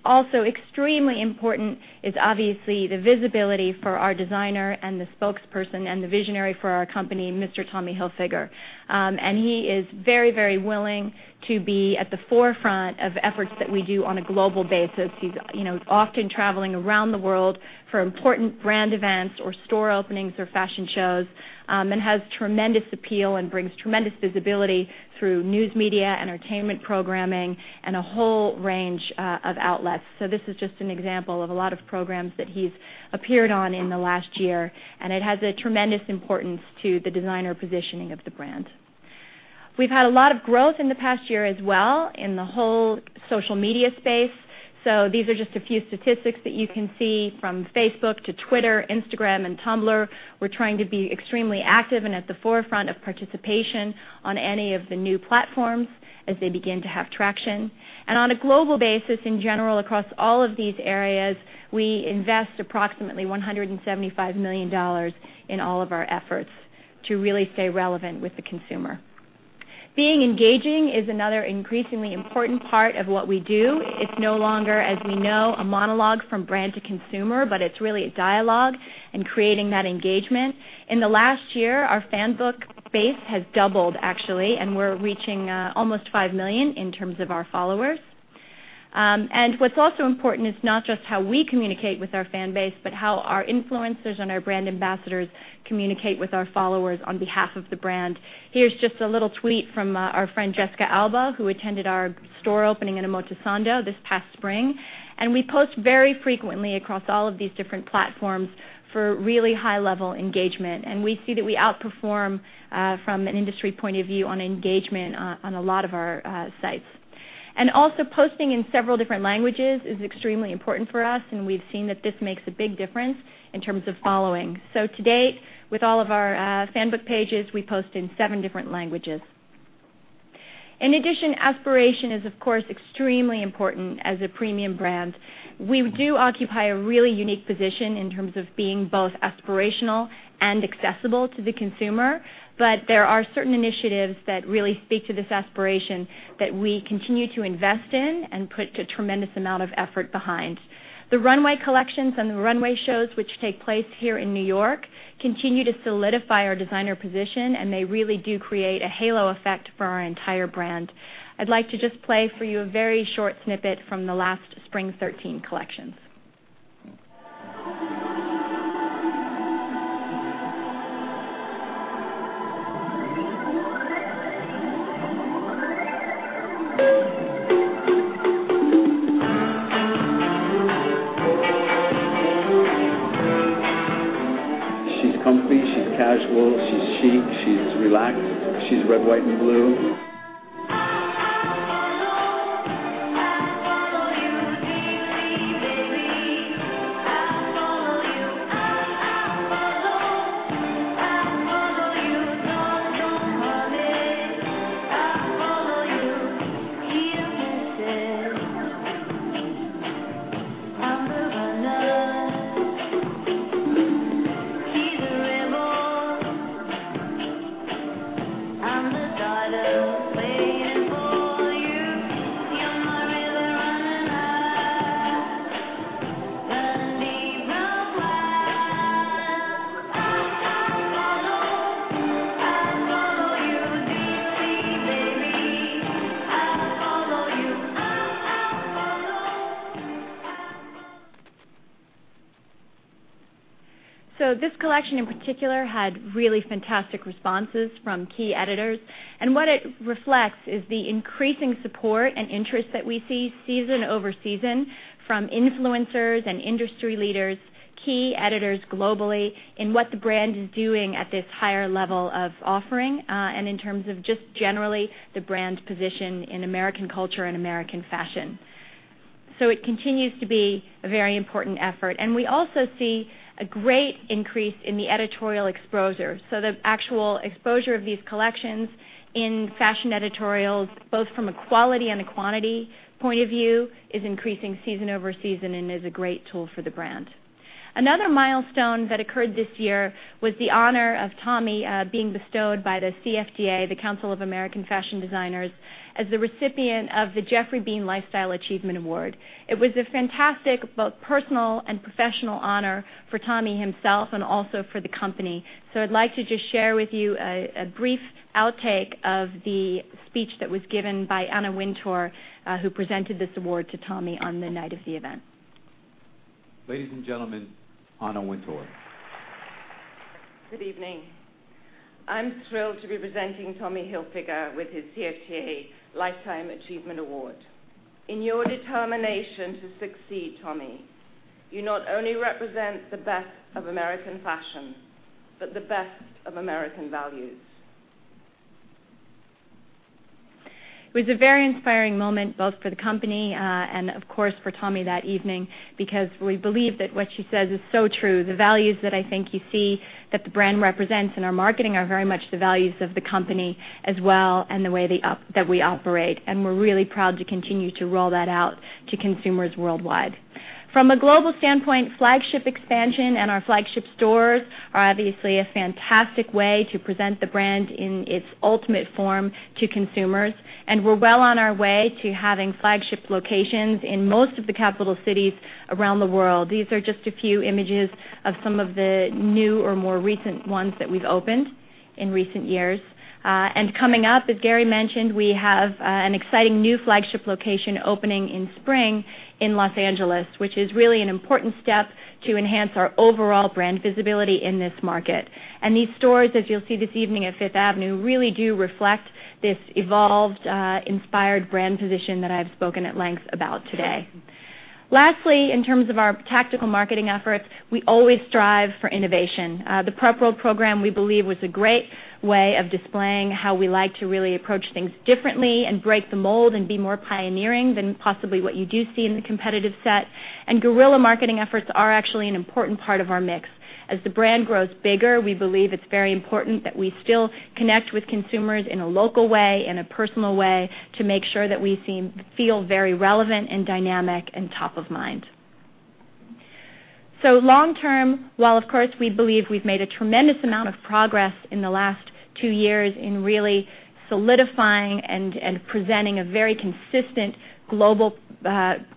Also extremely important is obviously the visibility for our designer and the spokesperson and the visionary for our company, Mr. Tommy Hilfiger. He is very willing to be at the forefront of efforts that we do on a global basis. He's often traveling around the world for important brand events or store openings or fashion shows, has tremendous appeal and brings tremendous visibility through news media, entertainment programming, and a whole range of outlets. This is just an example of a lot of programs that he's appeared on in the last year, it has a tremendous importance to the designer positioning of the brand. We've had a lot of growth in the past year as well in the whole social media space. These are just a few statistics that you can see from Facebook to Twitter, Instagram, and Tumblr. We're trying to be extremely active and at the forefront of participation on any of the new platforms as they begin to have traction. On a global basis, in general, across all of these areas, we invest approximately $175 million in all of our efforts to really stay relevant with the consumer. Being engaging is another increasingly important part of what we do. It's no longer, as we know, a monologue from brand to consumer, but it's really a dialogue and creating that engagement. In the last year, our Facebook base has doubled, actually, and we're reaching almost 5 million in terms of our followers. What's also important is not just how we communicate with our fan base, but how our influencers and our brand ambassadors communicate with our followers on behalf of the brand. Here's just a little tweet from our friend Jessica Alba, who attended our store opening in Omotesando this past spring. We post very frequently across all of these different platforms for really high-level engagement, and we see that we outperform from an industry point of view on engagement on a lot of our sites. Also posting in several different languages is extremely important for us, and we've seen that this makes a big difference in terms of following. To date, with all of our Facebook pages, we post in seven different languages. In addition, aspiration is, of course, extremely important as a premium brand. We do occupy a really unique position in terms of being both aspirational and accessible to the consumer. There are certain initiatives that really speak to this aspiration that we continue to invest in and put a tremendous amount of effort behind. The runway collections and the runway shows, which take place here in N.Y., continue to solidify our designer position, and they really do create a halo effect for our entire brand. I'd like to just play for you a very short snippet from the last Spring 2013 collection. She's comfy, she's casual, she's chic, she's relaxed. She's red, white, and blue. I follow. I follow you dearly, baby. I follow you. I follow. I follow you, darling honey. I follow you. He who fences. I'm the runner. He's a rebel. I'm the garden waiting for you. You're my river running high. Doesn't need no plan. I follow. I follow you dearly, baby. I follow you. I follow. I follow you. This collection in particular had really fantastic responses from key editors. What it reflects is the increasing support and interest that we see season over season from influencers and industry leaders, key editors globally, in what the brand is doing at this higher level of offering, and in terms of just generally the brand's position in American culture and American fashion. It continues to be a very important effort. We also see a great increase in the editorial exposure. The actual exposure of these collections in fashion editorials, both from a quality and a quantity point of view, is increasing season over season and is a great tool for the brand. Another milestone that occurred this year was the honor of Tommy being bestowed by the CFDA, the Council of Fashion Designers of America, as the recipient of the Geoffrey Beene Lifetime Achievement Award. It was a fantastic both personal and professional honor for Tommy himself and also for the company. I'd like to just share with you a brief outtake of the speech that was given by Anna Wintour, who presented this award to Tommy on the night of the event. Ladies and gentlemen, Anna Wintour. Good evening. I'm thrilled to be presenting Tommy Hilfiger with his CFDA Lifetime Achievement Award. In your determination to succeed, Tommy, you not only represent the best of American fashion, but the best of American values. It was a very inspiring moment, both for the company, of course, for Tommy that evening, because we believe that what she says is so true. The values that I think you see that the brand represents in our marketing are very much the values of the company as well, the way that we operate, and we're really proud to continue to roll that out to consumers worldwide. From a global standpoint, flagship expansion and our flagship stores are obviously a fantastic way to present the brand in its ultimate form to consumers, we're well on our way to having flagship locations in most of the capital cities around the world. These are just a few images of some of the new or more recent ones that we've opened in recent years. Coming up, as Gary mentioned, we have an exciting new flagship location opening in spring in Los Angeles, which is really an important step to enhance our overall brand visibility in this market. These stores, as you'll see this evening at Fifth Avenue, really do reflect this evolved, inspired brand position that I've spoken at length about today. Lastly, in terms of our tactical marketing efforts, we always strive for innovation. The Prep World program, we believe, was a great way of displaying how we like to really approach things differently and break the mold and be more pioneering than possibly what you do see in the competitive set. Guerrilla marketing efforts are actually an important part of our mix. As the brand grows bigger, we believe it's very important that we still connect with consumers in a local way, in a personal way, to make sure that we feel very relevant and dynamic and top of mind. Long term, while of course, we believe we've made a tremendous amount of progress in the last two years in really solidifying and presenting a very consistent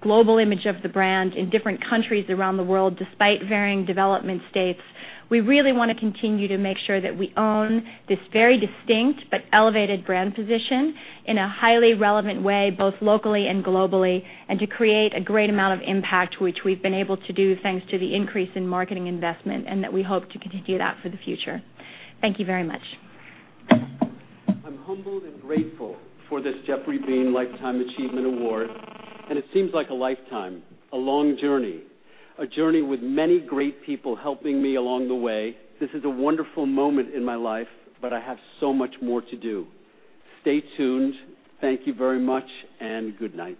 global image of the brand in different countries around the world, despite varying development states. We really want to continue to make sure that we own this very distinct but elevated brand position in a highly relevant way, both locally and globally, to create a great amount of impact, which we've been able to do thanks to the increase in marketing investment, that we hope to continue that for the future. Thank you very much. I'm humbled and grateful for this Geoffrey Beene Lifetime Achievement Award, it seems like a lifetime, a long journey. A journey with many great people helping me along the way. This is a wonderful moment in my life, I have so much more to do. Stay tuned. Thank you very much, good night.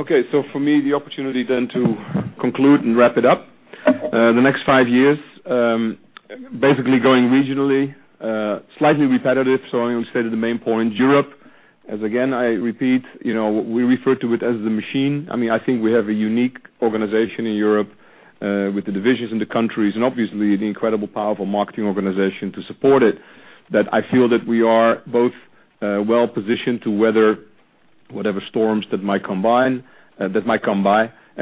Okay. For me, the opportunity then to conclude and wrap it up. The next five years, basically going regionally, slightly repetitive, I'm going to state the main point. Europe, as again I repeat, we refer to it as the machine. I think we have a unique organization in Europe, with the divisions in the countries, obviously the incredible powerful marketing organization to support it, that I feel that we are both well-positioned to weather whatever storms that might come by,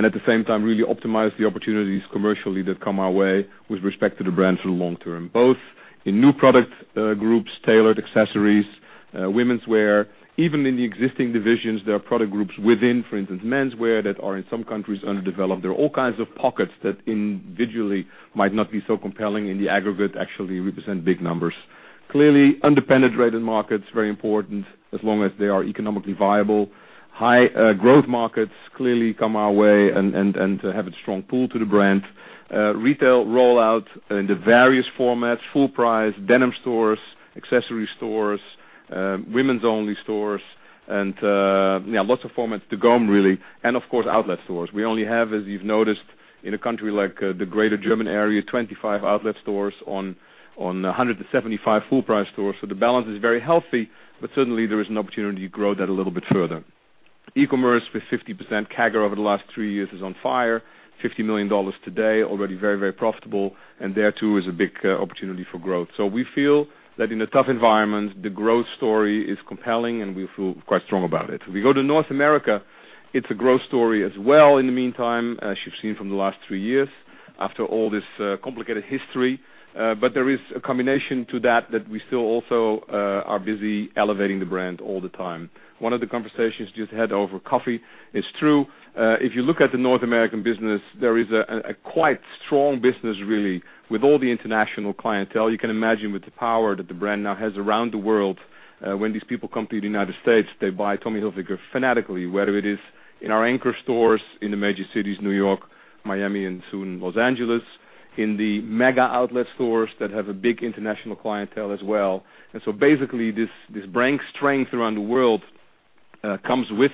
at the same time, really optimize the opportunities commercially that come our way with respect to the brand for the long term, both in new product groups, tailored accessories, womenswear. Even in the existing divisions, there are product groups within, for instance, menswear, that are in some countries underdeveloped. There are all kinds of pockets that individually might not be so compelling in the aggregate, actually represent big numbers. Clearly, under-penetrated markets, very important, as long as they are economically viable. High growth markets clearly come our way and have a strong pull to the brand. Retail rollout in the various formats, full price, denim stores, accessory stores, women's only stores, lots of formats to go, really. Of course, outlet stores. We only have, as you've noticed, in a country like the greater German area, 25 outlet stores on 175 full-price stores. The balance is very healthy, certainly, there is an opportunity to grow that a little bit further. E-commerce with 50% CAGR over the last three years is on fire, $50 million today, already very profitable, there too is a big opportunity for growth. We feel that in a tough environment, the growth story is compelling, we feel quite strong about it. We go to North America, it's a growth story as well in the meantime, as you've seen from the last three years, after all this complicated history. There is a combination to that we still also are busy elevating the brand all the time. One of the conversations just had over coffee, it's true. If you look at the North American business, there is a quite strong business, really, with all the international clientele. You can imagine with the power that the brand now has around the world, when these people come to the U.S., they buy Tommy Hilfiger fanatically, whether it is in our anchor stores in the major cities, New York, Miami, and soon L.A., in the mega outlet stores that have a big international clientele as well. Basically, this brand strength around the world comes with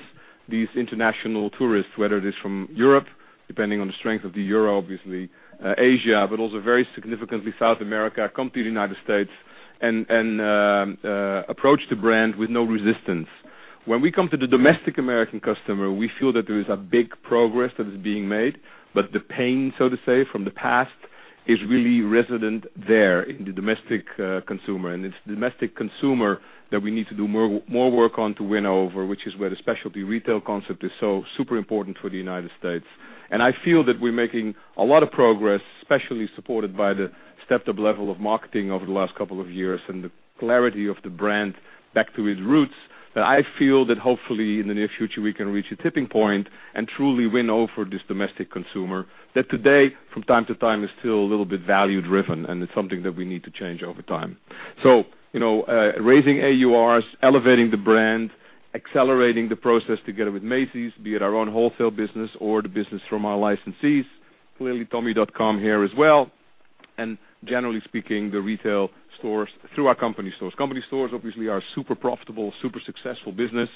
these international tourists, whether it is from Europe, depending on the strength of the EUR, obviously. Asia, but also very significantly, South America, come to the U.S. and approach the brand with no resistance. When we come to the domestic American customer, we feel that there is a big progress that is being made, but the pain, so to say, from the past, is really resident there in the domestic consumer. It's domestic consumer that we need to do more work on to win over, which is where the specialty retail concept is so super important for the U.S. I feel that we're making a lot of progress, especially supported by the stepped-up level of marketing over the last couple of years and the clarity of the brand back to its roots, that I feel that hopefully in the near future, we can reach a tipping point and truly win over this domestic consumer, that today, from time to time, is still a little bit value-driven, and it's something that we need to change over time. Raising AURs, elevating the brand, accelerating the process together with Macy's, be it our own wholesale business or the business from our licensees. Clearly, tommy.com here as well. Generally speaking, the retail stores through our company stores. Company stores, obviously, are super profitable, super successful business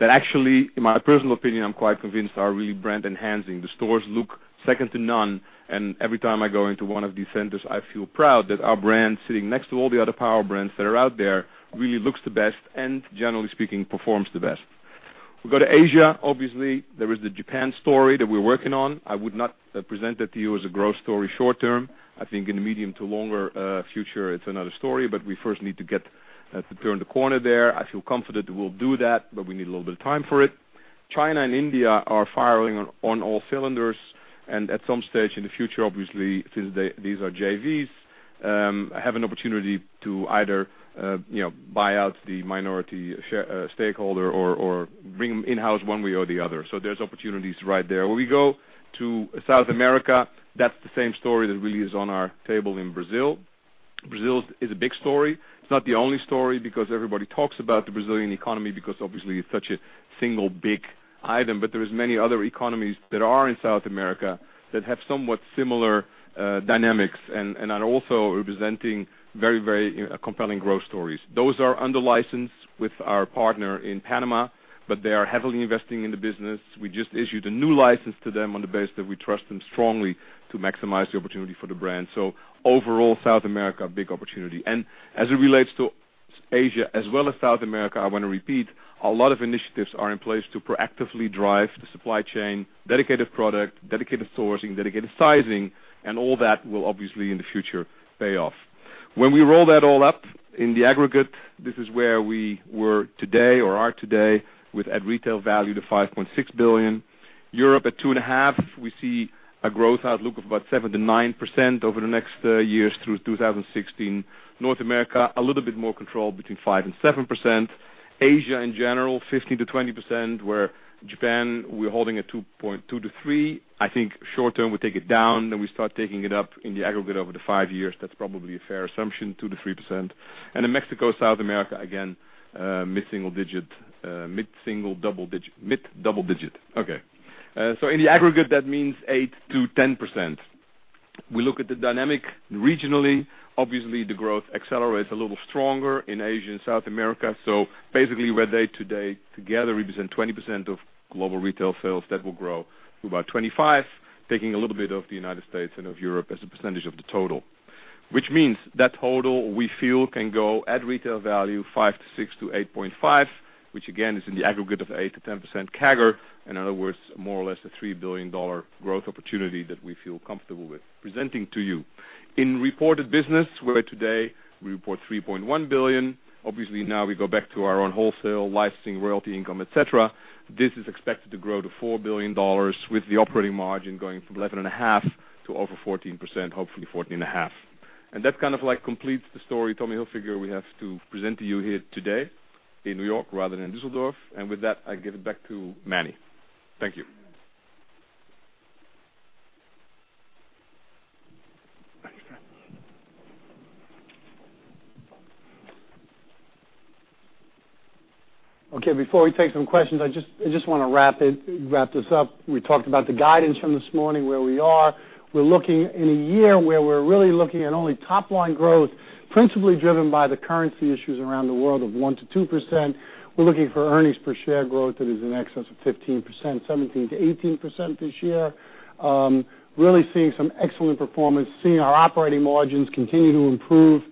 that actually, in my personal opinion, I'm quite convinced, are really brand-enhancing. The stores look second to none, and every time I go into one of these centers, I feel proud that our brand, sitting next to all the other power brands that are out there, really looks the best and, generally speaking, performs the best. We go to Asia, obviously, there is the Japan story that we're working on. I would not present that to you as a growth story short term. I think in the medium to longer future, it's another story, but we first need to turn the corner there. I feel confident we'll do that, but we need a little bit of time for it. China and India are firing on all cylinders, at some stage in the future, obviously, since these are JVs, have an opportunity to either buy out the minority stakeholder or bring them in-house one way or the other. There's opportunities right there. When we go to South America, that's the same story that really is on our table in Brazil. Brazil is a big story. It's not the only story because everybody talks about the Brazilian economy, because obviously, it's such a single big item. There is many other economies that are in South America that have somewhat similar dynamics and are also representing very compelling growth stories. Those are under license with our partner in Panama, but they are heavily investing in the business. We just issued a new license to them on the base that we trust them strongly to maximize the opportunity for the brand. Overall, South America, big opportunity. As it relates to Asia as well as South America, I want to repeat, a lot of initiatives are in place to proactively drive the supply chain, dedicated product, dedicated sourcing, dedicated sizing, and all that will obviously in the future pay off. When we roll that all up in the aggregate, this is where we were today or are today with at retail value to $5.6 billion. Europe at $2.5 billion. We see a growth outlook of about 7%-9% over the next years through 2016. North America, a little bit more control between 5%-7%. Asia, in general, 15%-20%, where Japan, we are holding at 2%-3%. I think short term, we take it down, we start taking it up in the aggregate over the 5 years. That's probably a fair assumption, 2%-3%. In Mexico, South America, again, mid-single digit, mid double digit. In the aggregate, that means 8%-10%. We look at the dynamic regionally. Obviously, the growth accelerates a little stronger in Asia and South America. Basically, where they today together represent 20% of global retail sales, that will grow to about 25%, taking a little bit of the U.S. and of Europe as a percentage of the total. Which means that total, we feel, can go at retail value $5 billion to $6 billion to $8.5 billion, which again, is in the aggregate of 8%-10% CAGR. In other words, more or less a $3 billion growth opportunity that we feel comfortable with presenting to you. In reported business, where today we report $3.1 billion, obviously now we go back to our own wholesale, licensing, royalty income, et cetera. This is expected to grow to $4 billion with the operating margin going from 11.5% to over 14%, hopefully 14.5%. That kind of completes the story, Tommy Hilfiger, we have to present to you here today in N.Y. rather than Düsseldorf. With that, I give it back to Manny. Thank you. Thanks, Manny. Okay, before we take some questions, I just want to wrap this up. We talked about the guidance from this morning, where we are. We are looking in a year where we are really looking at only top-line growth, principally driven by the currency issues around the world of 1%-2%. We are looking for earnings per share growth that is in excess of 15%, 17%-18% this year. Really seeing some excellent performance, seeing our operating margins continue to improve.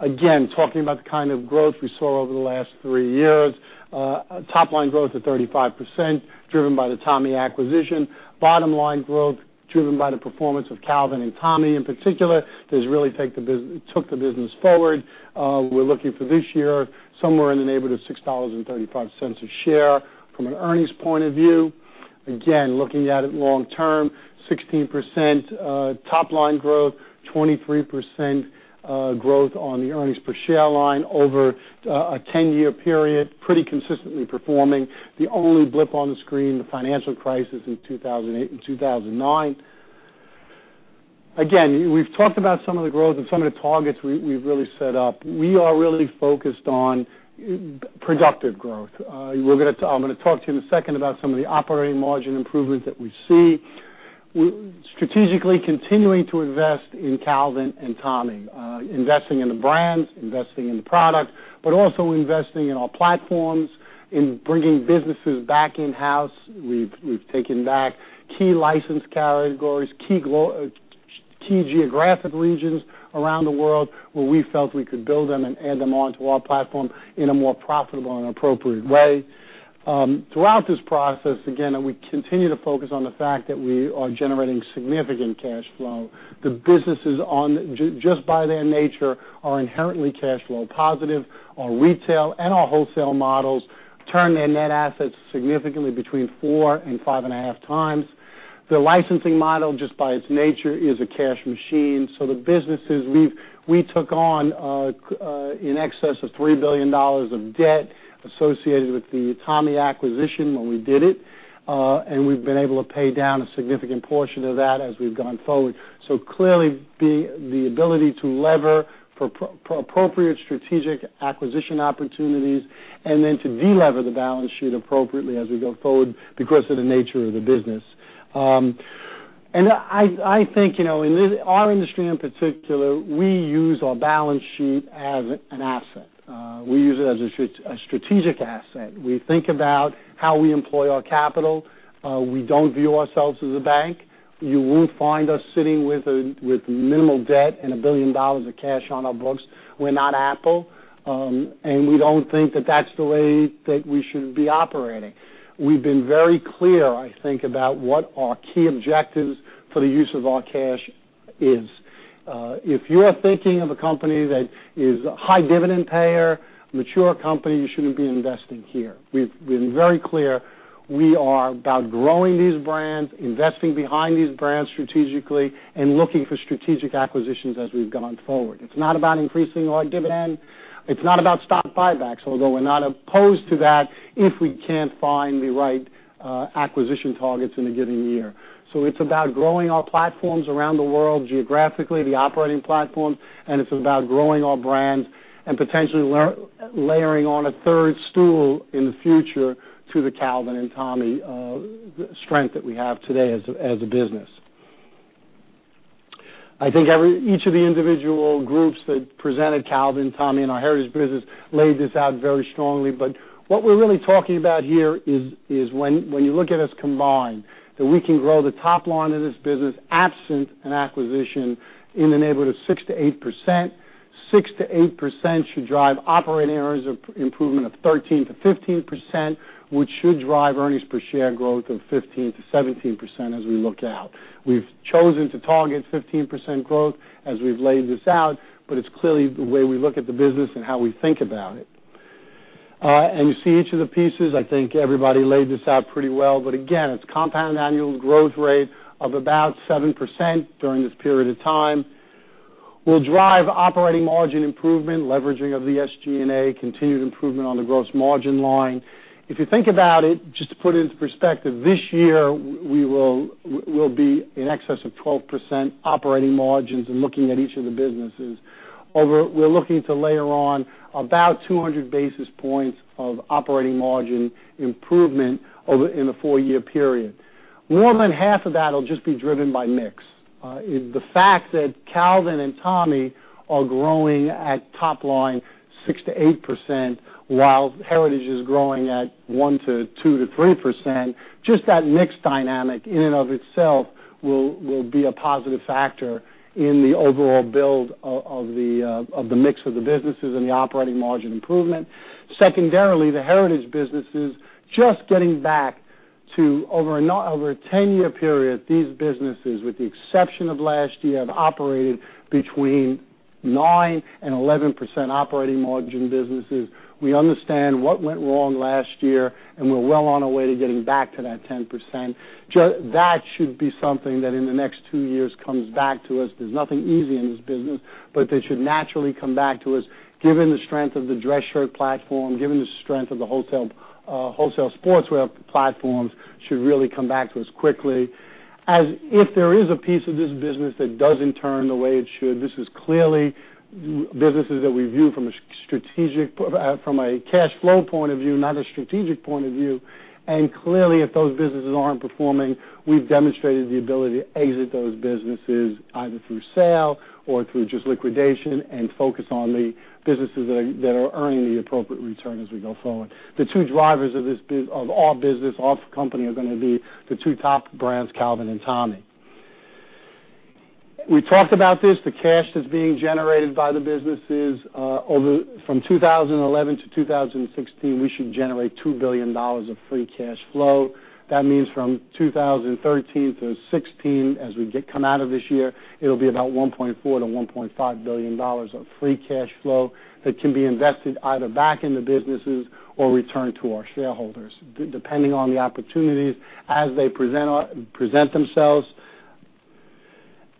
Again, talking about the kind of growth we saw over the last 3 years. Top line growth of 35% driven by the Tommy acquisition. Bottom line growth driven by the performance of Calvin and Tommy in particular, took the business forward. We are looking for this year, somewhere in the neighborhood of $6.35 a share from an earnings point of view. Again, looking at it long term, 16% top line growth, 23% growth on the earnings per share line over a 10-year period, pretty consistently performing. The only blip on the screen, the financial crisis in 2008 and 2009. We've talked about some of the growth and some of the targets we've really set up. We are really focused on productive growth. I'm going to talk to you in a second about some of the operating margin improvement that we see. Strategically continuing to invest in Calvin and Tommy. Investing in the brands, investing in the product, but also investing in our platforms, in bringing businesses back in-house. We've taken back key license categories, key geographic regions around the world where we felt we could build them and add them onto our platform in a more profitable and appropriate way. Throughout this process, we continue to focus on the fact that we are generating significant cash flow. The businesses, just by their nature, are inherently cash flow positive. Our retail and our wholesale models turn their net assets significantly between four and five and a half times. The licensing model, just by its nature, is a cash machine. The businesses, we took on in excess of $3 billion of debt associated with the Tommy acquisition when we did it, and we've been able to pay down a significant portion of that as we've gone forward. Clearly, the ability to lever for appropriate strategic acquisition opportunities and then to de-lever the balance sheet appropriately as we go forward because of the nature of the business. I think, in our industry in particular, we use our balance sheet as an asset. We use it as a strategic asset. We think about how we employ our capital. We don't view ourselves as a bank. You won't find us sitting with minimal debt and $1 billion of cash on our books. We're not Apple, we don't think that that's the way that we should be operating. We've been very clear, I think, about what our key objectives for the use of our cash is. If you are thinking of a company that is a high dividend payer, mature company, you shouldn't be investing here. We've been very clear. We are about growing these brands, investing behind these brands strategically, and looking for strategic acquisitions as we've gone forward. It's not about increasing our dividend. It's not about stock buybacks, although we're not opposed to that if we can't find the right acquisition targets in a given year. It's about growing our platforms around the world geographically, the operating platform, and it's about growing our brands and potentially layering on a third stool in the future to the Calvin and Tommy strength that we have today as a business. I think each of the individual groups that presented Calvin, Tommy, and our Heritage business laid this out very strongly. What we're really talking about here is when you look at us combined, that we can grow the top line of this business absent an acquisition in the neighborhood of 6%-8%. 6%-8% should drive operating earnings improvement of 13%-15%, which should drive earnings per share growth of 15%-17% as we look out. We've chosen to target 15% growth as we've laid this out, it's clearly the way we look at the business and how we think about it. You see each of the pieces. I think everybody laid this out pretty well. Again, it's compound annual growth rate of about 7% during this period of time. We'll drive operating margin improvement, leveraging of the SG&A, continued improvement on the gross margin line. If you think about it, just to put it into perspective, this year, we'll be in excess of 12% operating margins and looking at each of the businesses. We're looking to layer on about 200 basis points of operating margin improvement in the four-year period. More than half of that will just be driven by mix. The fact that Calvin and Tommy are growing at top line 6%-8%, while Heritage is growing at 1%-2%-3%, just that mix dynamic in and of itself will be a positive factor in the overall build of the mix of the businesses and the operating margin improvement. Secondarily, the Heritage business is just getting back. Over a 10-year period, these businesses, with the exception of last year, have operated between 9% and 11% operating margin businesses. We understand what went wrong last year, and we're well on our way to getting back to that 10%. That should be something that in the next two years comes back to us. There's nothing easy in this business, that should naturally come back to us given the strength of the dress shirt platform, given the strength of the wholesale sportswear platforms, should really come back to us quickly. If there is a piece of this business that doesn't turn the way it should, this is clearly businesses that we view from a cash flow point of view, not a strategic point of view. Clearly, if those businesses aren't performing, we've demonstrated the ability to exit those businesses either through sale or through just liquidation and focus on the businesses that are earning the appropriate return as we go forward. The two drivers of our business, of company, are going to be the two top brands, Calvin and Tommy. We talked about this. The cash that's being generated by the businesses. From 2011-2016, we should generate $2 billion of free cash flow. That means from 2013 through 2016, as we come out of this year, it'll be about $1.4 billion-$1.5 billion of free cash flow that can be invested either back in the businesses or returned to our shareholders, depending on the opportunities as they present themselves.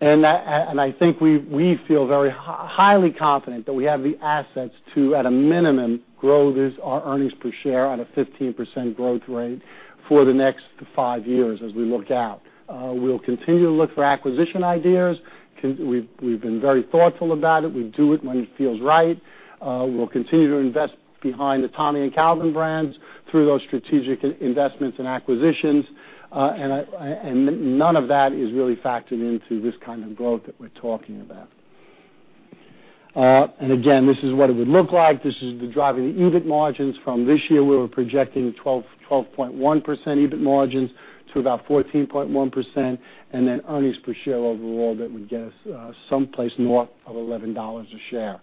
I think we feel very highly confident that we have the assets to, at a minimum, grow our earnings per share at a 15% growth rate for the next five years as we look out. We'll continue to look for acquisition ideas. We've been very thoughtful about it. We do it when it feels right. We'll continue to invest behind the Tommy and Calvin brands through those strategic investments and acquisitions. None of that is really factored into this kind of growth that we're talking about. This is what it would look like. This is the driving EBIT margins from this year. We were projecting 12.1% EBIT margins to about 14.1%, then earnings per share overall, that would get us someplace north of $11 a share.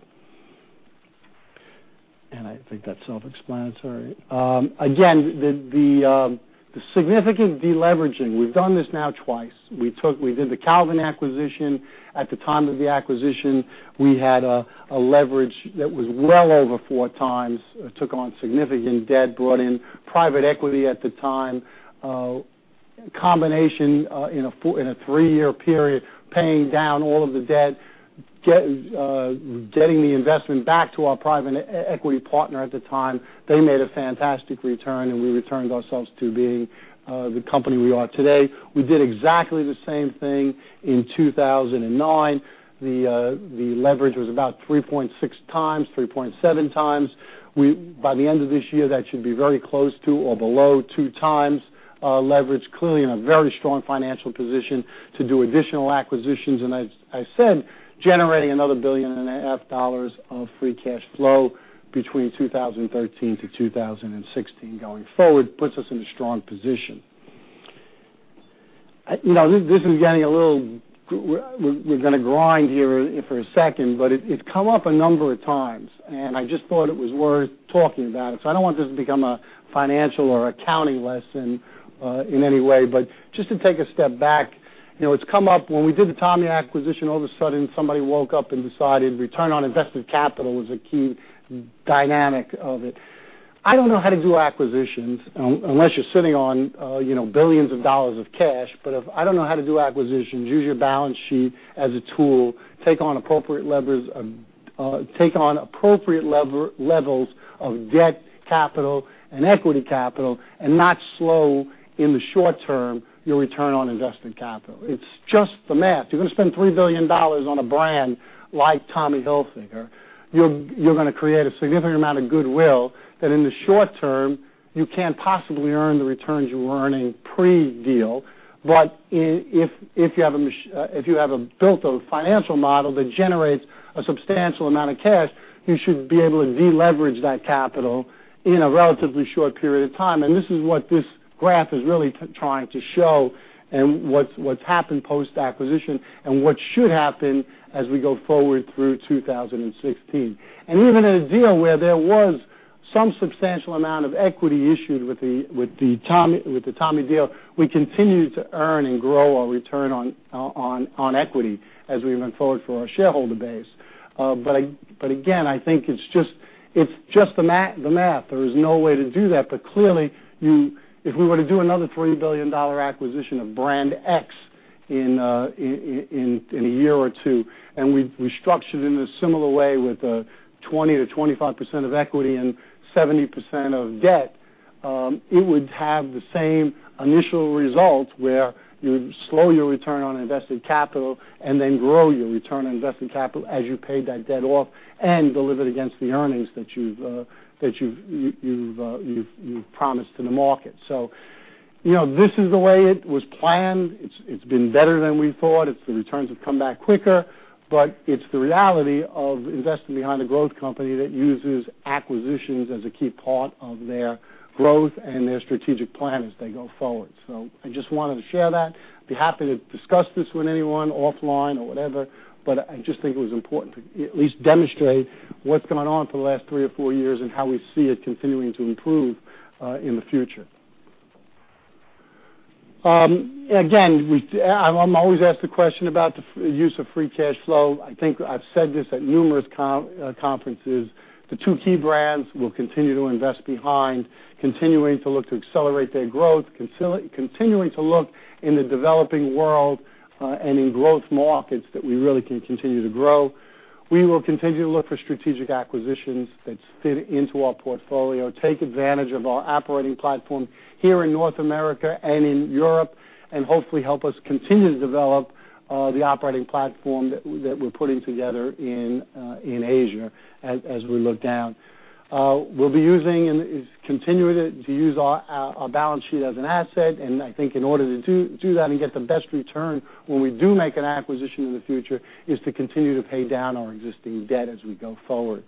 I think that's self-explanatory. Again, the significant deleveraging, we've done this now twice. We did the Calvin acquisition. At the time of the acquisition, we had a leverage that was well over 4 times, took on significant debt, brought in private equity at the time. Combination in a 3-year period, paying down all of the debt, getting the investment back to our private equity partner at the time. They made a fantastic return, we returned ourselves to being the company we are today. We did exactly the same thing in 2009. The leverage was about 3.6 times, 3.7 times. By the end of this year, that should be very close to or below 2 times leverage. Clearly in a very strong financial position to do additional acquisitions. As I said, generating another $1.5 billion of free cash flow between 2013 to 2016 going forward puts us in a strong position. We're going to grind here for a second, but it's come up a number of times, I just thought it was worth talking about it. I don't want this to become a financial or accounting lesson in any way, but just to take a step back. It's come up. When we did the Tommy acquisition, all of a sudden somebody woke up and decided return on invested capital was a key dynamic of it. I don't know how to do acquisitions unless you're sitting on billions of dollars of cash. If I don't know how to do acquisitions, use your balance sheet as a tool, take on appropriate levels of debt capital and equity capital, not slow, in the short term, your return on invested capital. It's just the math. You're going to spend $3 billion on a brand like Tommy Hilfiger. You're going to create a significant amount of goodwill that in the short term, you can't possibly earn the returns you were earning pre-deal. If you have built a financial model that generates a substantial amount of cash, you should be able to deleverage that capital in a relatively short period of time. This is what this graph is really trying to show and what's happened post-acquisition and what should happen as we go forward through 2016. Even in a deal where there was some substantial amount of equity issued with the Tommy deal, we continued to earn and grow our return on equity as we went forward for our shareholder base. Again, I think it's just the math. There is no way to do that. Clearly, if we were to do another $3 billion acquisition of brand X in a year or 2, we structured in a similar way with a 20%-25% of equity and 70% of debt, it would have the same initial result where you slow your return on invested capital then grow your return on invested capital as you pay that debt off and deliver it against the earnings that you've promised to the market. This is the way it was planned. It's been better than we thought. The returns have come back quicker, it's the reality of investing behind a growth company that uses acquisitions as a key part of their growth and their strategic plan as they go forward. I just wanted to share that. I'd be happy to discuss this with anyone offline or whatever, I just think it was important to at least demonstrate what's gone on for the last three or four years and how we see it continuing to improve in the future. Again, I'm always asked the question about the use of free cash flow. I think I've said this at numerous conferences. The two key brands we'll continue to invest behind, continuing to look to accelerate their growth, continuing to look in the developing world, and in growth markets that we really can continue to grow. We will continue to look for strategic acquisitions that fit into our portfolio, take advantage of our operating platform here in North America and in Europe, and hopefully help us continue to develop the operating platform that we're putting together in Asia as we look down. We'll be continuing to use our balance sheet as an asset. I think in order to do that and get the best return when we do make an acquisition in the future, is to continue to pay down our existing debt as we go forward.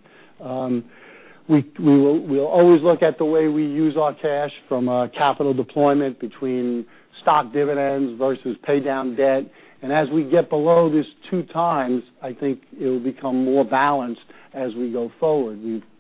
We'll always look at the way we use our cash from a capital deployment between stock dividends versus pay down debt. As we get below this 2x, I think it'll become more balanced as we go forward.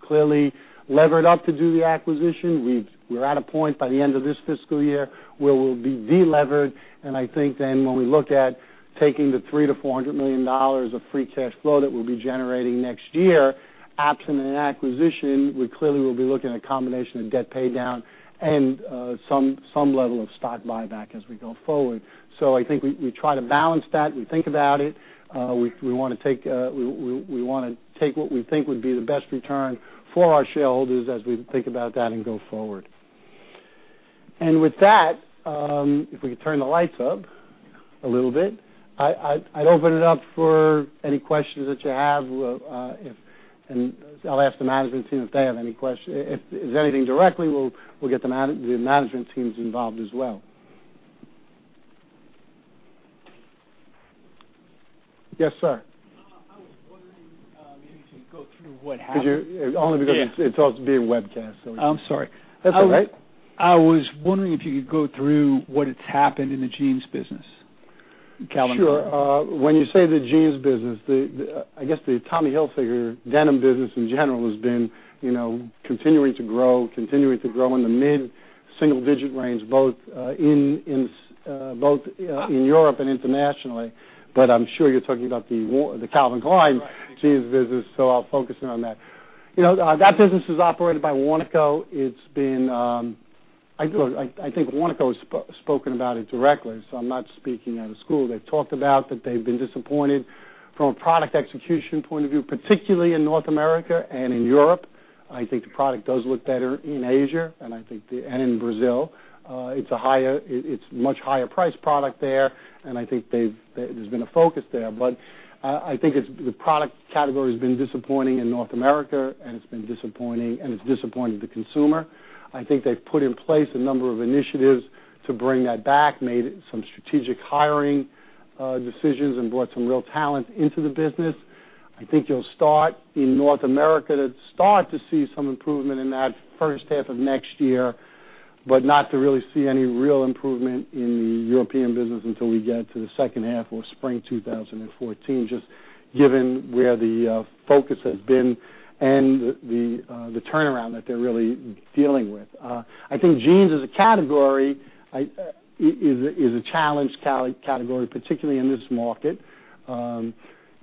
We've clearly levered up to do the acquisition. We're at a point by the end of this fiscal year where we'll be de-levered. I think then when we look at taking the $300 million-$400 million of free cash flow that we'll be generating next year, absent an acquisition, we clearly will be looking at a combination of debt pay down and some level of stock buyback as we go forward. I think we try to balance that. We think about it. We want to take what we think would be the best return for our shareholders as we think about that and go forward. With that, if we could turn the lights up a little bit, I'd open it up for any questions that you have. I'll ask the management team if they have any questions. If there's anything directly, we'll get the management teams involved as well. Yes, sir. I was wondering maybe to go through what happened. Only because it's also being webcast. I'm sorry. That's all right. I was wondering if you could go through what has happened in the jeans business. Calvin Klein. Sure. When you say the jeans business, I guess the Tommy Hilfiger denim business in general has been continuing to grow in the mid-single digit range, both in Europe and internationally. I'm sure you're talking about the Calvin Klein jeans business, so I'll focus in on that. That business is operated by Warnaco. I think Warnaco has spoken about it directly, so I'm not speaking out of school. They've talked about that they've been disappointed from a product execution point of view, particularly in North America and in Europe. I think the product does look better in Asia, and in Brazil. It's a much higher priced product there, and I think there's been a focus there. I think the product category has been disappointing in North America, and it's disappointed the consumer. I think they've put in place a number of initiatives to bring that back, made some strategic hiring decisions, and brought some real talent into the business. I think you'll start to see some improvement in that first half of next year, but not to really see any real improvement in the European business until we get to the second half or spring 2014, just given where the focus has been and the turnaround that they're really dealing with. I think jeans as a category is a challenged category, particularly in this market. Even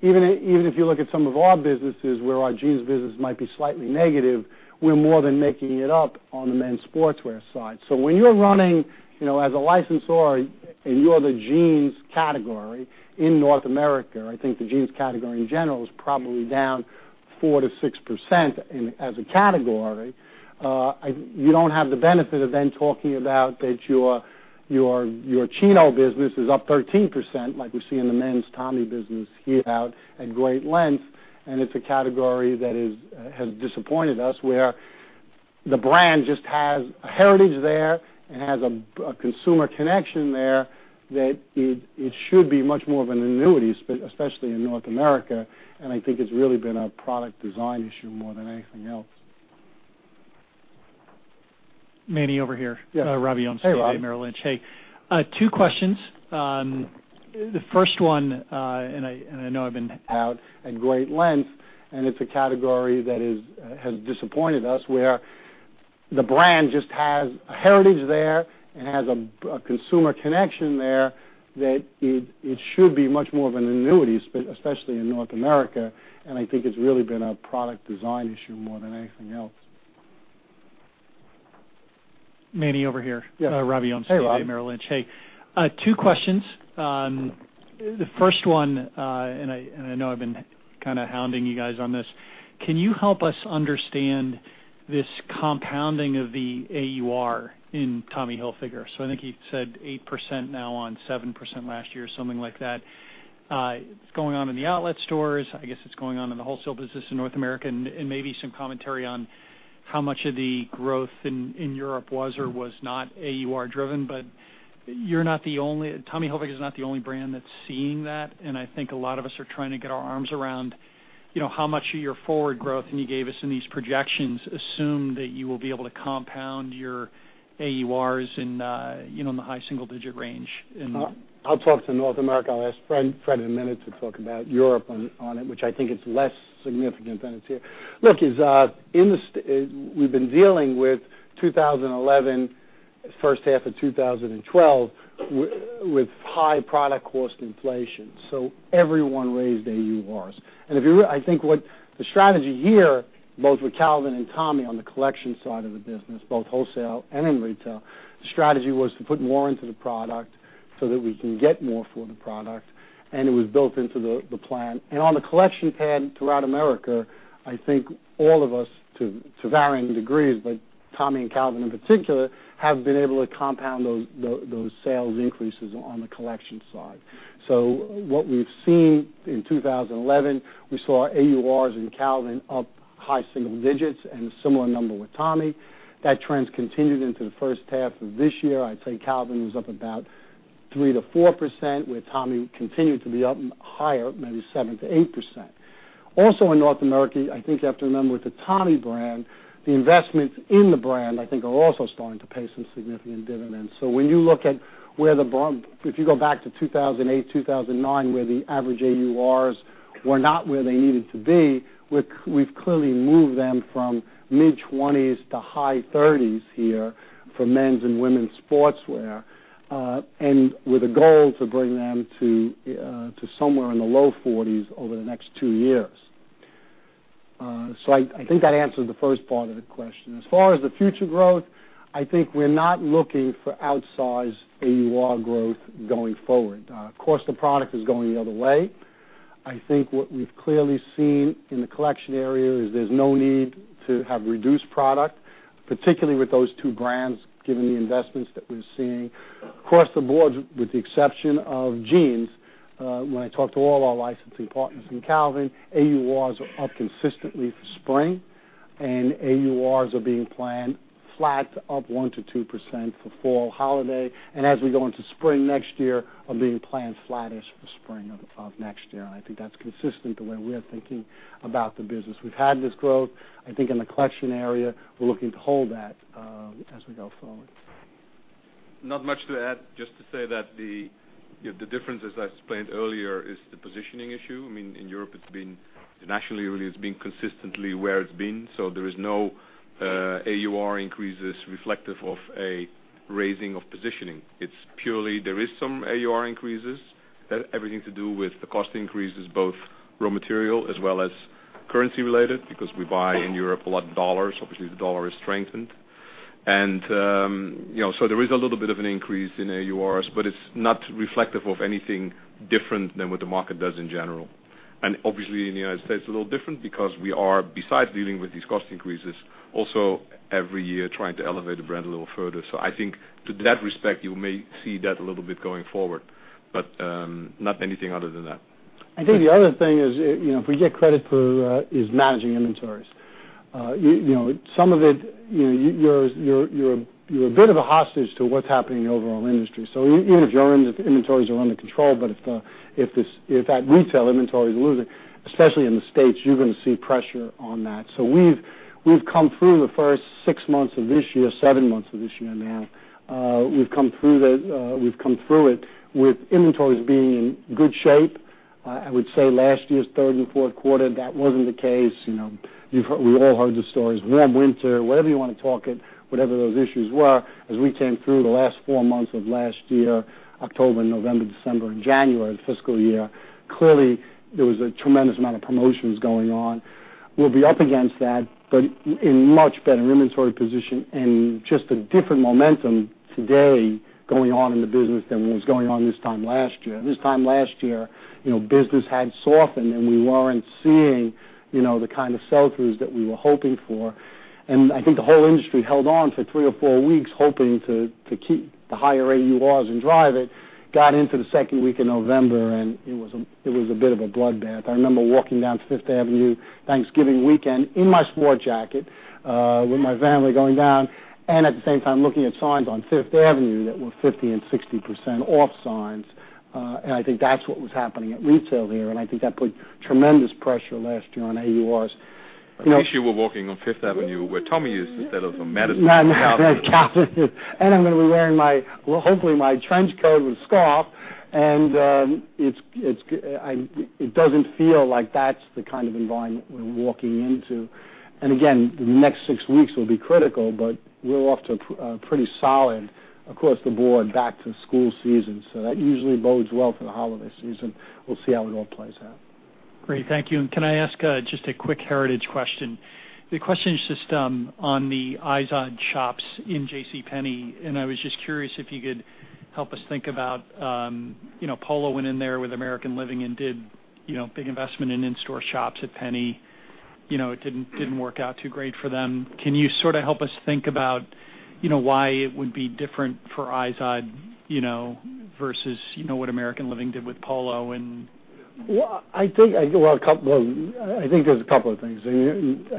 if you look at some of our businesses where our jeans business might be slightly negative, we're more than making it up on the men's sportswear side. When you're running as a licensor, and you're the jeans category in North America, I think the jeans category in general is probably down 4%-6% as a category. You don't have the benefit of then talking about that your Chino business is up 13%, like we see in the men's Tommy business here out at great length. It's a category that has disappointed us, where the brand just has a heritage there and has a consumer connection there that it should be much more of an annuity, especially in North America. I think it's really been a product design issue more than anything else. Manny, over here. Yes. Ravi Yamsky at Merrill Lynch. Hey, Ravi. Hey. Two questions. The first one, and I know I've been- Out at great length, and it's a category that has disappointed us, where the brand just has a heritage there and has a consumer connection there that it should be much more of an annuity, especially in North America. I think it's really been a product design issue more than anything else. Manny, over here. Yes. Ravi Yamsky at Merrill Lynch. Hey, Ravi. Hey. Two questions. The first one, and I know I've been kind of hounding you guys on this. Can you help us understand this compounding of the AUR in Tommy Hilfiger? I think you said 8% now on 7% last year, or something like that. It's going on in the outlet stores. I guess it's going on in the wholesale business in North America. Maybe some commentary on how much of the growth in Europe was or was not AUR driven. Tommy Hilfiger is not the only brand that's seeing that, and I think a lot of us are trying to get our arms around how much of your forward growth, and you gave us in these projections, assume that you will be able to compound your AURs in the high single-digit range. I'll talk to North America. I'll ask Fred in a minute to talk about Europe on it, which I think is less significant than it is here. Look, we've been dealing with 2011 first half of 2012, with high product cost inflation. Everyone raised AURs. I think what the strategy here, both with Calvin and Tommy on the collection side of the business, both wholesale and in retail, the strategy was to put more into the product so that we can get more for the product. It was built into the plan. On the collection pad throughout America, I think all of us, to varying degrees, but Tommy and Calvin in particular, have been able to compound those sales increases on the collection side. What we've seen in 2011, we saw AURs in Calvin up high single digits and a similar number with Tommy. That trend's continued into the first half of this year. I'd say Calvin was up about 3%-4%, with Tommy continuing to be up higher, maybe 7%-8%. Also in North America, I think you have to remember with the Tommy brand, the investments in the brand, I think are also starting to pay some significant dividends. If you go back to 2008, 2009, where the average AURs were not where they needed to be, we've clearly moved them from mid-20s to high 30s here for men's and women's sportswear. With a goal to bring them to somewhere in the low 40s over the next two years. I think that answers the first part of the question. As far as the future growth, I think we're not looking for outsized AUR growth going forward. Of course, the product is going the other way. I think what we've clearly seen in the collection area is there's no need to have reduced product, particularly with those two brands, given the investments that we're seeing. Across the board, with the exception of jeans, when I talk to all our licensing partners in Calvin, AURs are up consistently for spring, AURs are being planned flat to up 1%-2% for fall holiday. As we go into spring next year, are being planned flattish for spring of next year. I think that's consistent with the way we're thinking about the business. We've had this growth. I think in the collection area, we're looking to hold that as we go forward. Not much to add, just to say that the difference, as I explained earlier, is the positioning issue. In Europe, nationally really, it's been consistently where it's been. There is no AUR increases reflective of a raising of positioning. There is some AUR increases. Everything to do with the cost increases, both raw material as well as currency related, because we buy in Europe a lot of dollars. Obviously, the U.S. dollar is strengthened. There is a little bit of an increase in AURs, but it's not reflective of anything different than what the market does in general. Obviously, in the U.S., a little different because we are, besides dealing with these cost increases, also every year trying to elevate the brand a little further. I think to that respect, you may see that a little bit going forward, but not anything other than that. I think the other thing is, if we get credit for is managing inventories. Some of it, you're a bit of a hostage to what's happening in the overall industry. Even if your inventories are under control, but if at retail, inventories are losing, especially in the U.S., you're going to see pressure on that. We've come through the first six months of this year, seven months of this year now. We've come through it with inventories being in good shape. I would say last year's third and fourth quarter, that wasn't the case. We've all heard the stories. Warm winter, whatever you want to talk it, whatever those issues were, as we came through the last four months of last year, October, November, December, and January, the fiscal year, clearly, there was a tremendous amount of promotions going on. We'll be up against that, but in much better inventory position and just a different momentum today going on in the business than was going on this time last year. This time last year, business had softened, and we weren't seeing the kind of sell-throughs that we were hoping for. I think the whole industry held on for three or four weeks, hoping to keep the higher AURs and drive it. Got into the second week of November, and it was a bit of a bloodbath. I remember walking down Fifth Avenue Thanksgiving weekend in my sport jacket with my family going down, and at the same time looking at signs on Fifth Avenue that were 50% and 60% off signs. I think that's what was happening at retail there, and I think that put tremendous pressure last year on AURs. I think you were walking on Fifth Avenue where Tommy is instead of on Madison and Sixth. Madison and Sixth. I'm going to be wearing, well, hopefully my trench coat with scarf, and it doesn't feel like that's the kind of environment we're walking into. Again, the next six weeks will be critical, but we're off to a pretty solid, across the board, back-to-school season. That usually bodes well for the holiday season. We'll see how it all plays out. Great. Thank you. Can I ask just a quick Heritage question? The question is just on the Izod shops in JCPenney, I was just curious if you could help us think about, Polo went in there with American Living and did big investment in in-store shops at Penney. It didn't work out too great for them. Can you sort of help us think about why it would be different for Izod, versus what American Living did with Polo and Well, I think there's a couple of things. It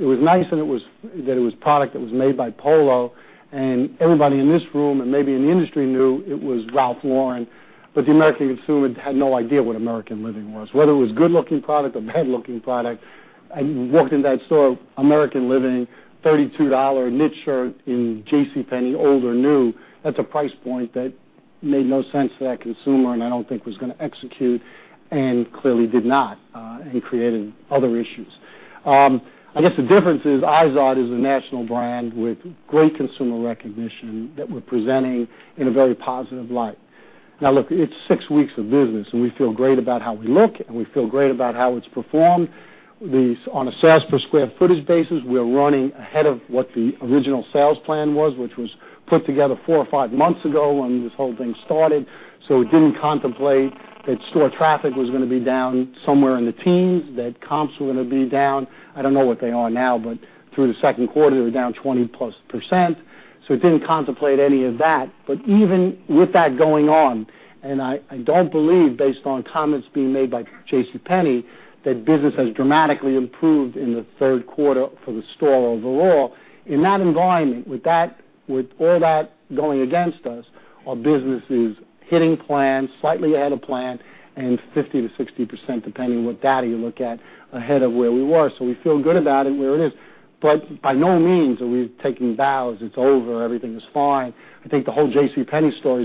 was nice that it was product that was made by Polo, and everybody in this room, and maybe in the industry knew it was Ralph Lauren, but the American consumer had no idea what American Living was. Whether it was good-looking product or bad-looking product, I walked into that store, American Living, a $32 knit shirt in JCPenney, old or new. That's a price point that made no sense for that consumer, and I don't think was going to execute, and clearly did not, and created other issues. I guess the difference is Izod is a national brand with great consumer recognition that we're presenting in a very positive light. Now look, it's six weeks of business, and we feel great about how we look, and we feel great about how it's performed. On a sales per square footage basis, we're running ahead of what the original sales plan was, which was put together four or five months ago when this whole thing started. It didn't contemplate that store traffic was going to be down somewhere in the teens, that comps were going to be down. I don't know what they are now, but through the second quarter, they were down 20%-plus. It didn't contemplate any of that. Even with that going on, and I don't believe, based on comments being made by JCPenney, that business has dramatically improved in the third quarter for the store overall. In that environment, with all that going against us, our business is hitting plans, slightly ahead of plan, and 50%-60%, depending on what data you look at, ahead of where we were. We feel good about it where it is. By no means are we taking bows, it's over, everything is fine. I think the whole JCPenney story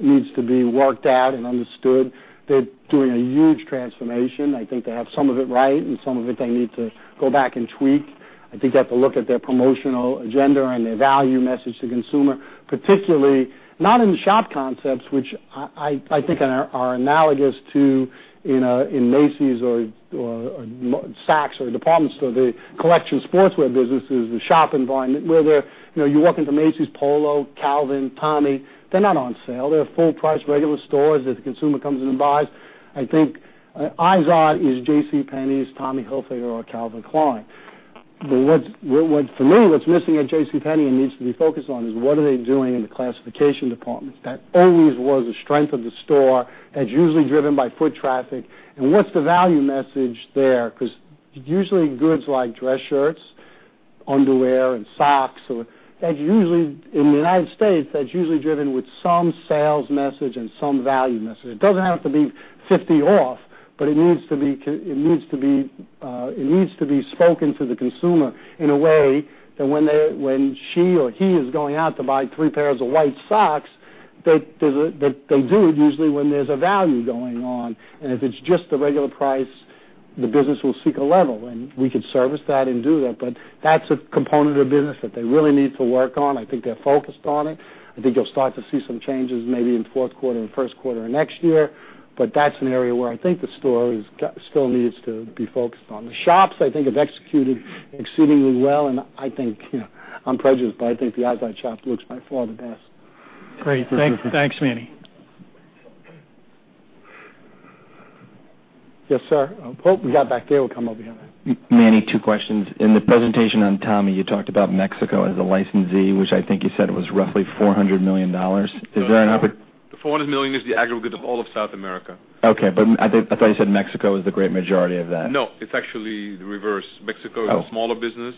needs to be worked at and understood. They're doing a huge transformation. I think they have some of it right, and some of it they need to go back and tweak. I think they have to look at their promotional agenda and their value message to consumer, particularly, not in shop concepts, which I think are analogous to in Macy's or Saks or a department store. The collection sportswear business is the shop environment where you walk into Macy's, Polo, Calvin, Tommy. They're not on sale. They're full-priced, regular stores that the consumer comes in and buys. I think Izod is JCPenney's Tommy Hilfiger or Calvin Klein. For me, what's missing at JCPenney and needs to be focused on is what are they doing in the classification departments. That always was a strength of the store. That's usually driven by foot traffic. What's the value message there? Usually goods like dress shirts, underwear, and socks, in the United States, that's usually driven with some sales message and some value message. It doesn't have to be 50 off, but it needs to be spoken to the consumer in a way that when she or he is going out to buy three pairs of white socks, that they do it usually when there's a value going on. If it's just the regular price, the business will seek a level, and we could service that and do that. That's a component of business that they really need to work on. I think they're focused on it. I think you'll start to see some changes maybe in fourth quarter and first quarter of next year. That's an area where I think the store still needs to be focused on. The shops, I think, have executed exceedingly well, and I think, I'm prejudiced, but I think the Izod shop looks by far the best. Great. Thanks, Manny. Yes, sir. What we got back there, we'll come over here. Manny, two questions. In the presentation on Tommy, you talked about Mexico as a licensee, which I think you said was roughly $400 million. Is there an oppor-? The $400 million is the aggregate of all of South America. Okay. I thought you said Mexico was the great majority of that. No. It's actually the reverse. Mexico-. Oh is a smaller business.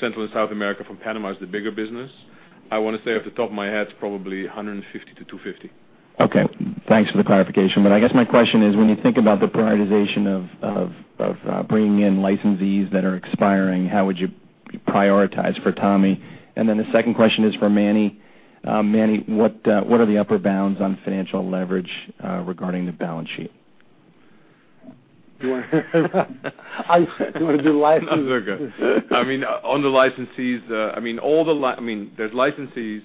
Central and South America, from Panama, is the bigger business. I want to say off the top of my head, it's probably $150-$250. Okay. Thanks for the clarification. I guess my question is, when you think about the prioritization of bringing in licensees that are expiring, how would you prioritize for Tommy? The second question is for Manny. Manny, what are the upper bounds on financial leverage regarding the balance sheet? You want to do licenses? No, that's okay. On the licensees, there's licensees,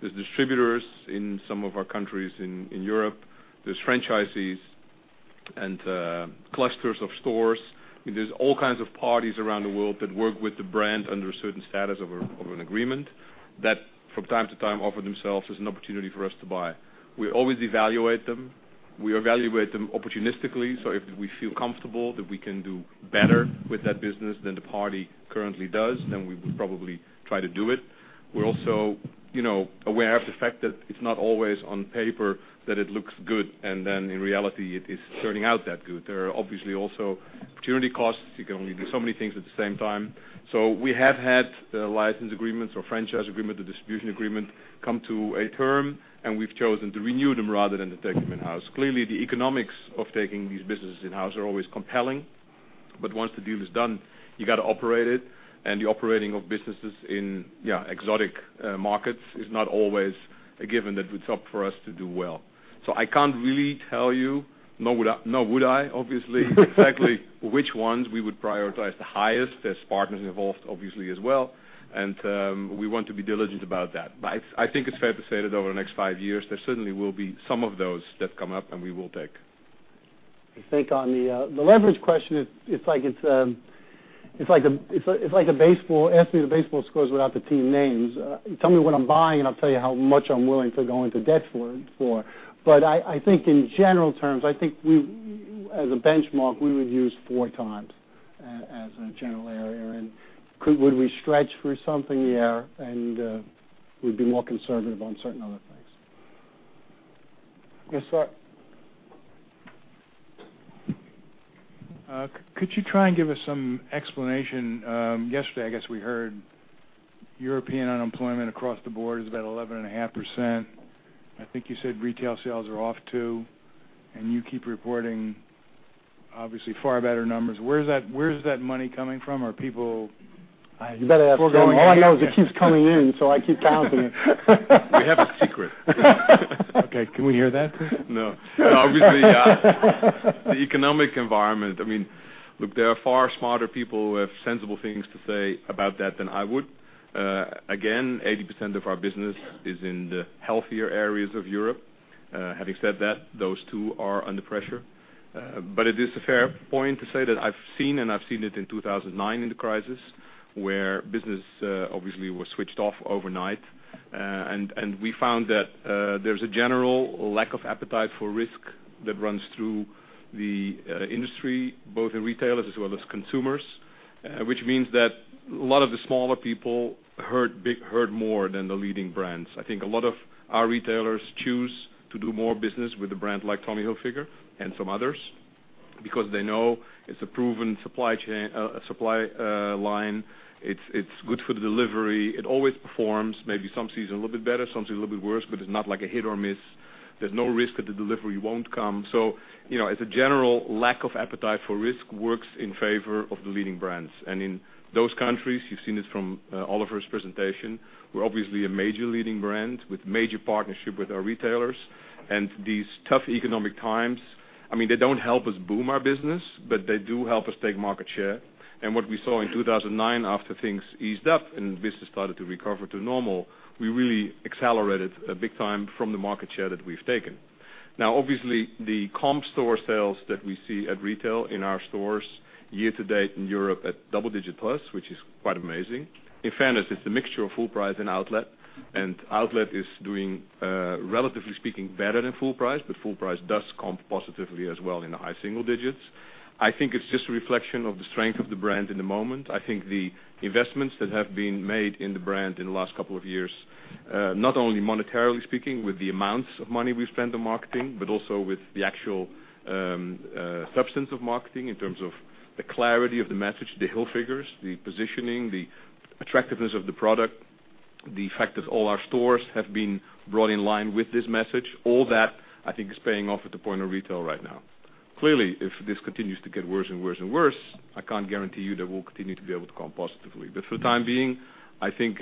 there's distributors in some of our countries in Europe. There's franchisees and clusters of stores. There's all kinds of parties around the world that work with the brand under a certain status of an agreement that, from time to time, offer themselves as an opportunity for us to buy. We always evaluate them. We evaluate them opportunistically. If we feel comfortable that we can do better with that business than the party currently does, then we would probably try to do it. We're also aware of the fact that it's not always on paper that it looks good, and then in reality, it is turning out that good. There are obviously also opportunity costs. You can only do so many things at the same time. We have had the license agreements or franchise agreement or distribution agreement come to a term, and we've chosen to renew them rather than to take them in-house. Clearly, the economics of taking these businesses in-house are always compelling. Once the deal is done, you got to operate it, and the operating of businesses in exotic markets is not always a given that it's up for us to do well. I can't really tell you, nor would I, obviously, exactly which ones we would prioritize the highest. There's partners involved obviously as well, and we want to be diligent about that. I think it's fair to say that over the next 5 years, there certainly will be some of those that come up, and we will take. I think on the leverage question, it's like asking the baseball scores without the team names. Tell me what I'm buying, and I'll tell you how much I'm willing to go into debt for. I think in general terms, I think as a benchmark, we would use four times as a general area. Would we stretch for something? Yeah. We'd be more conservative on certain other things. Yes, sir. Could you try and give us some explanation? Yesterday, I guess we heard European unemployment across the board is about 11.5%. You keep reporting Obviously far better numbers. Where is that money coming from? Are people- You better ask him. All I know is it keeps coming in, I keep counting it. We have a secret. Okay. Can we hear that, please? No. Obviously, the economic environment. There are far smarter people who have sensible things to say about that than I would. Again, 80% of our business is in the healthier areas of Europe. Having said that, those two are under pressure. It is a fair point to say that I've seen, and I've seen it in 2009 in the crisis, where business obviously was switched off overnight. We found that there's a general lack of appetite for risk that runs through the industry, both in retailers as well as consumers, which means that a lot of the smaller people hurt more than the leading brands. I think a lot of our retailers choose to do more business with a brand like Tommy Hilfiger and some others because they know it's a proven supply line. It's good for the delivery. It always performs, maybe some season a little bit better, some season a little bit worse, but it's not like a hit or miss. There's no risk that the delivery won't come. The general lack of appetite for risk works in favor of the leading brands. In those countries, you've seen this from Oliver's presentation, we're obviously a major leading brand with major partnership with our retailers. These tough economic times, they don't help us boom our business, but they do help us take market share. What we saw in 2009, after things eased up and business started to recover to normal, we really accelerated big time from the market share that we've taken. Now, obviously, the comp store sales that we see at retail in our stores year to date in Europe at double-digit plus, which is quite amazing. In fairness, it's a mixture of full price and outlet is doing, relatively speaking, better than full price, but full price does comp positively as well in the high single digits. I think it's just a reflection of the strength of the brand in the moment. I think the investments that have been made in the brand in the last couple of years, not only monetarily speaking, with the amounts of money we've spent on marketing, but also with the actual substance of marketing in terms of the clarity of the message, The Hilfigers, the positioning, the attractiveness of the product, the fact that all our stores have been brought in line with this message, all that, I think, is paying off at the point of retail right now. Clearly, if this continues to get worse and worse and worse, I can't guarantee you that we'll continue to be able to comp positively. For the time being, I think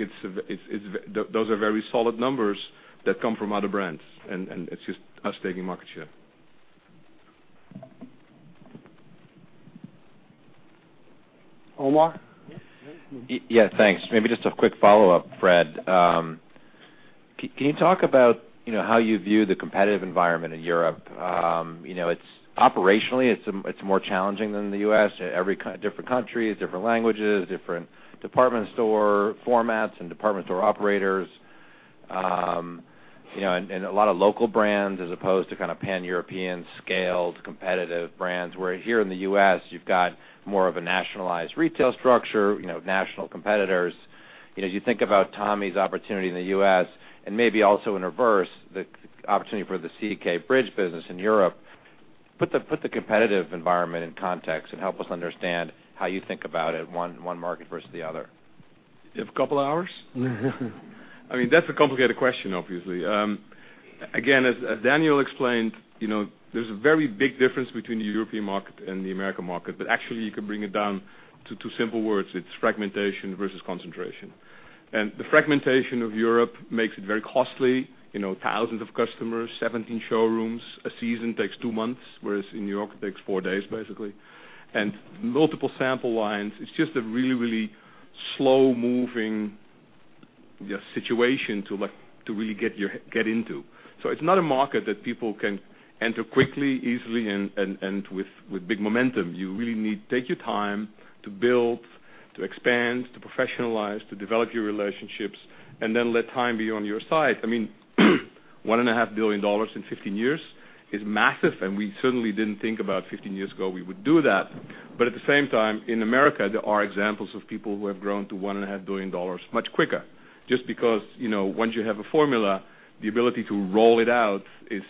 those are very solid numbers that come from other brands, and it's just us taking market share. Omar? Yeah, thanks. Maybe just a quick follow-up, Fred. Can you talk about how you view the competitive environment in Europe? Operationally, it's more challenging than the U.S. Different countries, different languages, different department store formats and department store operators, and a lot of local brands as opposed to Pan-European scaled competitive brands. Where here in the U.S., you've got more of a nationalized retail structure, national competitors. As you think about Tommy's opportunity in the U.S. and maybe also in reverse, the opportunity for the CK Bridge business in Europe, put the competitive environment in context and help us understand how you think about it, one market versus the other. You have a couple hours? That's a complicated question, obviously. Again, as Daniel explained, there's a very big difference between the European market and the American market. Actually, you can bring it down to two simple words. It's fragmentation versus concentration. The fragmentation of Europe makes it very costly. Thousands of customers, 17 showrooms. A season takes two months, whereas in New York, it takes four days, basically. Multiple sample lines. It's just a really, really slow-moving situation to really get into. It's not a market that people can enter quickly, easily, and with big momentum. You really need to take your time to build, to expand, to professionalize, to develop your relationships, and then let time be on your side. $1.5 billion in 15 years is massive, and we certainly didn't think about 15 years ago we would do that. At the same time, in America, there are examples of people who have grown to $1.5 billion much quicker, just because, once you have a formula, the ability to roll it out is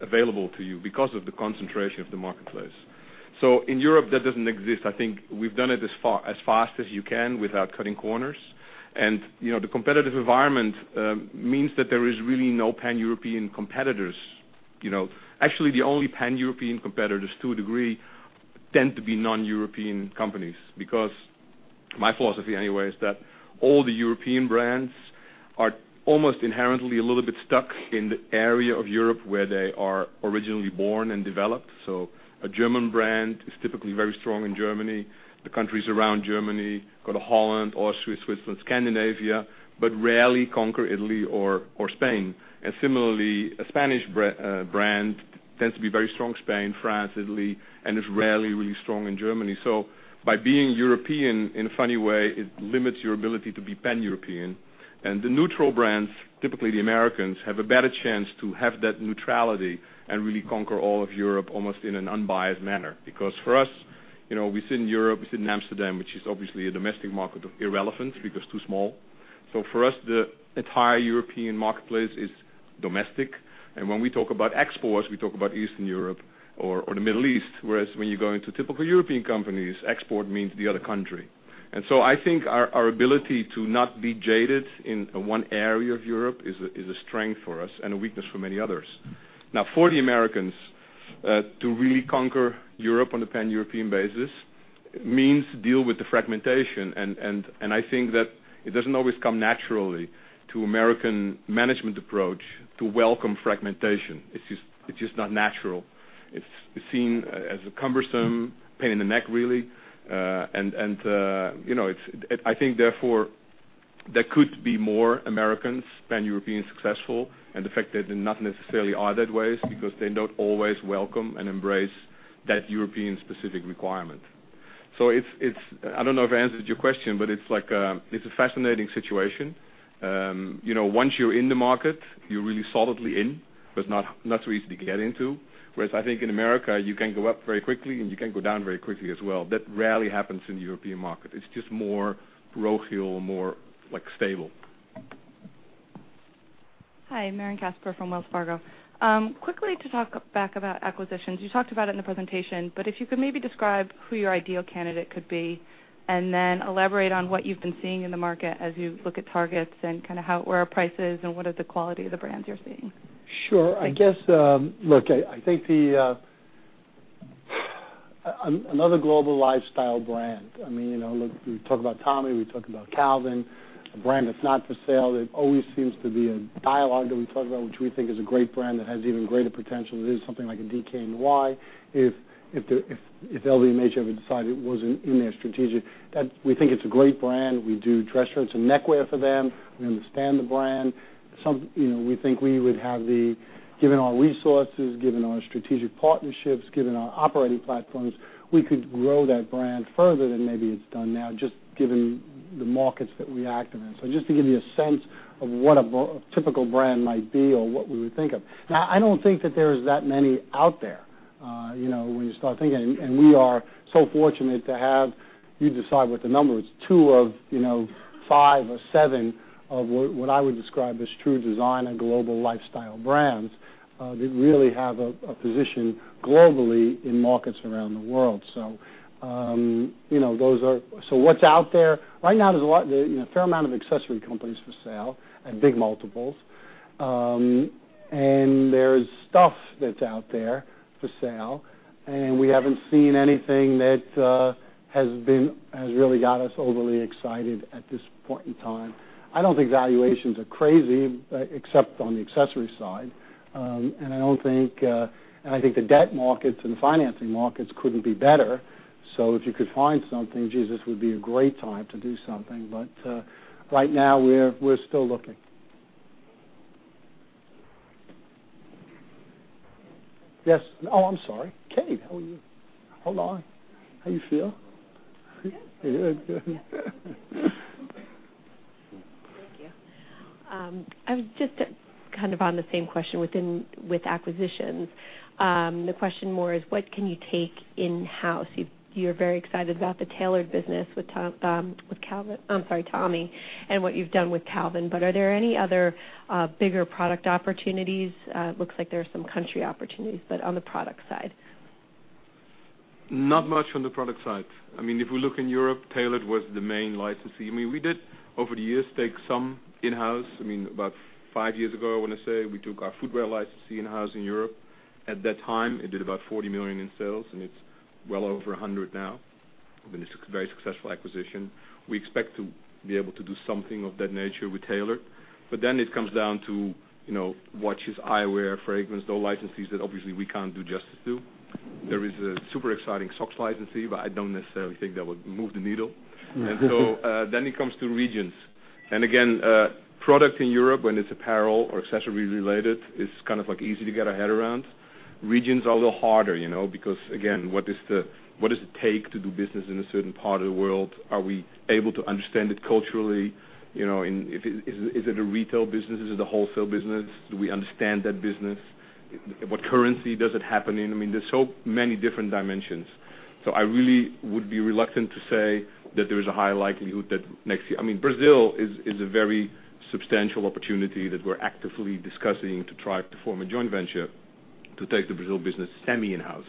available to you because of the concentration of the marketplace. In Europe, that doesn't exist. I think we've done it as fast as you can without cutting corners. The competitive environment means that there is really no Pan-European competitors. Actually, the only Pan-European competitors, to a degree, tend to be non-European companies. Because my philosophy, anyway, is that all the European brands are almost inherently a little bit stuck in the area of Europe where they are originally born and developed. A German brand is typically very strong in Germany. The countries around Germany, go to Holland, Austria, Switzerland, Scandinavia, but rarely conquer Italy or Spain. Similarly, a Spanish brand tends to be very strong Spain, France, Italy, and is rarely really strong in Germany. By being European, in a funny way, it limits your ability to be Pan-European. The neutral brands, typically the Americans, have a better chance to have that neutrality and really conquer all of Europe almost in an unbiased manner. Because for us, we sit in Europe, we sit in Amsterdam, which is obviously a domestic market of irrelevant because too small. For us, the entire European marketplace is domestic, and when we talk about exports, we talk about Eastern Europe or the Middle East, whereas when you go into typical European companies, export means the other country. I think our ability to not be jaded in one area of Europe is a strength for us and a weakness for many others. For the Americans, to really conquer Europe on a Pan-European basis means to deal with the fragmentation, and I think that it doesn't always come naturally to American management approach to welcome fragmentation. It's just not natural. It's seen as a cumbersome pain in the neck, really. I think therefore there could be more Americans, Pan-European successful, and the fact they're not necessarily are that ways because they don't always welcome and embrace that European-specific requirement. I don't know if I answered your question, but it's a fascinating situation. Once you're in the market, you're really solidly in. It's not so easy to get into. Whereas I think in America, you can go up very quickly, and you can go down very quickly as well. That rarely happens in the European market. It's just more Social, more stable. Hi, Maren Kasper from Wells Fargo. Quickly to talk back about acquisitions. You talked about it in the presentation, if you could maybe describe who your ideal candidate could be, and then elaborate on what you've been seeing in the market as you look at targets and kind of where are prices and what are the quality of the brands you're seeing. Sure. I think another global lifestyle brand. We talk about Tommy, we talk about Calvin. A brand that's not for sale, there always seems to be a dialogue that we talk about, which we think is a great brand that has even greater potential. It is something like a DKNY. If LVMH ever decided it wasn't in their strategic. We think it's a great brand. We do dress shirts and neckwear for them. We understand the brand. Given our resources, given our strategic partnerships, given our operating platforms, we could grow that brand further than maybe it's done now, just given the markets that we act in. Just to give you a sense of what a typical brand might be or what we would think of. I don't think that there's that many out there. When you start thinking, we are so fortunate to have, you decide what the number is, two of five or seven of what I would describe as true design and global lifestyle brands. They really have a position globally in markets around the world. What's out there? Right now, there's a fair amount of accessory companies for sale at big multiples. There's stuff that's out there for sale, and we haven't seen anything that has really got us overly excited at this point in time. I don't think valuations are crazy, except on the accessory side. I think the debt markets and financing markets couldn't be better. If you could find something, Jesus, it would be a great time to do something. Right now, we're still looking. Yes. Kate, how are you? How you feel? Good. Good. Thank you. Just kind of on the same question with acquisitions. The question more is what can you take in-house? You're very excited about the tailored business with Tommy, and what you've done with Calvin, are there any other bigger product opportunities? It looks like there are some country opportunities, on the product side. Not much on the product side. If we look in Europe, tailored was the main licensee. We did, over the years, take some in-house. About five years ago, I want to say, we took our footwear licensee in-house in Europe. At that time, it did about 40 million in sales, and it's well over 100 now. Been a very successful acquisition. We expect to be able to do something of that nature with tailored. It comes down to watches, eyewear, fragrance, those licensees that obviously we can't do justice to. There is a super exciting socks licensee, I don't necessarily think that would move the needle. It comes to regions. Again, product in Europe, when it's apparel or accessory related, is kind of easy to get our head around. Regions are a little harder, because again, what does it take to do business in a certain part of the world? Are we able to understand it culturally? Is it a retail business? Is it a wholesale business? Do we understand that business? What currency does it happen in? There's so many different dimensions. I really would be reluctant to say that there is a high likelihood that next year Brazil is a very substantial opportunity that we're actively discussing to try to form a joint venture to take the Brazil business semi in-house.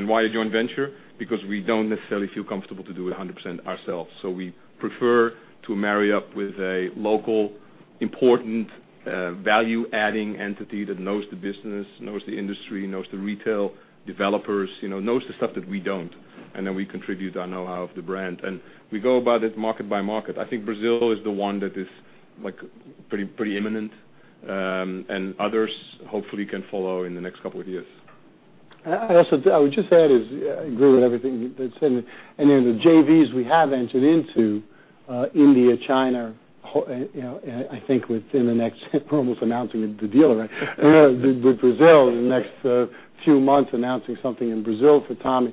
Why a joint venture? Because we don't necessarily feel comfortable to do it 100% ourselves. We prefer to marry up with a local, important, value-adding entity that knows the business, knows the industry, knows the retail developers. Knows the stuff that we don't, and then we contribute our know-how of the brand. We go about it market by market. I think Brazil is the one that is pretty imminent, and others hopefully can follow in the next couple of years. I would just add is, I agree with everything that's said. The JVs we have entered into, India, China, I think within the next, we're almost announcing the deal, right? With Brazil in the next few months, announcing something in Brazil for Tommy.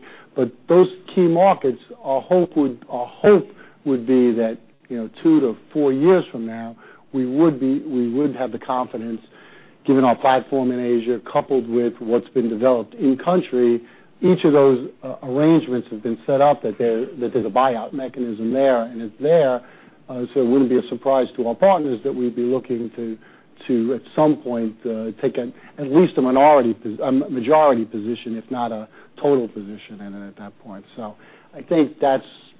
Those key markets, our hope would be that 2 to 4 years from now, we would have the confidence Given our platform in Asia, coupled with what's been developed in country, each of those arrangements have been set up that there's a buyout mechanism there, and it's there. It wouldn't be a surprise to our partners that we'd be looking to, at some point, take at least a majority position, if not a total position in it at that point.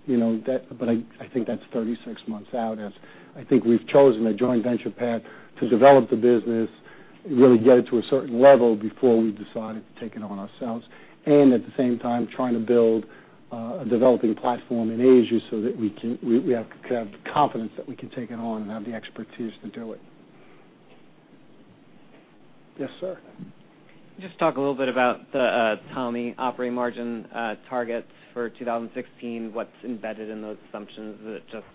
I think that's 36 months out, as I think we've chosen a joint venture path to develop the business, really get it to a certain level before we decided to take it on ourselves. At the same time, trying to build a developing platform in Asia so that we have confidence that we can take it on and have the expertise to do it. Yes, sir. Just talk a little bit about the Tommy operating margin targets for 2016. What's embedded in those assumptions? Is it just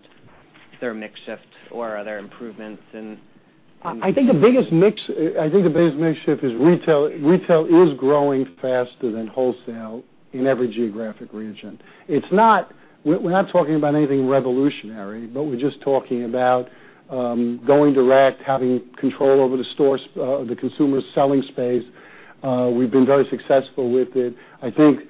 their mix shift or are there improvements in I think the biggest mix shift is retail. Retail is growing faster than wholesale in every geographic region. We're not talking about anything revolutionary, but we're just talking about going direct, having control over the consumer selling space. We've been very successful with it. I think,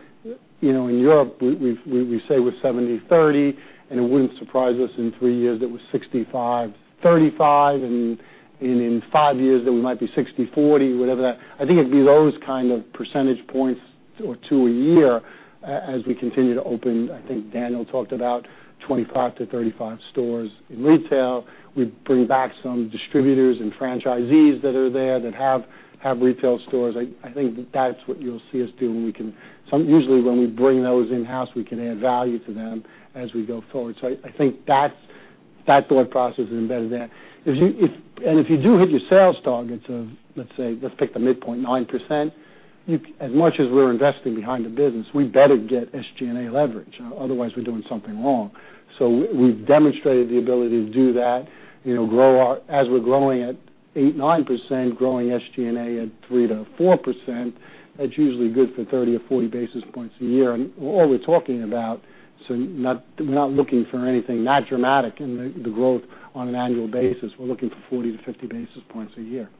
in Europe, we say we're 70/30, and it wouldn't surprise us in three years if it was 65/35, and in five years, whatever that I think it'd be those kind of percentage points or two a year as we continue to open, I think Daniel talked about 25-35 stores in retail. We bring back some distributors and franchisees that are there that have retail stores. I think that's what you'll see us do. Usually, when we bring those in-house, we can add value to them as we go forward. I think that thought process is embedded there. If you do hit your sales targets of, let's say, let's pick the midpoint, 9%, as much as we're investing behind the business, we better get SG&A leverage. Otherwise, we're doing something wrong. We've demonstrated the ability to do that. As we're growing at 8%-9%, growing SG&A at 3%-4%, that's usually good for 30 or 40 basis points a year. All we're talking about, not looking for anything that dramatic in the growth on an annual basis. We're looking for 40-50 basis points a year.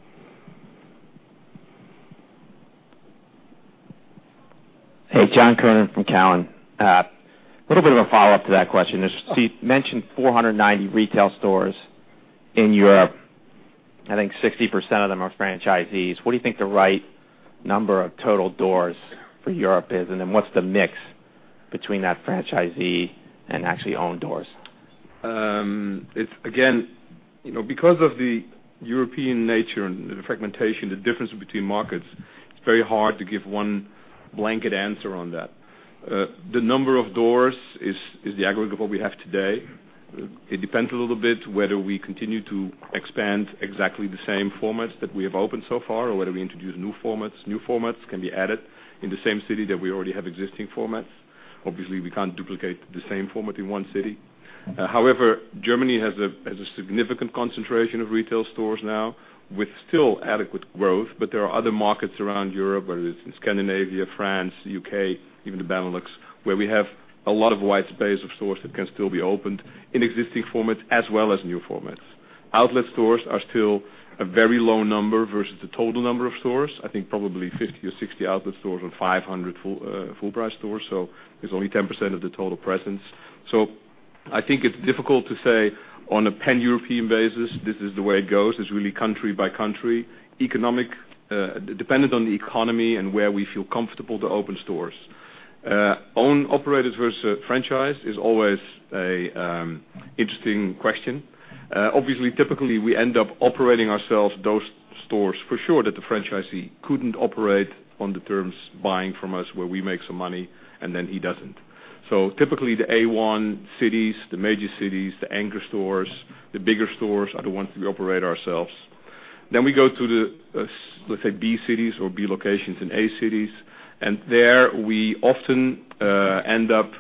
Hey, John Kernan from Cowen. Little bit of a follow-up to that question. You mentioned 490 retail stores in Europe. I think 60% of them are franchisees. What do you think the right number of total doors for Europe is? What's the mix between that franchisee and actually owned doors? Because of the European nature and the fragmentation, the difference between markets, it's very hard to give one blanket answer on that. The number of doors is the aggregate of what we have today. It depends a little bit whether we continue to expand exactly the same formats that we have opened so far or whether we introduce new formats. New formats can be added in the same city that we already have existing formats. Obviously, we can't duplicate the same format in one city. However, Germany has a significant concentration of retail stores now with still adequate growth, but there are other markets around Europe, whether it's in Scandinavia, France, U.K., even the Benelux, where we have a lot of white space of stores that can still be opened in existing formats as well as new formats. Outlet stores are still a very low number versus the total number of stores. I think probably 50 or 60 outlet stores and 500 full-price stores. It's only 10% of the total presence. I think it's difficult to say on a pan-European basis, this is the way it goes. It's really country by country, dependent on the economy and where we feel comfortable to open stores. Owned operators versus franchise is always an interesting question. Obviously, typically, we end up operating ourselves those stores, for sure, that the franchisee couldn't operate on the terms buying from us where we make some money and then he doesn't. Typically, the A-one cities, the major cities, the anchor stores, the bigger stores are the ones we operate ourselves. We go to the, let's say, B cities or B locations in A cities, and there we often end up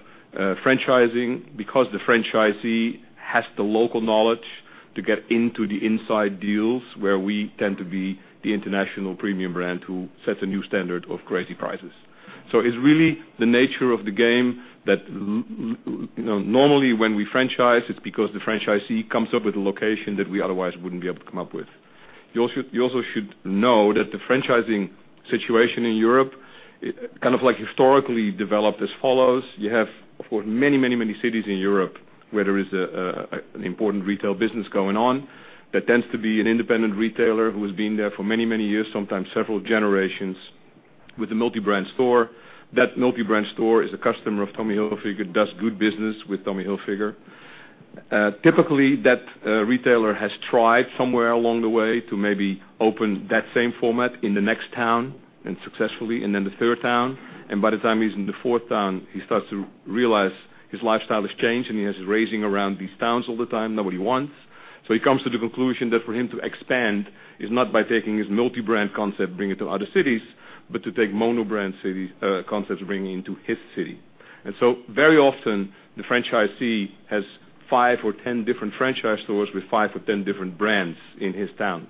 franchising because the franchisee has the local knowledge to get into the inside deals where we tend to be the international premium brand who sets a new standard of crazy prices. It's really the nature of the game that normally when we franchise, it's because the franchisee comes up with a location that we otherwise wouldn't be able to come up with. You also should know that the franchising situation in Europe historically developed as follows. You have, of course, many cities in Europe where there is an important retail business going on. That tends to be an independent retailer who has been there for many, many years, sometimes several generations, with a multi-brand store. That multi-brand store is a customer of Tommy Hilfiger, does good business with Tommy Hilfiger. Typically, that retailer has tried somewhere along the way to maybe open that same format in the next town, and successfully, and the third town, and by the time he's in the fourth town, he starts to realize his lifestyle has changed, and he has his raising around these towns all the time, not what he wants. He comes to the conclusion that for him to expand is not by taking his multi-brand concept, bring it to other cities, but to take mono-brand concepts, bringing into his city. Very often, the franchisee has five or 10 different franchise stores with five or 10 different brands in his town.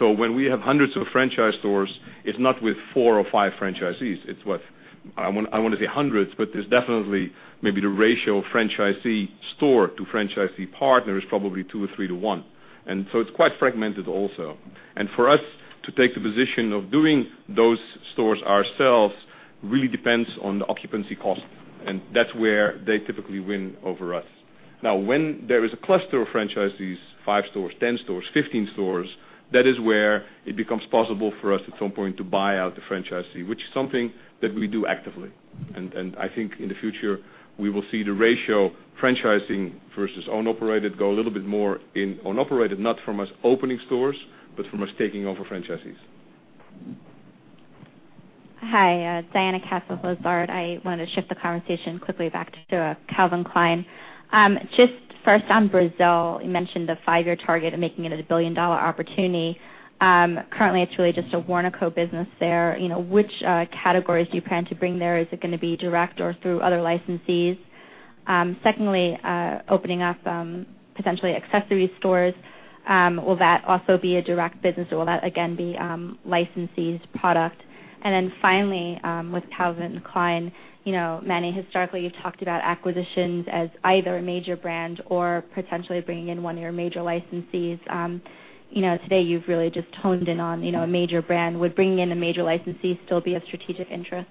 When we have hundreds of franchise stores, it's not with four or five franchisees. It's what, I want to say hundreds, but there's definitely maybe the ratio of franchisee store to franchisee partner is probably 2 or 3 to 1. It's quite fragmented also. For us to take the position of doing those stores ourselves really depends on the occupancy cost, and that's where they typically win over us. Now, when there is a cluster of franchisees, 5 stores, 10 stores, 15 stores, that is where it becomes possible for us at some point to buy out the franchisee, which is something that we do actively. I think in the future, we will see the ratio franchising versus own operated go a little bit more in own operated, not from us opening stores, but from us taking over franchisees. Hi, Diana Cass of Lazard. I want to shift the conversation quickly back to Calvin Klein. Just first on Brazil, you mentioned the 5-year target of making it a billion-dollar opportunity. Currently, it's really just a Warnaco business there. Which categories do you plan to bring there? Is it going to be direct or through other licensees? Secondly, opening up, potentially accessory stores, will that also be a direct business or will that again be a licensees product? Finally, with Calvin Klein, Manny, historically, you've talked about acquisitions as either a major brand or potentially bringing in one of your major licensees. Today you've really just honed in on a major brand. Would bringing in a major licensee still be of strategic interest?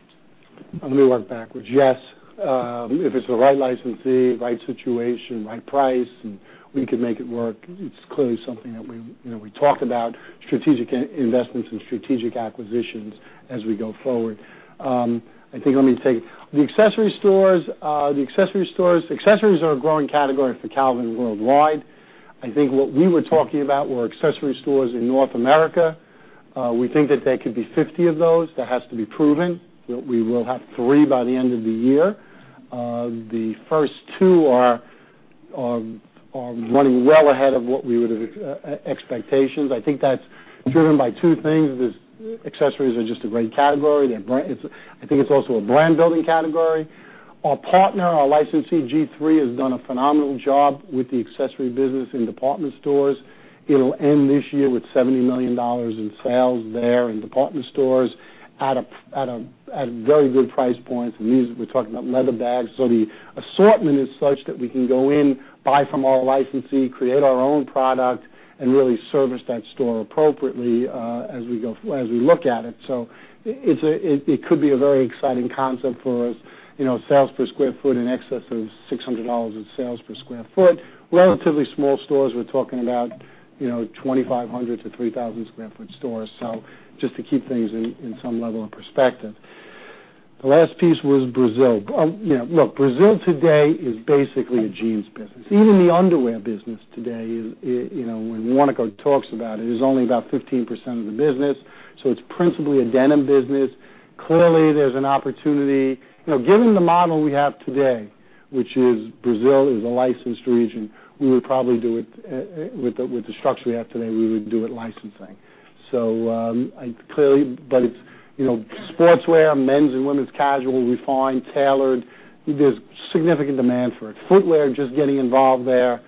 Let me work backwards. Yes, if it's the right licensee, right situation, right price, and we can make it work, it's clearly something that we talk about, strategic investments and strategic acquisitions as we go forward. I think, let me take the accessory stores. Accessories are a growing category for Calvin worldwide. I think what we were talking about were accessory stores in North America. We think that there could be 50 of those. That has to be proven. We will have 3 by the end of the year. The first 2 are running well ahead of what we would've expectations. I think that's driven by 2 things. Accessories are just a great category. I think it's also a brand-building category. Our partner, our licensee, G-III, has done a phenomenal job with the accessory business in department stores. It'll end this year with $70 million in sales there in department stores at a very good price point. We're talking about leather bags. The assortment is such that we can go in, buy from our licensee, create our own product, and really service that store appropriately, as we look at it. It could be a very exciting concept for us. Sales per sq ft in excess of $600 in sales per sq ft. Relatively small stores. We're talking about, 2,500 sq ft-3,000 sq ft stores. Just to keep things in some level of perspective. The last piece was Brazil. Look, Brazil today is basically a jeans business. Even the underwear business today, when Warnaco talks about it, is only about 15% of the business, so it's principally a denim business. Clearly, there's an opportunity. Given the model we have today, which is Brazil is a licensed region, we would probably do it with the structure we have today, we would do it licensing. Clearly. Sportswear, men's and women's casual, refined, tailored, there's significant demand for it. Footwear, just getting involved there.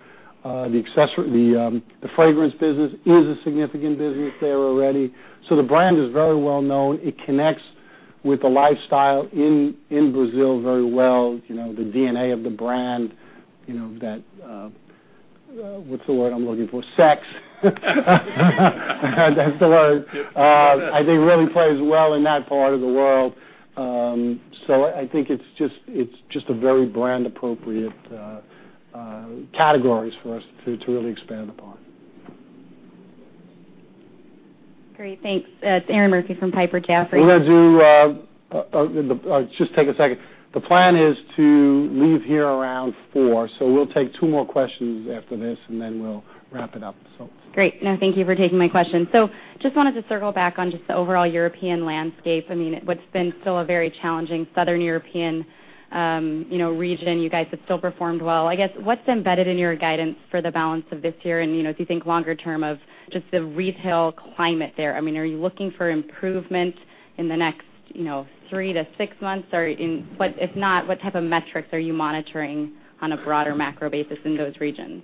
The fragrance business is a significant business there already. The brand is very well known. It connects with the lifestyle in Brazil very well. The DNA of the brand, that, what's the word I'm looking for? Sex. That's the word. I think really plays well in that part of the world. I think it's just very brand appropriate categories for us to really expand upon. Great. Thanks. It's Erinn Murphy from Piper Jaffray. Just take a second. The plan is to leave here around 4:00, we'll take two more questions after this, and then we'll wrap it up. Great. No, thank you for taking my question. Just wanted to circle back on just the overall European landscape. What's been still a very challenging Southern European region. You guys have still performed well. I guess what's embedded in your guidance for the balance of this year, and if you think longer term of just the retail climate there. Are you looking for improvement in the next three to six months? If not, what type of metrics are you monitoring on a broader macro basis in those regions?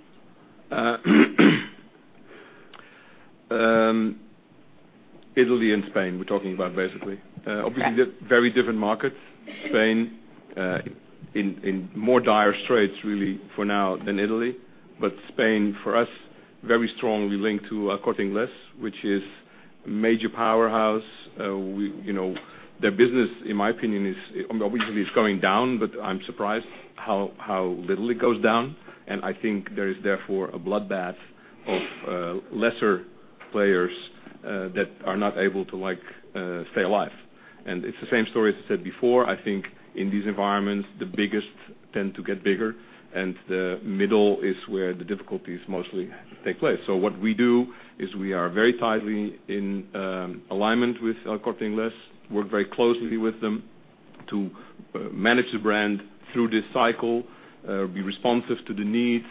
Italy and Spain, we're talking about basically. Obviously, they're very different markets. Spain, in more dire straits really for now than Italy. Spain, for us, very strongly linked to El Corte Inglés, which is a major powerhouse. Their business, in my opinion, obviously is going down, but I'm surprised how little it goes down. I think there is therefore a bloodbath of lesser players that are not able to stay alive. It's the same story as I said before. I think in these environments, the biggest tend to get bigger, and the middle is where the difficulties mostly take place. What we do is we are very tightly in alignment with El Corte Inglés, work very closely with them to manage the brand through this cycle, be responsive to the needs,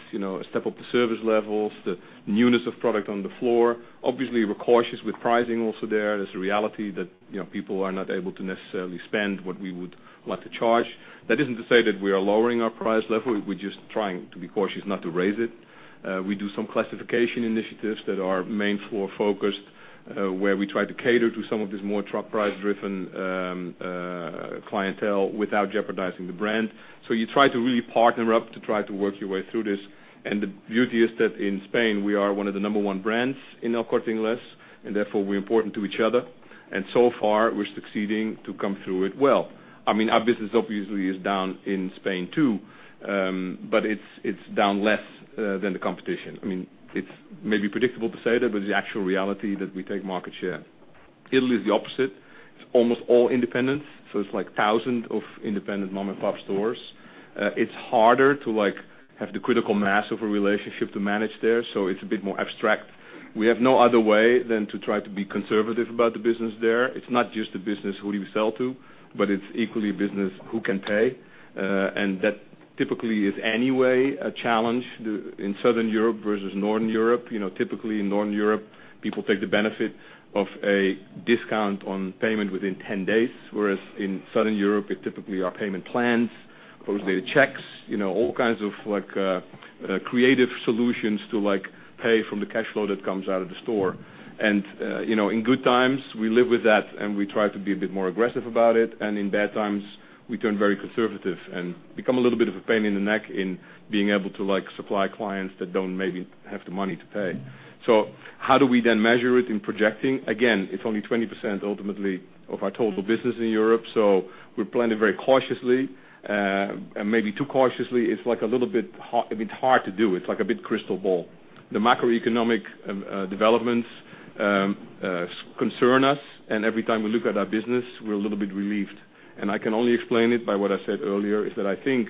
step up the service levels, the newness of product on the floor. Obviously, we're cautious with pricing also there. There's a reality that people are not able to necessarily spend what we would like to charge. That isn't to say that we are lowering our price level. We're just trying to be cautious not to raise it. We do some classification initiatives that are main floor focused, where we try to cater to some of this more truck price-driven clientele without jeopardizing the brand. You try to really partner up to try to work your way through this. The beauty is that in Spain, we are one of the number one brands in El Corte Inglés, and therefore, we're important to each other. So far, we're succeeding to come through it well. Our business obviously is down in Spain too, but it's down less than the competition. It's maybe predictable to say that, but the actual reality that we take market share. Italy is the opposite. It's almost all independent, it's like 1,000 of independent mom-and-pop stores. It's harder to have the critical mass of a relationship to manage there, it's a bit more abstract. We have no other way than to try to be conservative about the business there. It's not just the business who do we sell to, but it's equally business who can pay. That typically is anyway a challenge in Southern Europe versus Northern Europe. Typically, in Northern Europe, people take the benefit of a discount on payment within 10 days, whereas in Southern Europe, it typically are payment plans. Of course, there are checks, all kinds of creative solutions to pay from the cash flow that comes out of the store. In good times, we live with that, and we try to be a bit more aggressive about it. In bad times, we turn very conservative and become a little bit of a pain in the neck in being able to supply clients that don't maybe have the money to pay. How do we then measure it in projecting? Again, it's only 20% ultimately of our total business in Europe, we're planning very cautiously, and maybe too cautiously. It's a bit hard to do. It's like a bit crystal ball. The macroeconomic developments concern us, and every time we look at our business, we're a little bit relieved. I can only explain it by what I said earlier, is that I think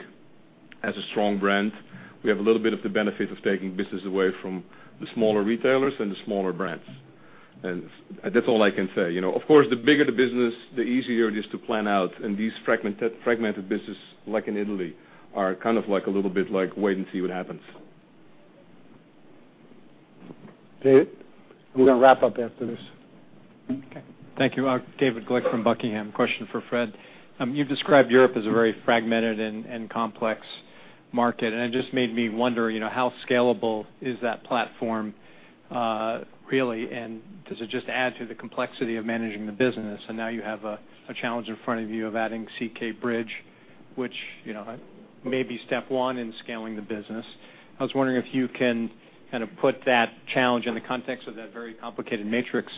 as a strong brand, we have a little bit of the benefit of taking business away from the smaller retailers and the smaller brands. That's all I can say. Of course, the bigger the business, the easier it is to plan out. These fragmented business, like in Italy, are kind of like a little bit like wait and see what happens. David, we're going to wrap up after this. Okay. Thank you. David Glick from Buckingham. Question for Fred. You've described Europe as a very fragmented and complex market, and it just made me wonder, how scalable is that platform really, and does it just add to the complexity of managing the business? Now you have a challenge in front of you of adding CK Bridge, which may be step 1 in scaling the business. I was wondering if you can kind of put that challenge in the context of that very complicated matrix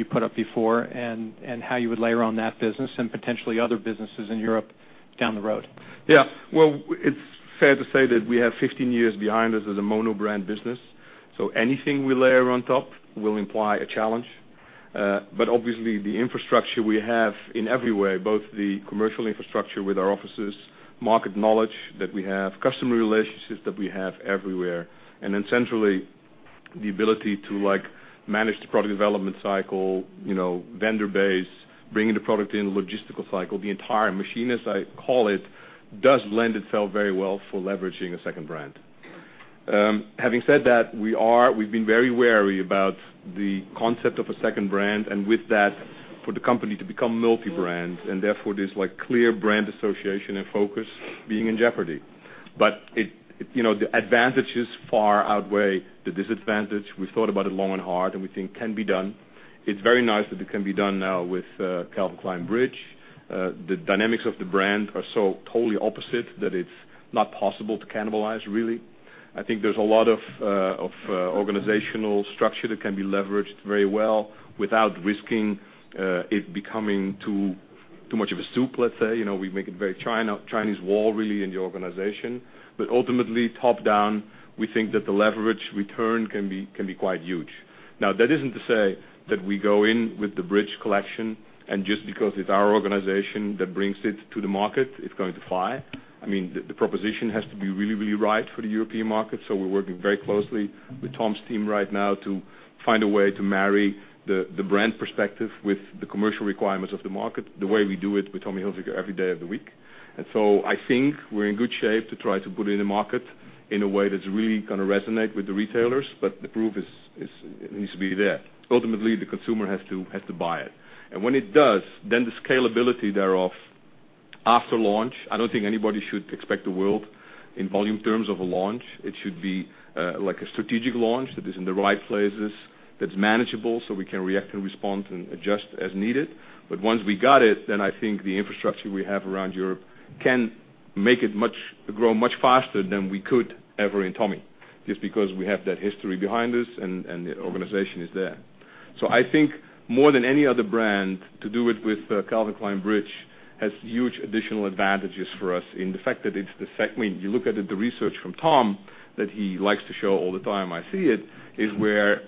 you put up before and how you would layer on that business and potentially other businesses in Europe down the road. Yeah. Well, it's fair to say that we have 15 years behind us as a mono brand business. Anything we layer on top will imply a challenge. Obviously, the infrastructure we have in every way, both the commercial infrastructure with our offices, market knowledge that we have, customer relationships that we have everywhere. Then centrally, the ability to manage the product development cycle, vendor base, bringing the product in logistical cycle. The entire machine, as I call it, does lend itself very well for leveraging a second brand. Having said that, we've been very wary about the concept of a second brand, and with that, for the company to become multi-brand, and therefore, this clear brand association and focus being in jeopardy. The advantages far outweigh the disadvantage. We've thought about it long and hard. We think can be done. It's very nice that it can be done now with Calvin Klein Bridge. The dynamics of the brand are so totally opposite that it's not possible to cannibalize, really. I think there's a lot of organizational structure that can be leveraged very well without risking it becoming too much of a soup, let's say. We make it very Chinese wall, really, in the organization. Ultimately, top-down, we think that the leverage return can be quite huge. Now, that isn't to say that we go in with the Bridge collection, and just because it's our organization that brings it to the market, it's going to fly. The proposition has to be really, really right for the European market. We're working very closely with Tom's team right now to find a way to marry the brand perspective with the commercial requirements of the market, the way we do it with Tommy Hilfiger every day of the week. I think we're in good shape to try to put it in the market in a way that's really going to resonate with the retailers. The proof needs to be there. Ultimately, the consumer has to buy it. When it does, the scalability thereof after launch, I don't think anybody should expect the world in volume terms of a launch. It should be like a strategic launch that is in the right places, that's manageable, so we can react and respond and adjust as needed. Once we got it, I think the infrastructure we have around Europe can make it grow much faster than we could ever in Tommy, just because we have that history behind us, and the organization is there. I think more than any other brand, to do it with Calvin Klein Bridge has huge additional advantages for us in the fact that it's the You look at the research from Tom that he likes to show all the time. I see it, is where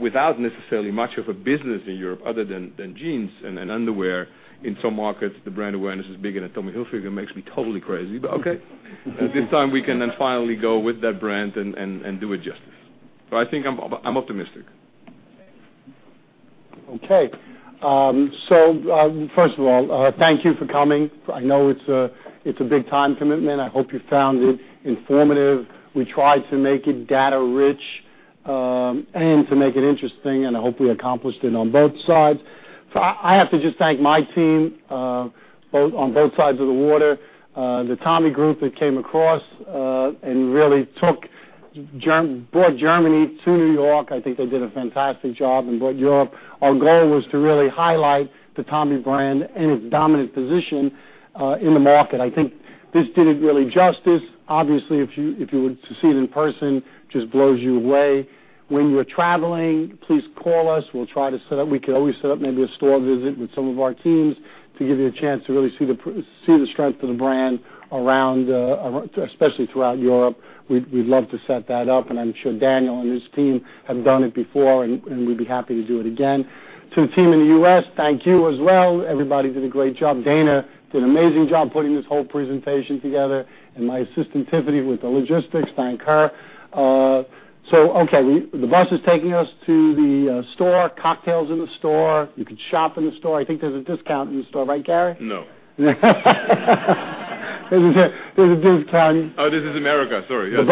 without necessarily much of a business in Europe other than jeans and underwear. In some markets, the brand awareness is big into Tommy Hilfiger. Makes me totally crazy, but okay. This time, we can finally go with that brand and do it justice. I think I'm optimistic. Okay. First of all, thank you for coming. I know it's a big time commitment. I hope you found it informative. We tried to make it data rich, and to make it interesting, and I hope we accomplished it on both sides. I have to just thank my team, on both sides of the water. The Tommy Group that came across, and really brought Germany to New York. I think they did a fantastic job and brought Europe. Our goal was to really highlight the Tommy brand and its dominant position in the market. I think this did it really justice. Obviously, if you were to see it in person, just blows you away. When you are traveling, please call us. We can always set up maybe a store visit with some of our teams to give you a chance to really see the strength of the brand around, especially throughout Europe. We'd love to set that up, and I'm sure Daniel and his team have done it before, and we'd be happy to do it again. To the team in the U.S., thank you as well. Everybody did a great job. Dana did an amazing job putting this whole presentation together, and my assistant, Tiffany, with the logistics. Thank her. Okay. The bus is taking us to the store. Cocktails in the store. You can shop in the store. I think there's a discount in the store, right, Gary? No. There's a discount. Oh, this is America. Sorry, yes. The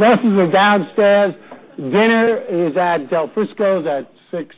buses are downstairs. Dinner is at Del Frisco's at six.